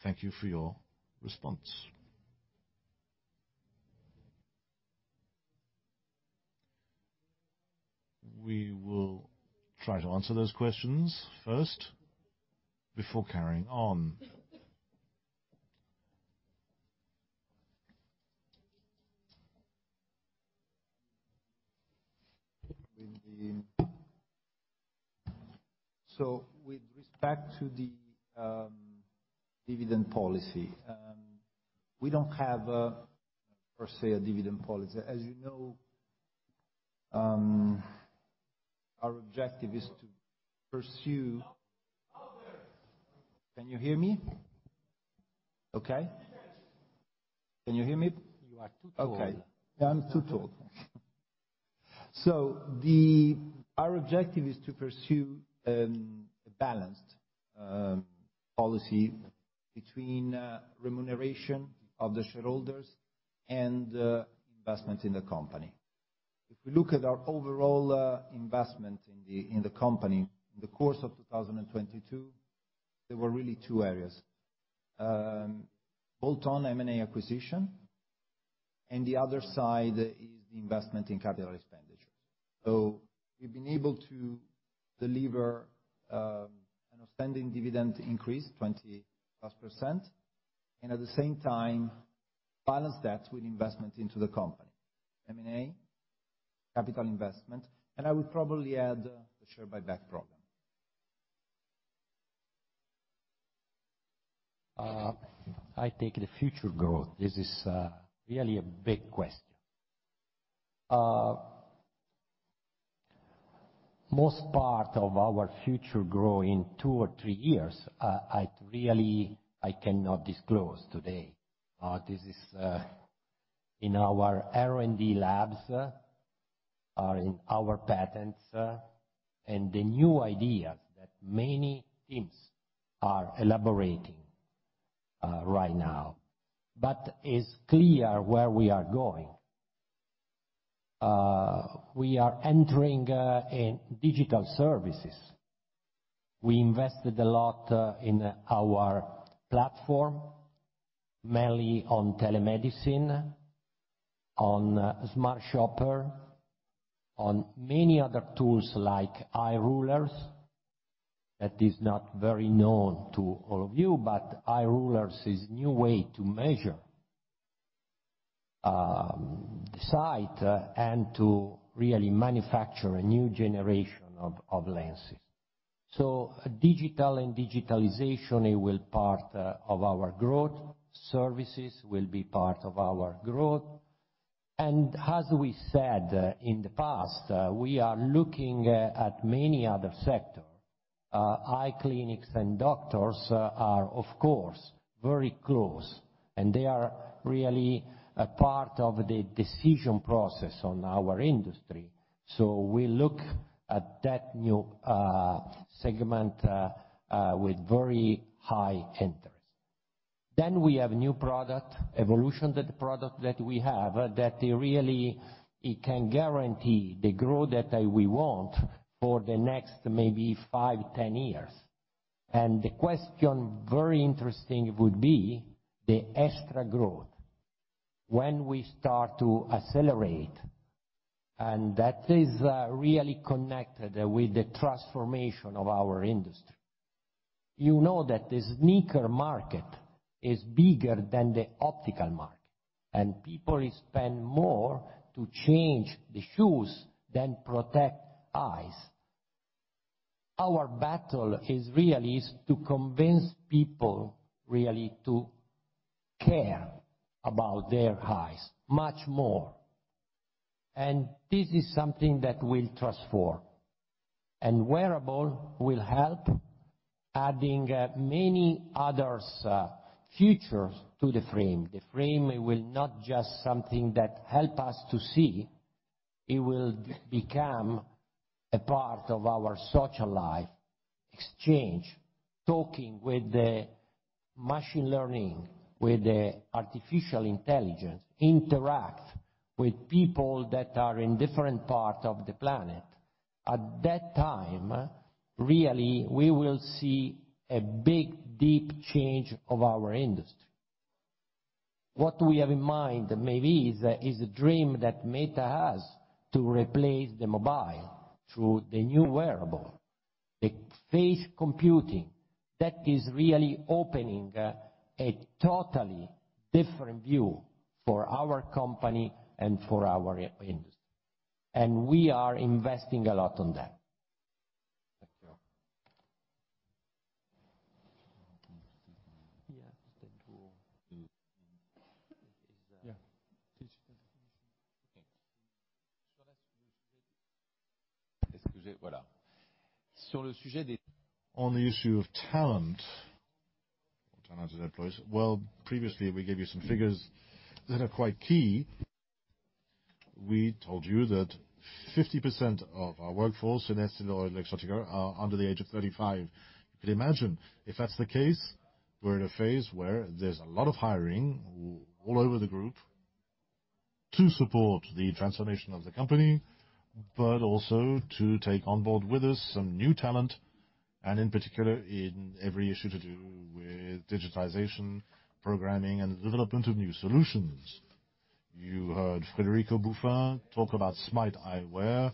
Thank you for your response. We will try to answer those questions first before carrying on. With respect to the dividend policy, we don't have a, per se, a dividend policy. As you know. Louder. Can you hear me? Okay? Yes. Can you hear me? You are too tall. Okay. I'm too tall. Our objective is to pursue a balanced policy between remuneration of the shareholders and investment in the company. If we look at our overall investment in the company, in the course of 2022, there were really two areas. Bolt-on M&A acquisition, and the other side is the investment in capital expenditures. We've been able to deliver an outstanding dividend increase, 20+%, and at the same time balance that with investment into the company. M&A, capital investment, and I would probably add the share buyback program. I take the future growth. This is really a big question. Most part of our future growth in two or three years, I really, I cannot disclose today. This is in our R&D labs, or in our patents, and the new ideas that many teams are elaborating, right now. It's clear where we are going. We are entering in digital services. We invested a lot in our platform, mainly on telemedicine, on Smart Shopper, on many other tools like Eye-Ruler. That is not very known to all of you, but Eye-Ruler is new way to measure the site and to really manufacture a new generation of lenses. Digital and digitalization, it will part of our growth. Services will be part of our growth. As we said in the past, we are looking at many other sector. Eye clinics and doctors are, of course, very close, and they are really a part of the decision process on our industry. We look at that new segment with very high interest. We have new product, evolutioned product that we have that really, it can guarantee the growth that we want for the next maybe five-10 years. The question, very interesting, would be the extra growth when we start to accelerate, and that is really connected with the transformation of our industry. You know that the sneaker market is bigger than the optical market, and people spend more to change the shoes than protect eyes. Our battle is really to convince people really to care about their eyes much more, and this is something that will transform. Wearable will help adding many others features to the frame. The frame will not just something that help us to see, it will become a part of our social life, exchange, talking with the machine learning, with the artificial intelligence, interact with people that are in different part of the planet. At that time, really, we will see a big, deep change of our industry. What we have in mind maybe is a dream that Meta has to replace the mobile through the new wearable, the face computing. That is really opening a totally different view for our company and for our industry, and we are investing a lot on that. Thank you. Yeah. to... Is, Yeah. Please. Okay. On the issue of talent, or talented employees, well, previously, we gave you some figures that are quite key. We told you that 50% of our workforce in EssilorLuxottica are under the age of 35. You could imagine if that's the case, we're in a phase where there's a lot of hiring all over the group to support the transformation of the company, but also to take on board with us some new talent, and in particular, in every issue to do with digitization, programming, and the development of new solutions. You heard Federico Buffa talk about Smart Eyewear.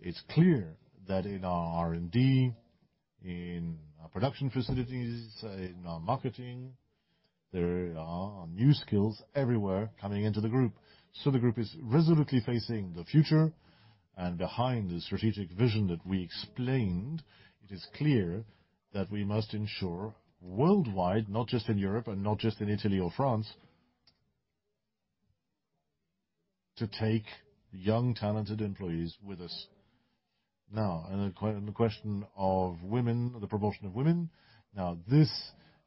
It's clear that in our R&D, in our production facilities, in our marketing, there are new skills everywhere coming into the group. The group is resolutely facing the future. Behind the strategic vision that we explained, it is clear that we must ensure worldwide, not just in Europe and not just in Italy or France, to take young, talented employees with us. Now, on the question of women, the proportion of women. Now this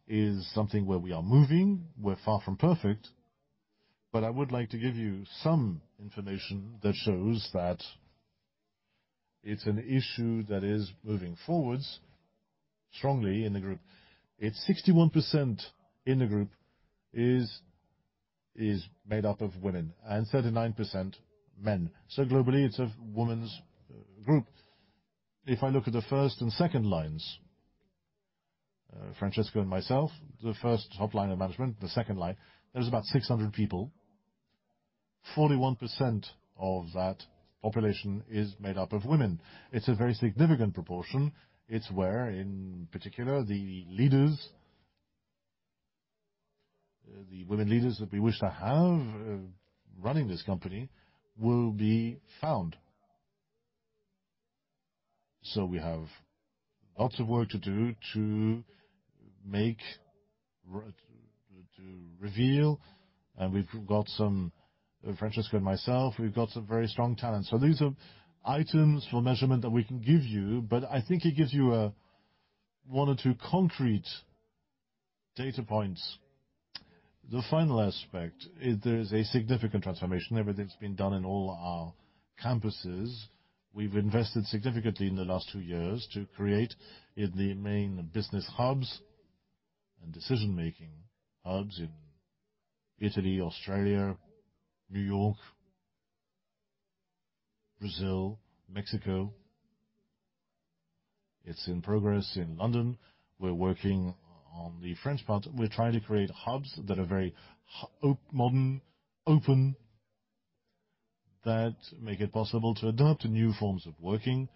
is something where we are moving. We're far from perfect, but I would like to give you some information that shows that it's an issue that is moving forwards strongly in the group. It's 61% in the group is made up of women and 39% men. So globally, it's a woman's group. If I look at the first and second lines, Francesco and myself, the first top line of management, the second line, there's about 600 people. 41% of that population is made up of women. It's a very significant proportion. It's where, in particular, the leaders, the women leaders that we wish to have, running this company, will be found. We have lots of work to do to make, to reveal, and we've got some Francesco and myself, we've got some very strong talent. These are items for measurement that we can give you, but I think it gives you one or two concrete data points. The final aspect, there is a significant transformation. Everything's been done in all our campuses. We've invested significantly in the last two years to create in the main business hubs Decision-making hubs in Italy, Australia, New York, Brazil, Mexico. It's in progress in London. We're working on the French part. We're trying to create hubs that are very modern, open, that make it possible to adapt to new forms of working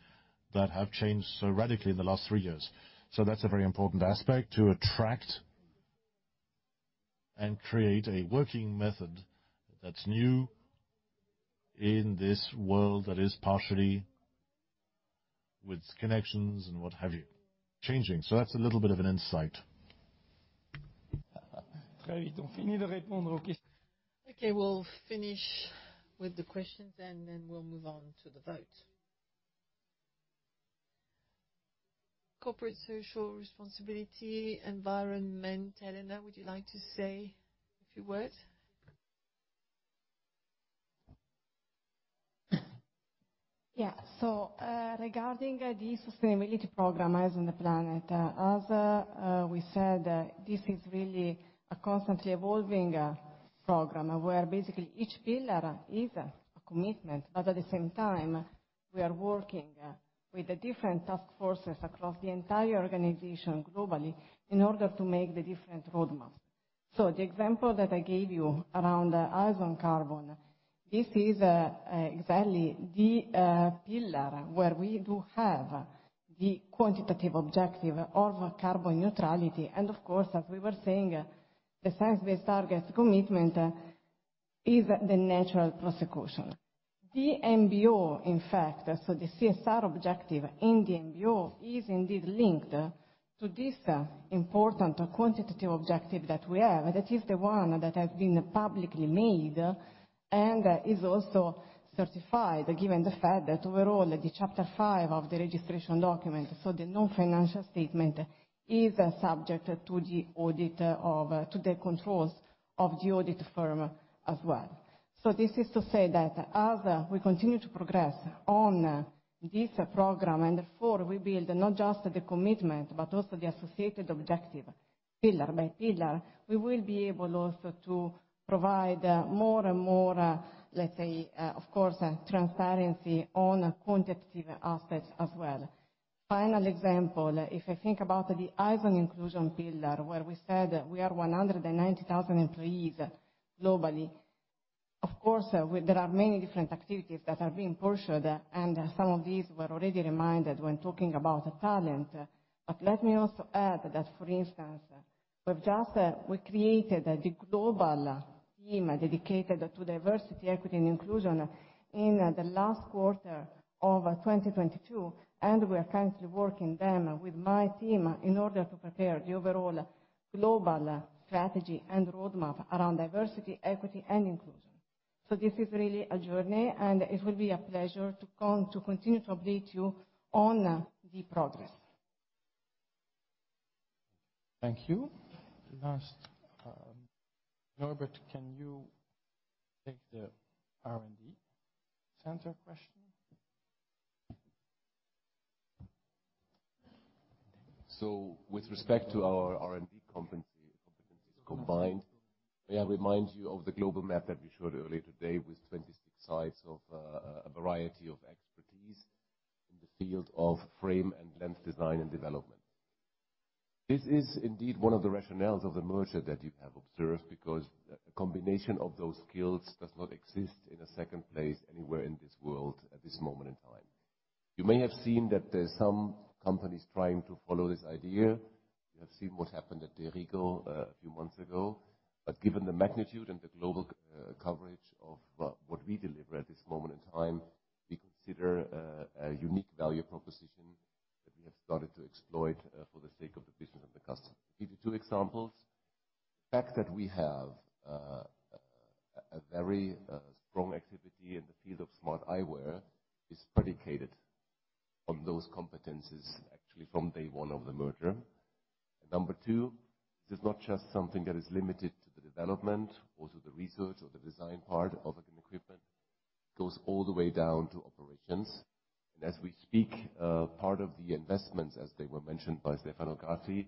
that have changed so radically in the last three years. That's a very important aspect to attract and create a working method that's new in this world that is partially with connections and what have you, changing. That's a little bit of an insight. Okay. We'll finish with the questions, and then we'll move on to the vote. Corporate social responsibility, environment. Elena, would you like to say a few words? Regarding the sustainability program, Eyes on the Planet, as we said, this is really a constantly evolving program where basically each pillar is a commitment. At the same time, we are working with the different task forces across the entire organization globally in order to make the different roadmaps. The example that I gave you around Eyes on Carbon, this is exactly the pillar where we do have the quantitative objective of carbon neutrality. Of course, as we were saying, the Science Based Targets commitment is the natural prosecution. The MBO, in fact, so the CSR objective in the MBO is indeed linked to this important quantitative objective that we have. That is the one that has been publicly made and is also certified, given the fact that overall the chapter 5 of the registration document, so the non-financial statement, is subject to the controls of the audit firm as well. This is to say that as we continue to progress on this program, and therefore we build not just the commitment but also the associated objective pillar by pillar, we will be able also to provide more and more, let's say, of course, transparency on quantitative assets as well. Final example, if I think about the Eyes on Inclusion pillar, where we said we are 190,000 employees globally, of course, there are many different activities that are being pushed, and some of these were already reminded when talking about talent. Let me also add that, for instance, we've just, we created the global team dedicated to diversity, equity, and inclusion in the last quarter of 2022, and we are currently working them with my team in order to prepare the overall global strategy and roadmap around diversity, equity, and inclusion. This is really a journey, and it will be a pleasure to continue to update you on the progress. Thank you. Last, Norbert, can you take the R&D center question? With respect to our R&D competency, competencies combined, may I remind you of the global map that we showed earlier today with 26 sites of a variety of expertise in the field of frame and lens design and development. This is indeed one of the rationales of the merger that you have observed, because a combination of those skills does not exist in a second place anywhere in this world at this moment in time. You may have seen that there's some companies trying to follow this idea. You have seen what happened at De Rigo a few months ago. Given the magnitude and the global coverage of what we deliver at this moment in time, we consider a unique value proposition that we have started to exploit for the sake of the business and the customer. To give you two examples, the fact that we have a very strong activity in the field of smart eyewear is predicated on those competencies, actually from day one of the merger. Number two, this is not just something that is limited to the development, or to the research or the design part of equipment. It goes all the way down to operations. As we speak, part of the investments, as they were mentioned by Stefano Grassi,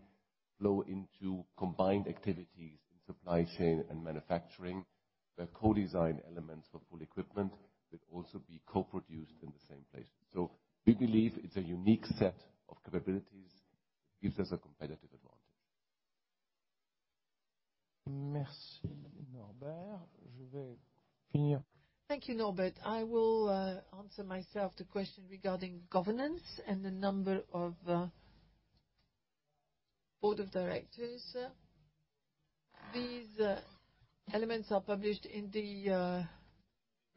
flow into combined activities in supply chain and manufacturing that co-design elements for full equipment that also be co-produced in the same place. We believe it's a unique set of capabilities. It gives us a competitive advantage. Merci, Norbert. Je vais. Thank you, Norbert. I will answer myself the question regarding governance and the number of board of directors. These elements are published in the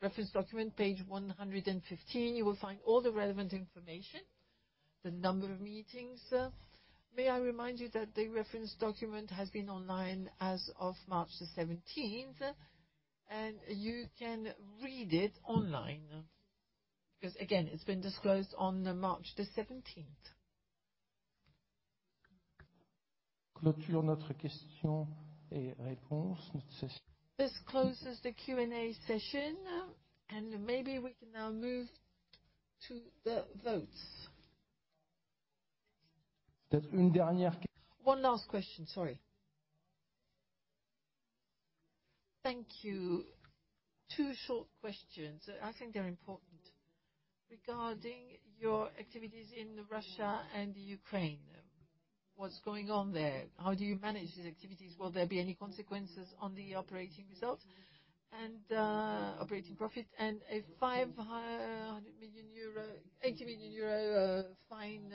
reference document, page 115. You will find all the relevant information, the number of meetings. May I remind you that the reference document has been online as of March the 17th, and you can read it online, because again, it's been disclosed on March the 17th. This closes the Q&A session, maybe we can now move. To the votes. One last question, sorry. Thank you. Two short questions. I think they are important. Regarding your activities in Russia and Ukraine, what is going on there? How do you manage these activities? Will there be any consequences on the operating results and operating profit? A 80 million euro fine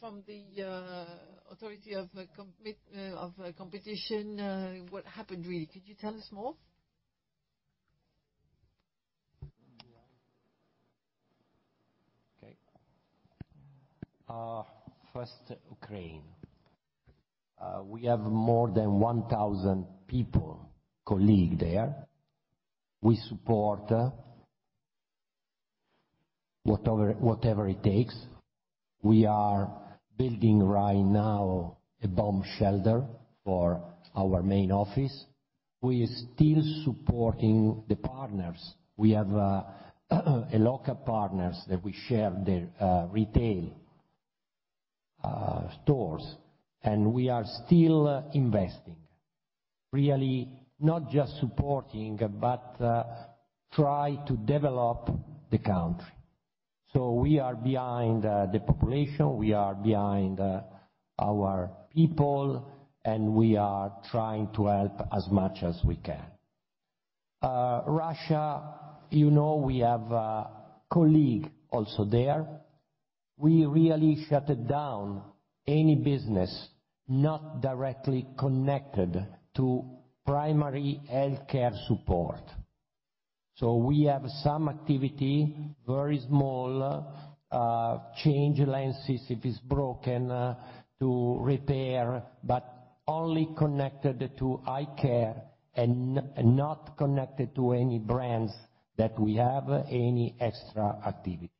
from the authority of competition. What happened, really? Could you tell us more? Okay. First, Ukraine. We have more than 1,000 people, colleague there. We support whatever it takes. We are building, right now, a bomb shelter for our main office. We are still supporting the partners. We have local partners that we share their retail stores. We are still investing. Really, not just supporting, but try to develop the country. We are behind the population, we are behind our people. We are trying to help as much as we can. Russia, you know, we have colleague also there. We really shutted down any business not directly connected to primary healthcare support. We have some activity, very small. Change lenses if it's broken, to repair, but only connected to eye care and not connected to any brands that we have any extra activity.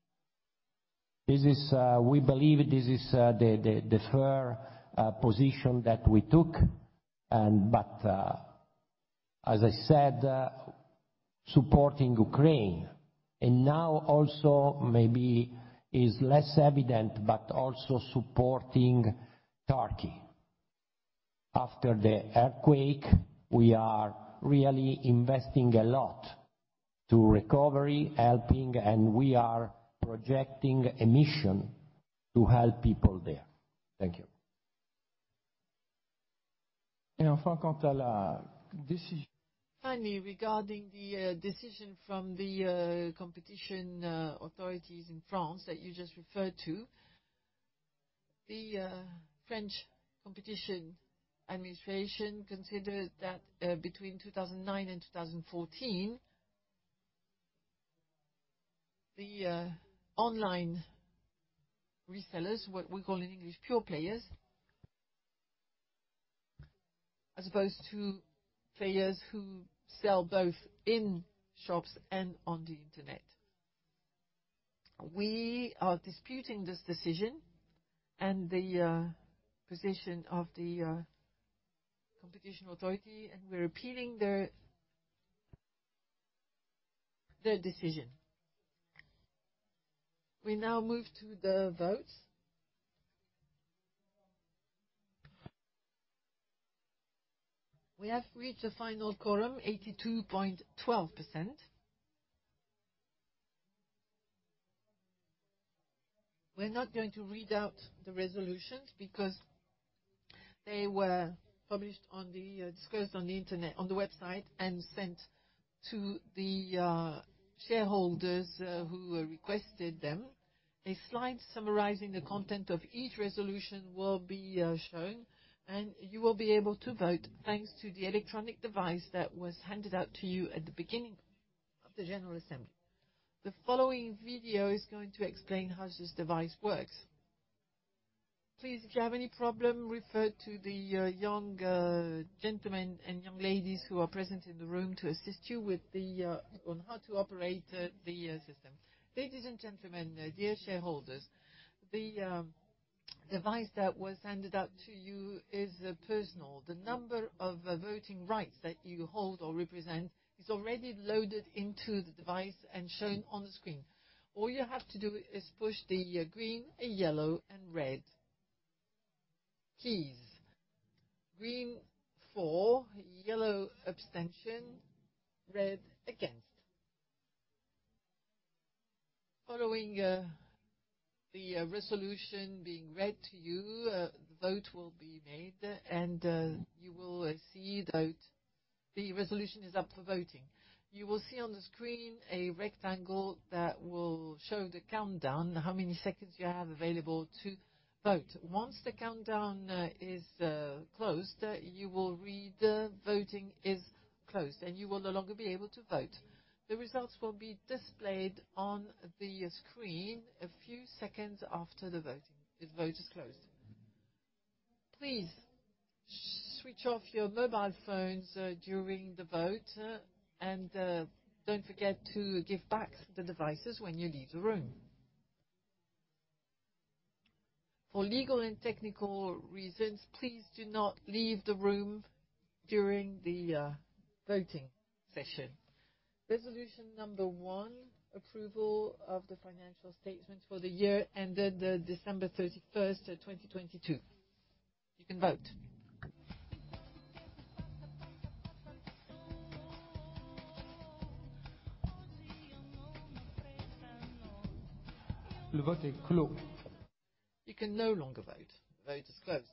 This is, we believe, the fair position that we took. As I said, supporting Ukraine, and now also maybe is less evident, but also supporting Turkey. After the earthquake, we are really investing a lot to recovery, helping, and we are projecting a mission to help people there. Thank you. Finally, regarding the decision from the competition authorities in France that you just referred to. The French competition administration considered that between 2009 and 2014, the online resellers, what we call in English pure players, as opposed to players who sell both in shops and on the internet. We are disputing this decision and the position of the competition authority, and we're appealing their decision. We now move to the votes. We have reached the final quorum, 82.12%. We're not going to read out the resolutions because they were published on the discussed on the internet, on the website, and sent to the shareholders who requested them. A slide summarizing the content of each resolution will be shown. You will be able to vote thanks to the electronic device that was handed out to you at the beginning of the General Assembly. The following video is going to explain how this device works. Please, if you have any problem, refer to the young gentlemen and young ladies who are present in the room to assist you on how to operate the system. Ladies and gentlemen, dear shareholders, the device that was handed out to you is personal. The number of voting rights that you hold or represent is already loaded into the device and shown on the screen. All you have to do is push the green and yellow and red keys. Green for, yellow abstention, red against. Following the resolution being read to you, the vote will be made and you will see that the resolution is up for voting. You will see on the screen a rectangle that will show the countdown, how many seconds you have available to vote. Once the countdown is closed, you will read, "The voting is closed," and you will no longer be able to vote. The results will be displayed on the screen a few seconds after the vote is closed. Please switch off your mobile phones during the vote and don't forget to give back the devices when you leave the room. For legal and technical reasons, please do not leave the room during the voting session. Resolution number one, approval of the financial statements for the year ended December 31st, 2022. You can vote. You can no longer vote. Vote is closed.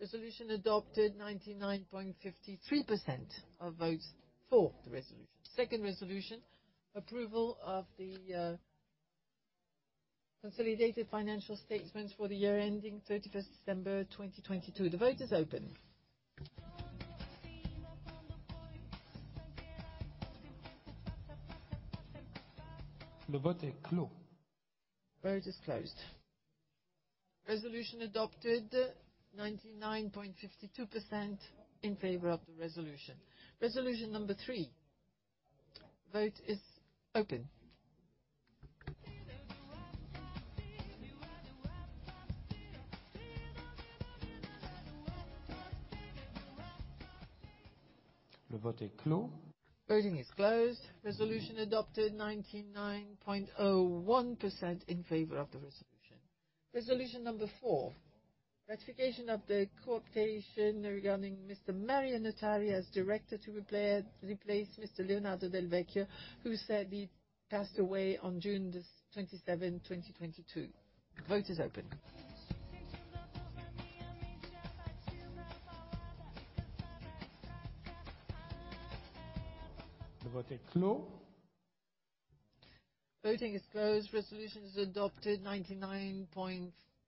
Resolution adopted 99.53% of votes for the resolution. Second resolution, approval of the consolidated financial statements for the year ending 31st December, 2022. The vote is open. Vote is closed. Resolution adopted 99.52% in favor of the resolution. Resolution number three. Vote is open. Voting is closed. Resolution adopted 99.01% in favor of the resolution. Resolution number four, ratification of the co-optation regarding Mr. Mario Notari as director to replace Mr. Leonardo Del Vecchio, who sadly passed away on June 27, 2022. Vote is open. Voting is closed. Resolution is adopted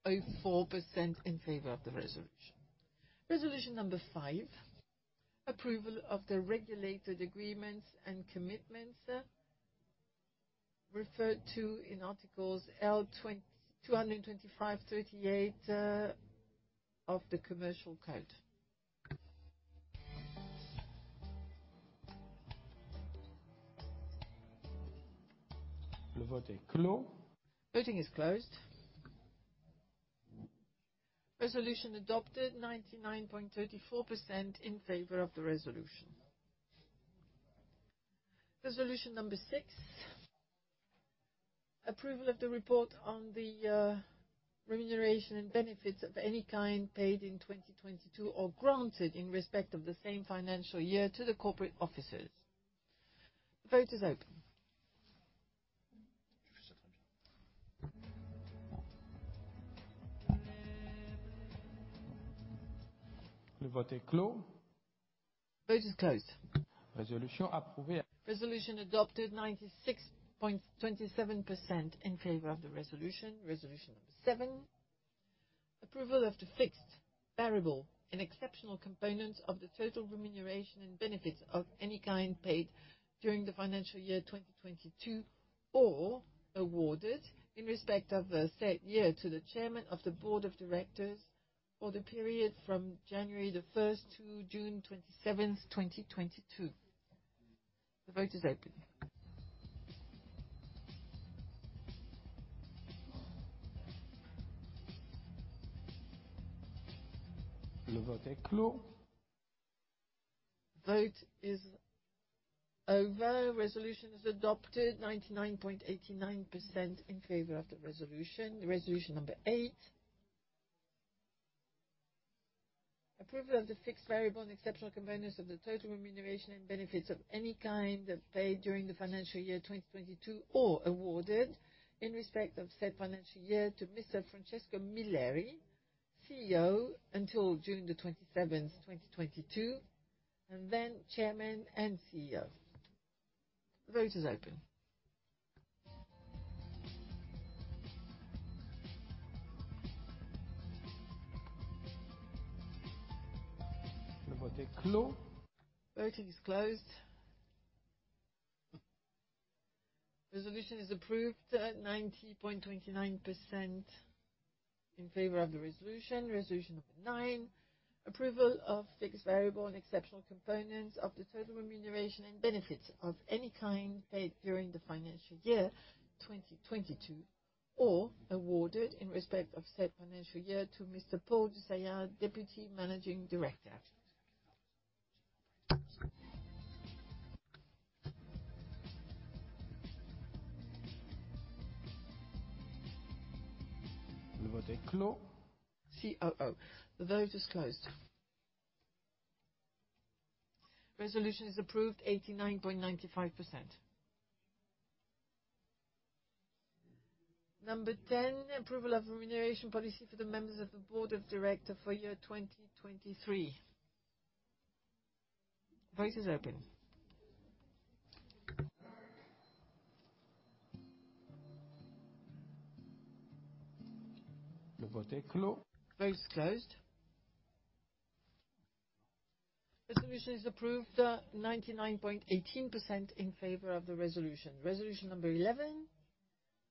99.04% in favor of the resolution. Resolution number five, approval of the regulated agreements and commitments referred to in articles L. 225-38 of the French Commercial Code. Voting is closed. Resolution adopted 99.34% in favor of the resolution. Resolution number 6, approval of the report on the remuneration and benefits of any kind paid in 2022, or granted in respect of the same financial year to the corporate officers. The vote is open. Vote is closed. Resolution adopted 96.27% in favor of the resolution. Resolution number seven, approval of the fixed variable and exceptional components of the total remuneration and benefits of any kind paid during the financial year 2022, or awarded in respect of the said year to the chairman of the board of directors for the period from January 1st to June 27th, 2022. The vote is open. Vote is over. Resolution is adopted 99.89% in favor of the resolution. Resolution number eight. Approval of the fixed variable and exceptional components of the total remuneration and benefits of any kind paid during the financial year 2022, or awarded in respect of said financial year to Mr. Francesco Milleri, CEO until June 27, 2022, and then chairman and CEO. The vote is open. Voting is closed. Resolution is approved 90.29% in favor of the resolution. Resolution number nine, approval of fixed variable and exceptional components of the total remuneration and benefits of any kind paid during the financial year 2022, or awarded in respect of said financial year to Mr. Paul Du Saillant, Deputy Managing Director. COO. The vote is closed. Resolution is approved 89.95%. Number 10, approval of remuneration policy for the members of the board of director for year 2023. Vote is open. Vote is closed. Resolution is approved 99.18% in favor of the resolution. Resolution number 11,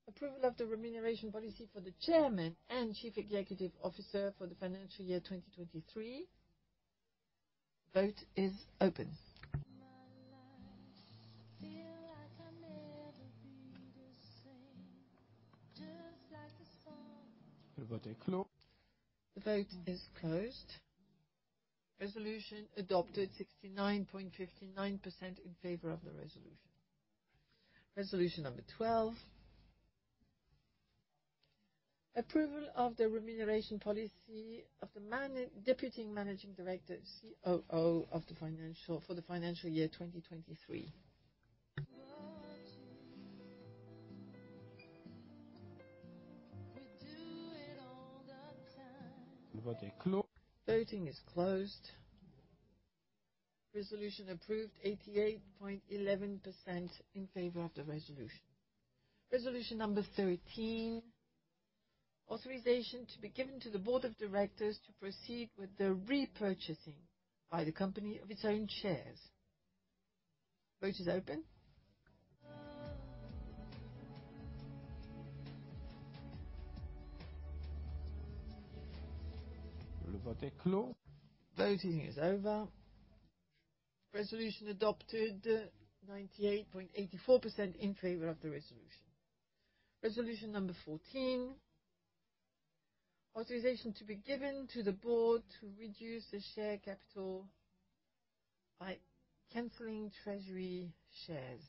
approval of the remuneration policy for the Chairman and Chief Executive Officer for the financial year 2023. Vote is open. The vote is closed. Resolution adopted 69.59% in favor of the resolution. Resolution number 12. Approval of the remuneration policy of the Deputy Managing Director, COO for the financial year 2023. Voting is closed. Resolution approved 88.11% in favor of the resolution. Resolution number 13. Authorization to be given to the Board of Directors to proceed with the repurchasing by the company of its own shares. Vote is open. Voting is over. Resolution adopted 98.84% in favor of the resolution. Resolution number 14. Authorization to be given to the Board to reduce the share capital by canceling treasury shares.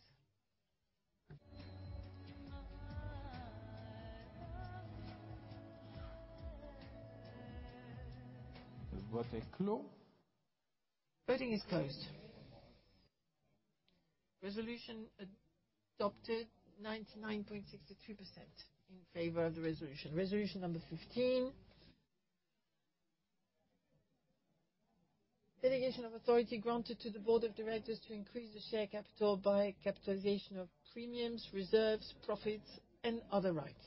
Voting is closed. Resolution adopted 99.62% in favor of the resolution. Resolution number 15. Delegation of authority granted to the board of directors to increase the share capital by capitalization of premiums, reserves, profits, and other rights.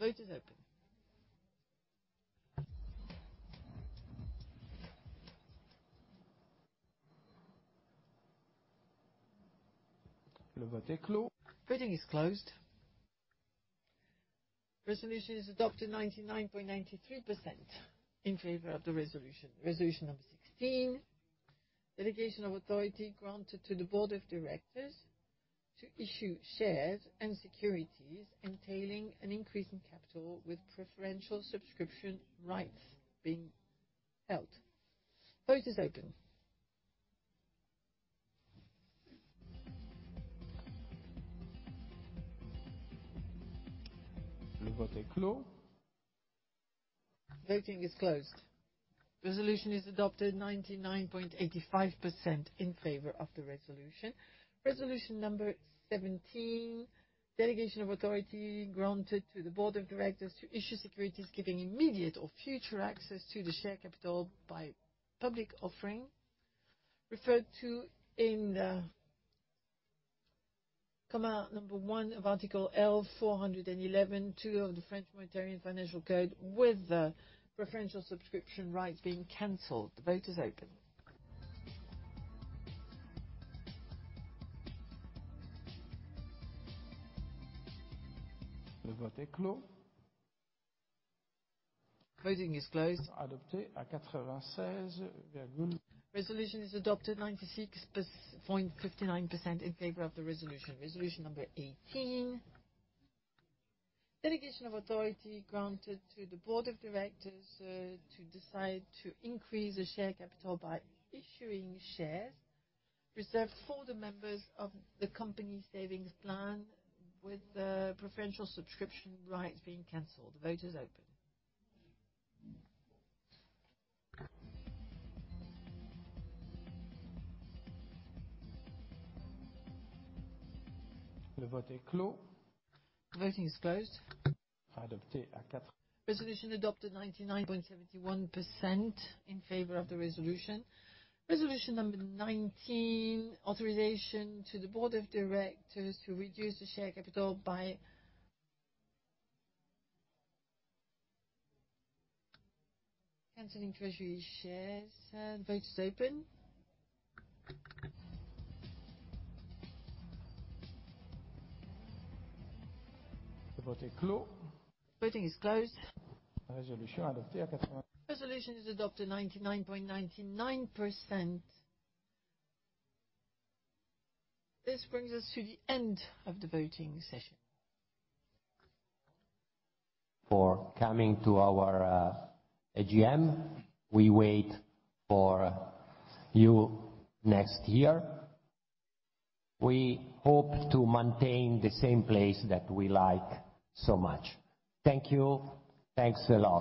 Vote is open. Voting is closed. Resolution is adopted 99.93% in favor of the resolution. Resolution number 16. Delegation of authority granted to the board of directors to issue shares and securities entailing an increase in capital with preferential subscription rights being held. Vote is open. Voting is closed. Resolution is adopted 99.85% in favor of the resolution. Resolution number 17. Delegation of authority granted to the board of directors to issue securities giving immediate or future access to the share capital by public offering referred to in the comma number one of Article L. 411-2 of the French Monetary and Financial Code with the preferential subscription rights being canceled. The vote is open. Voting is closed. Resolution is adopted 96.59% in favor of the resolution. Resolution number 18. Delegation of authority granted to the board of directors to decide to increase the share capital by issuing shares reserved for the members of the company savings plan with the preferential subscription rights being canceled. The vote is open. Voting is closed. Resolution adopted 99.71% in favor of the resolution. Resolution number 19. Authorization to the board of directors to reduce the share capital by canceling treasury shares. Vote is open. Voting is closed. Resolution is adopted 99.99%. This brings us to the end of the voting session. For coming to our AGM. We wait for you next year. We hope to maintain the same place that we like so much. Thank you. Thanks a lot.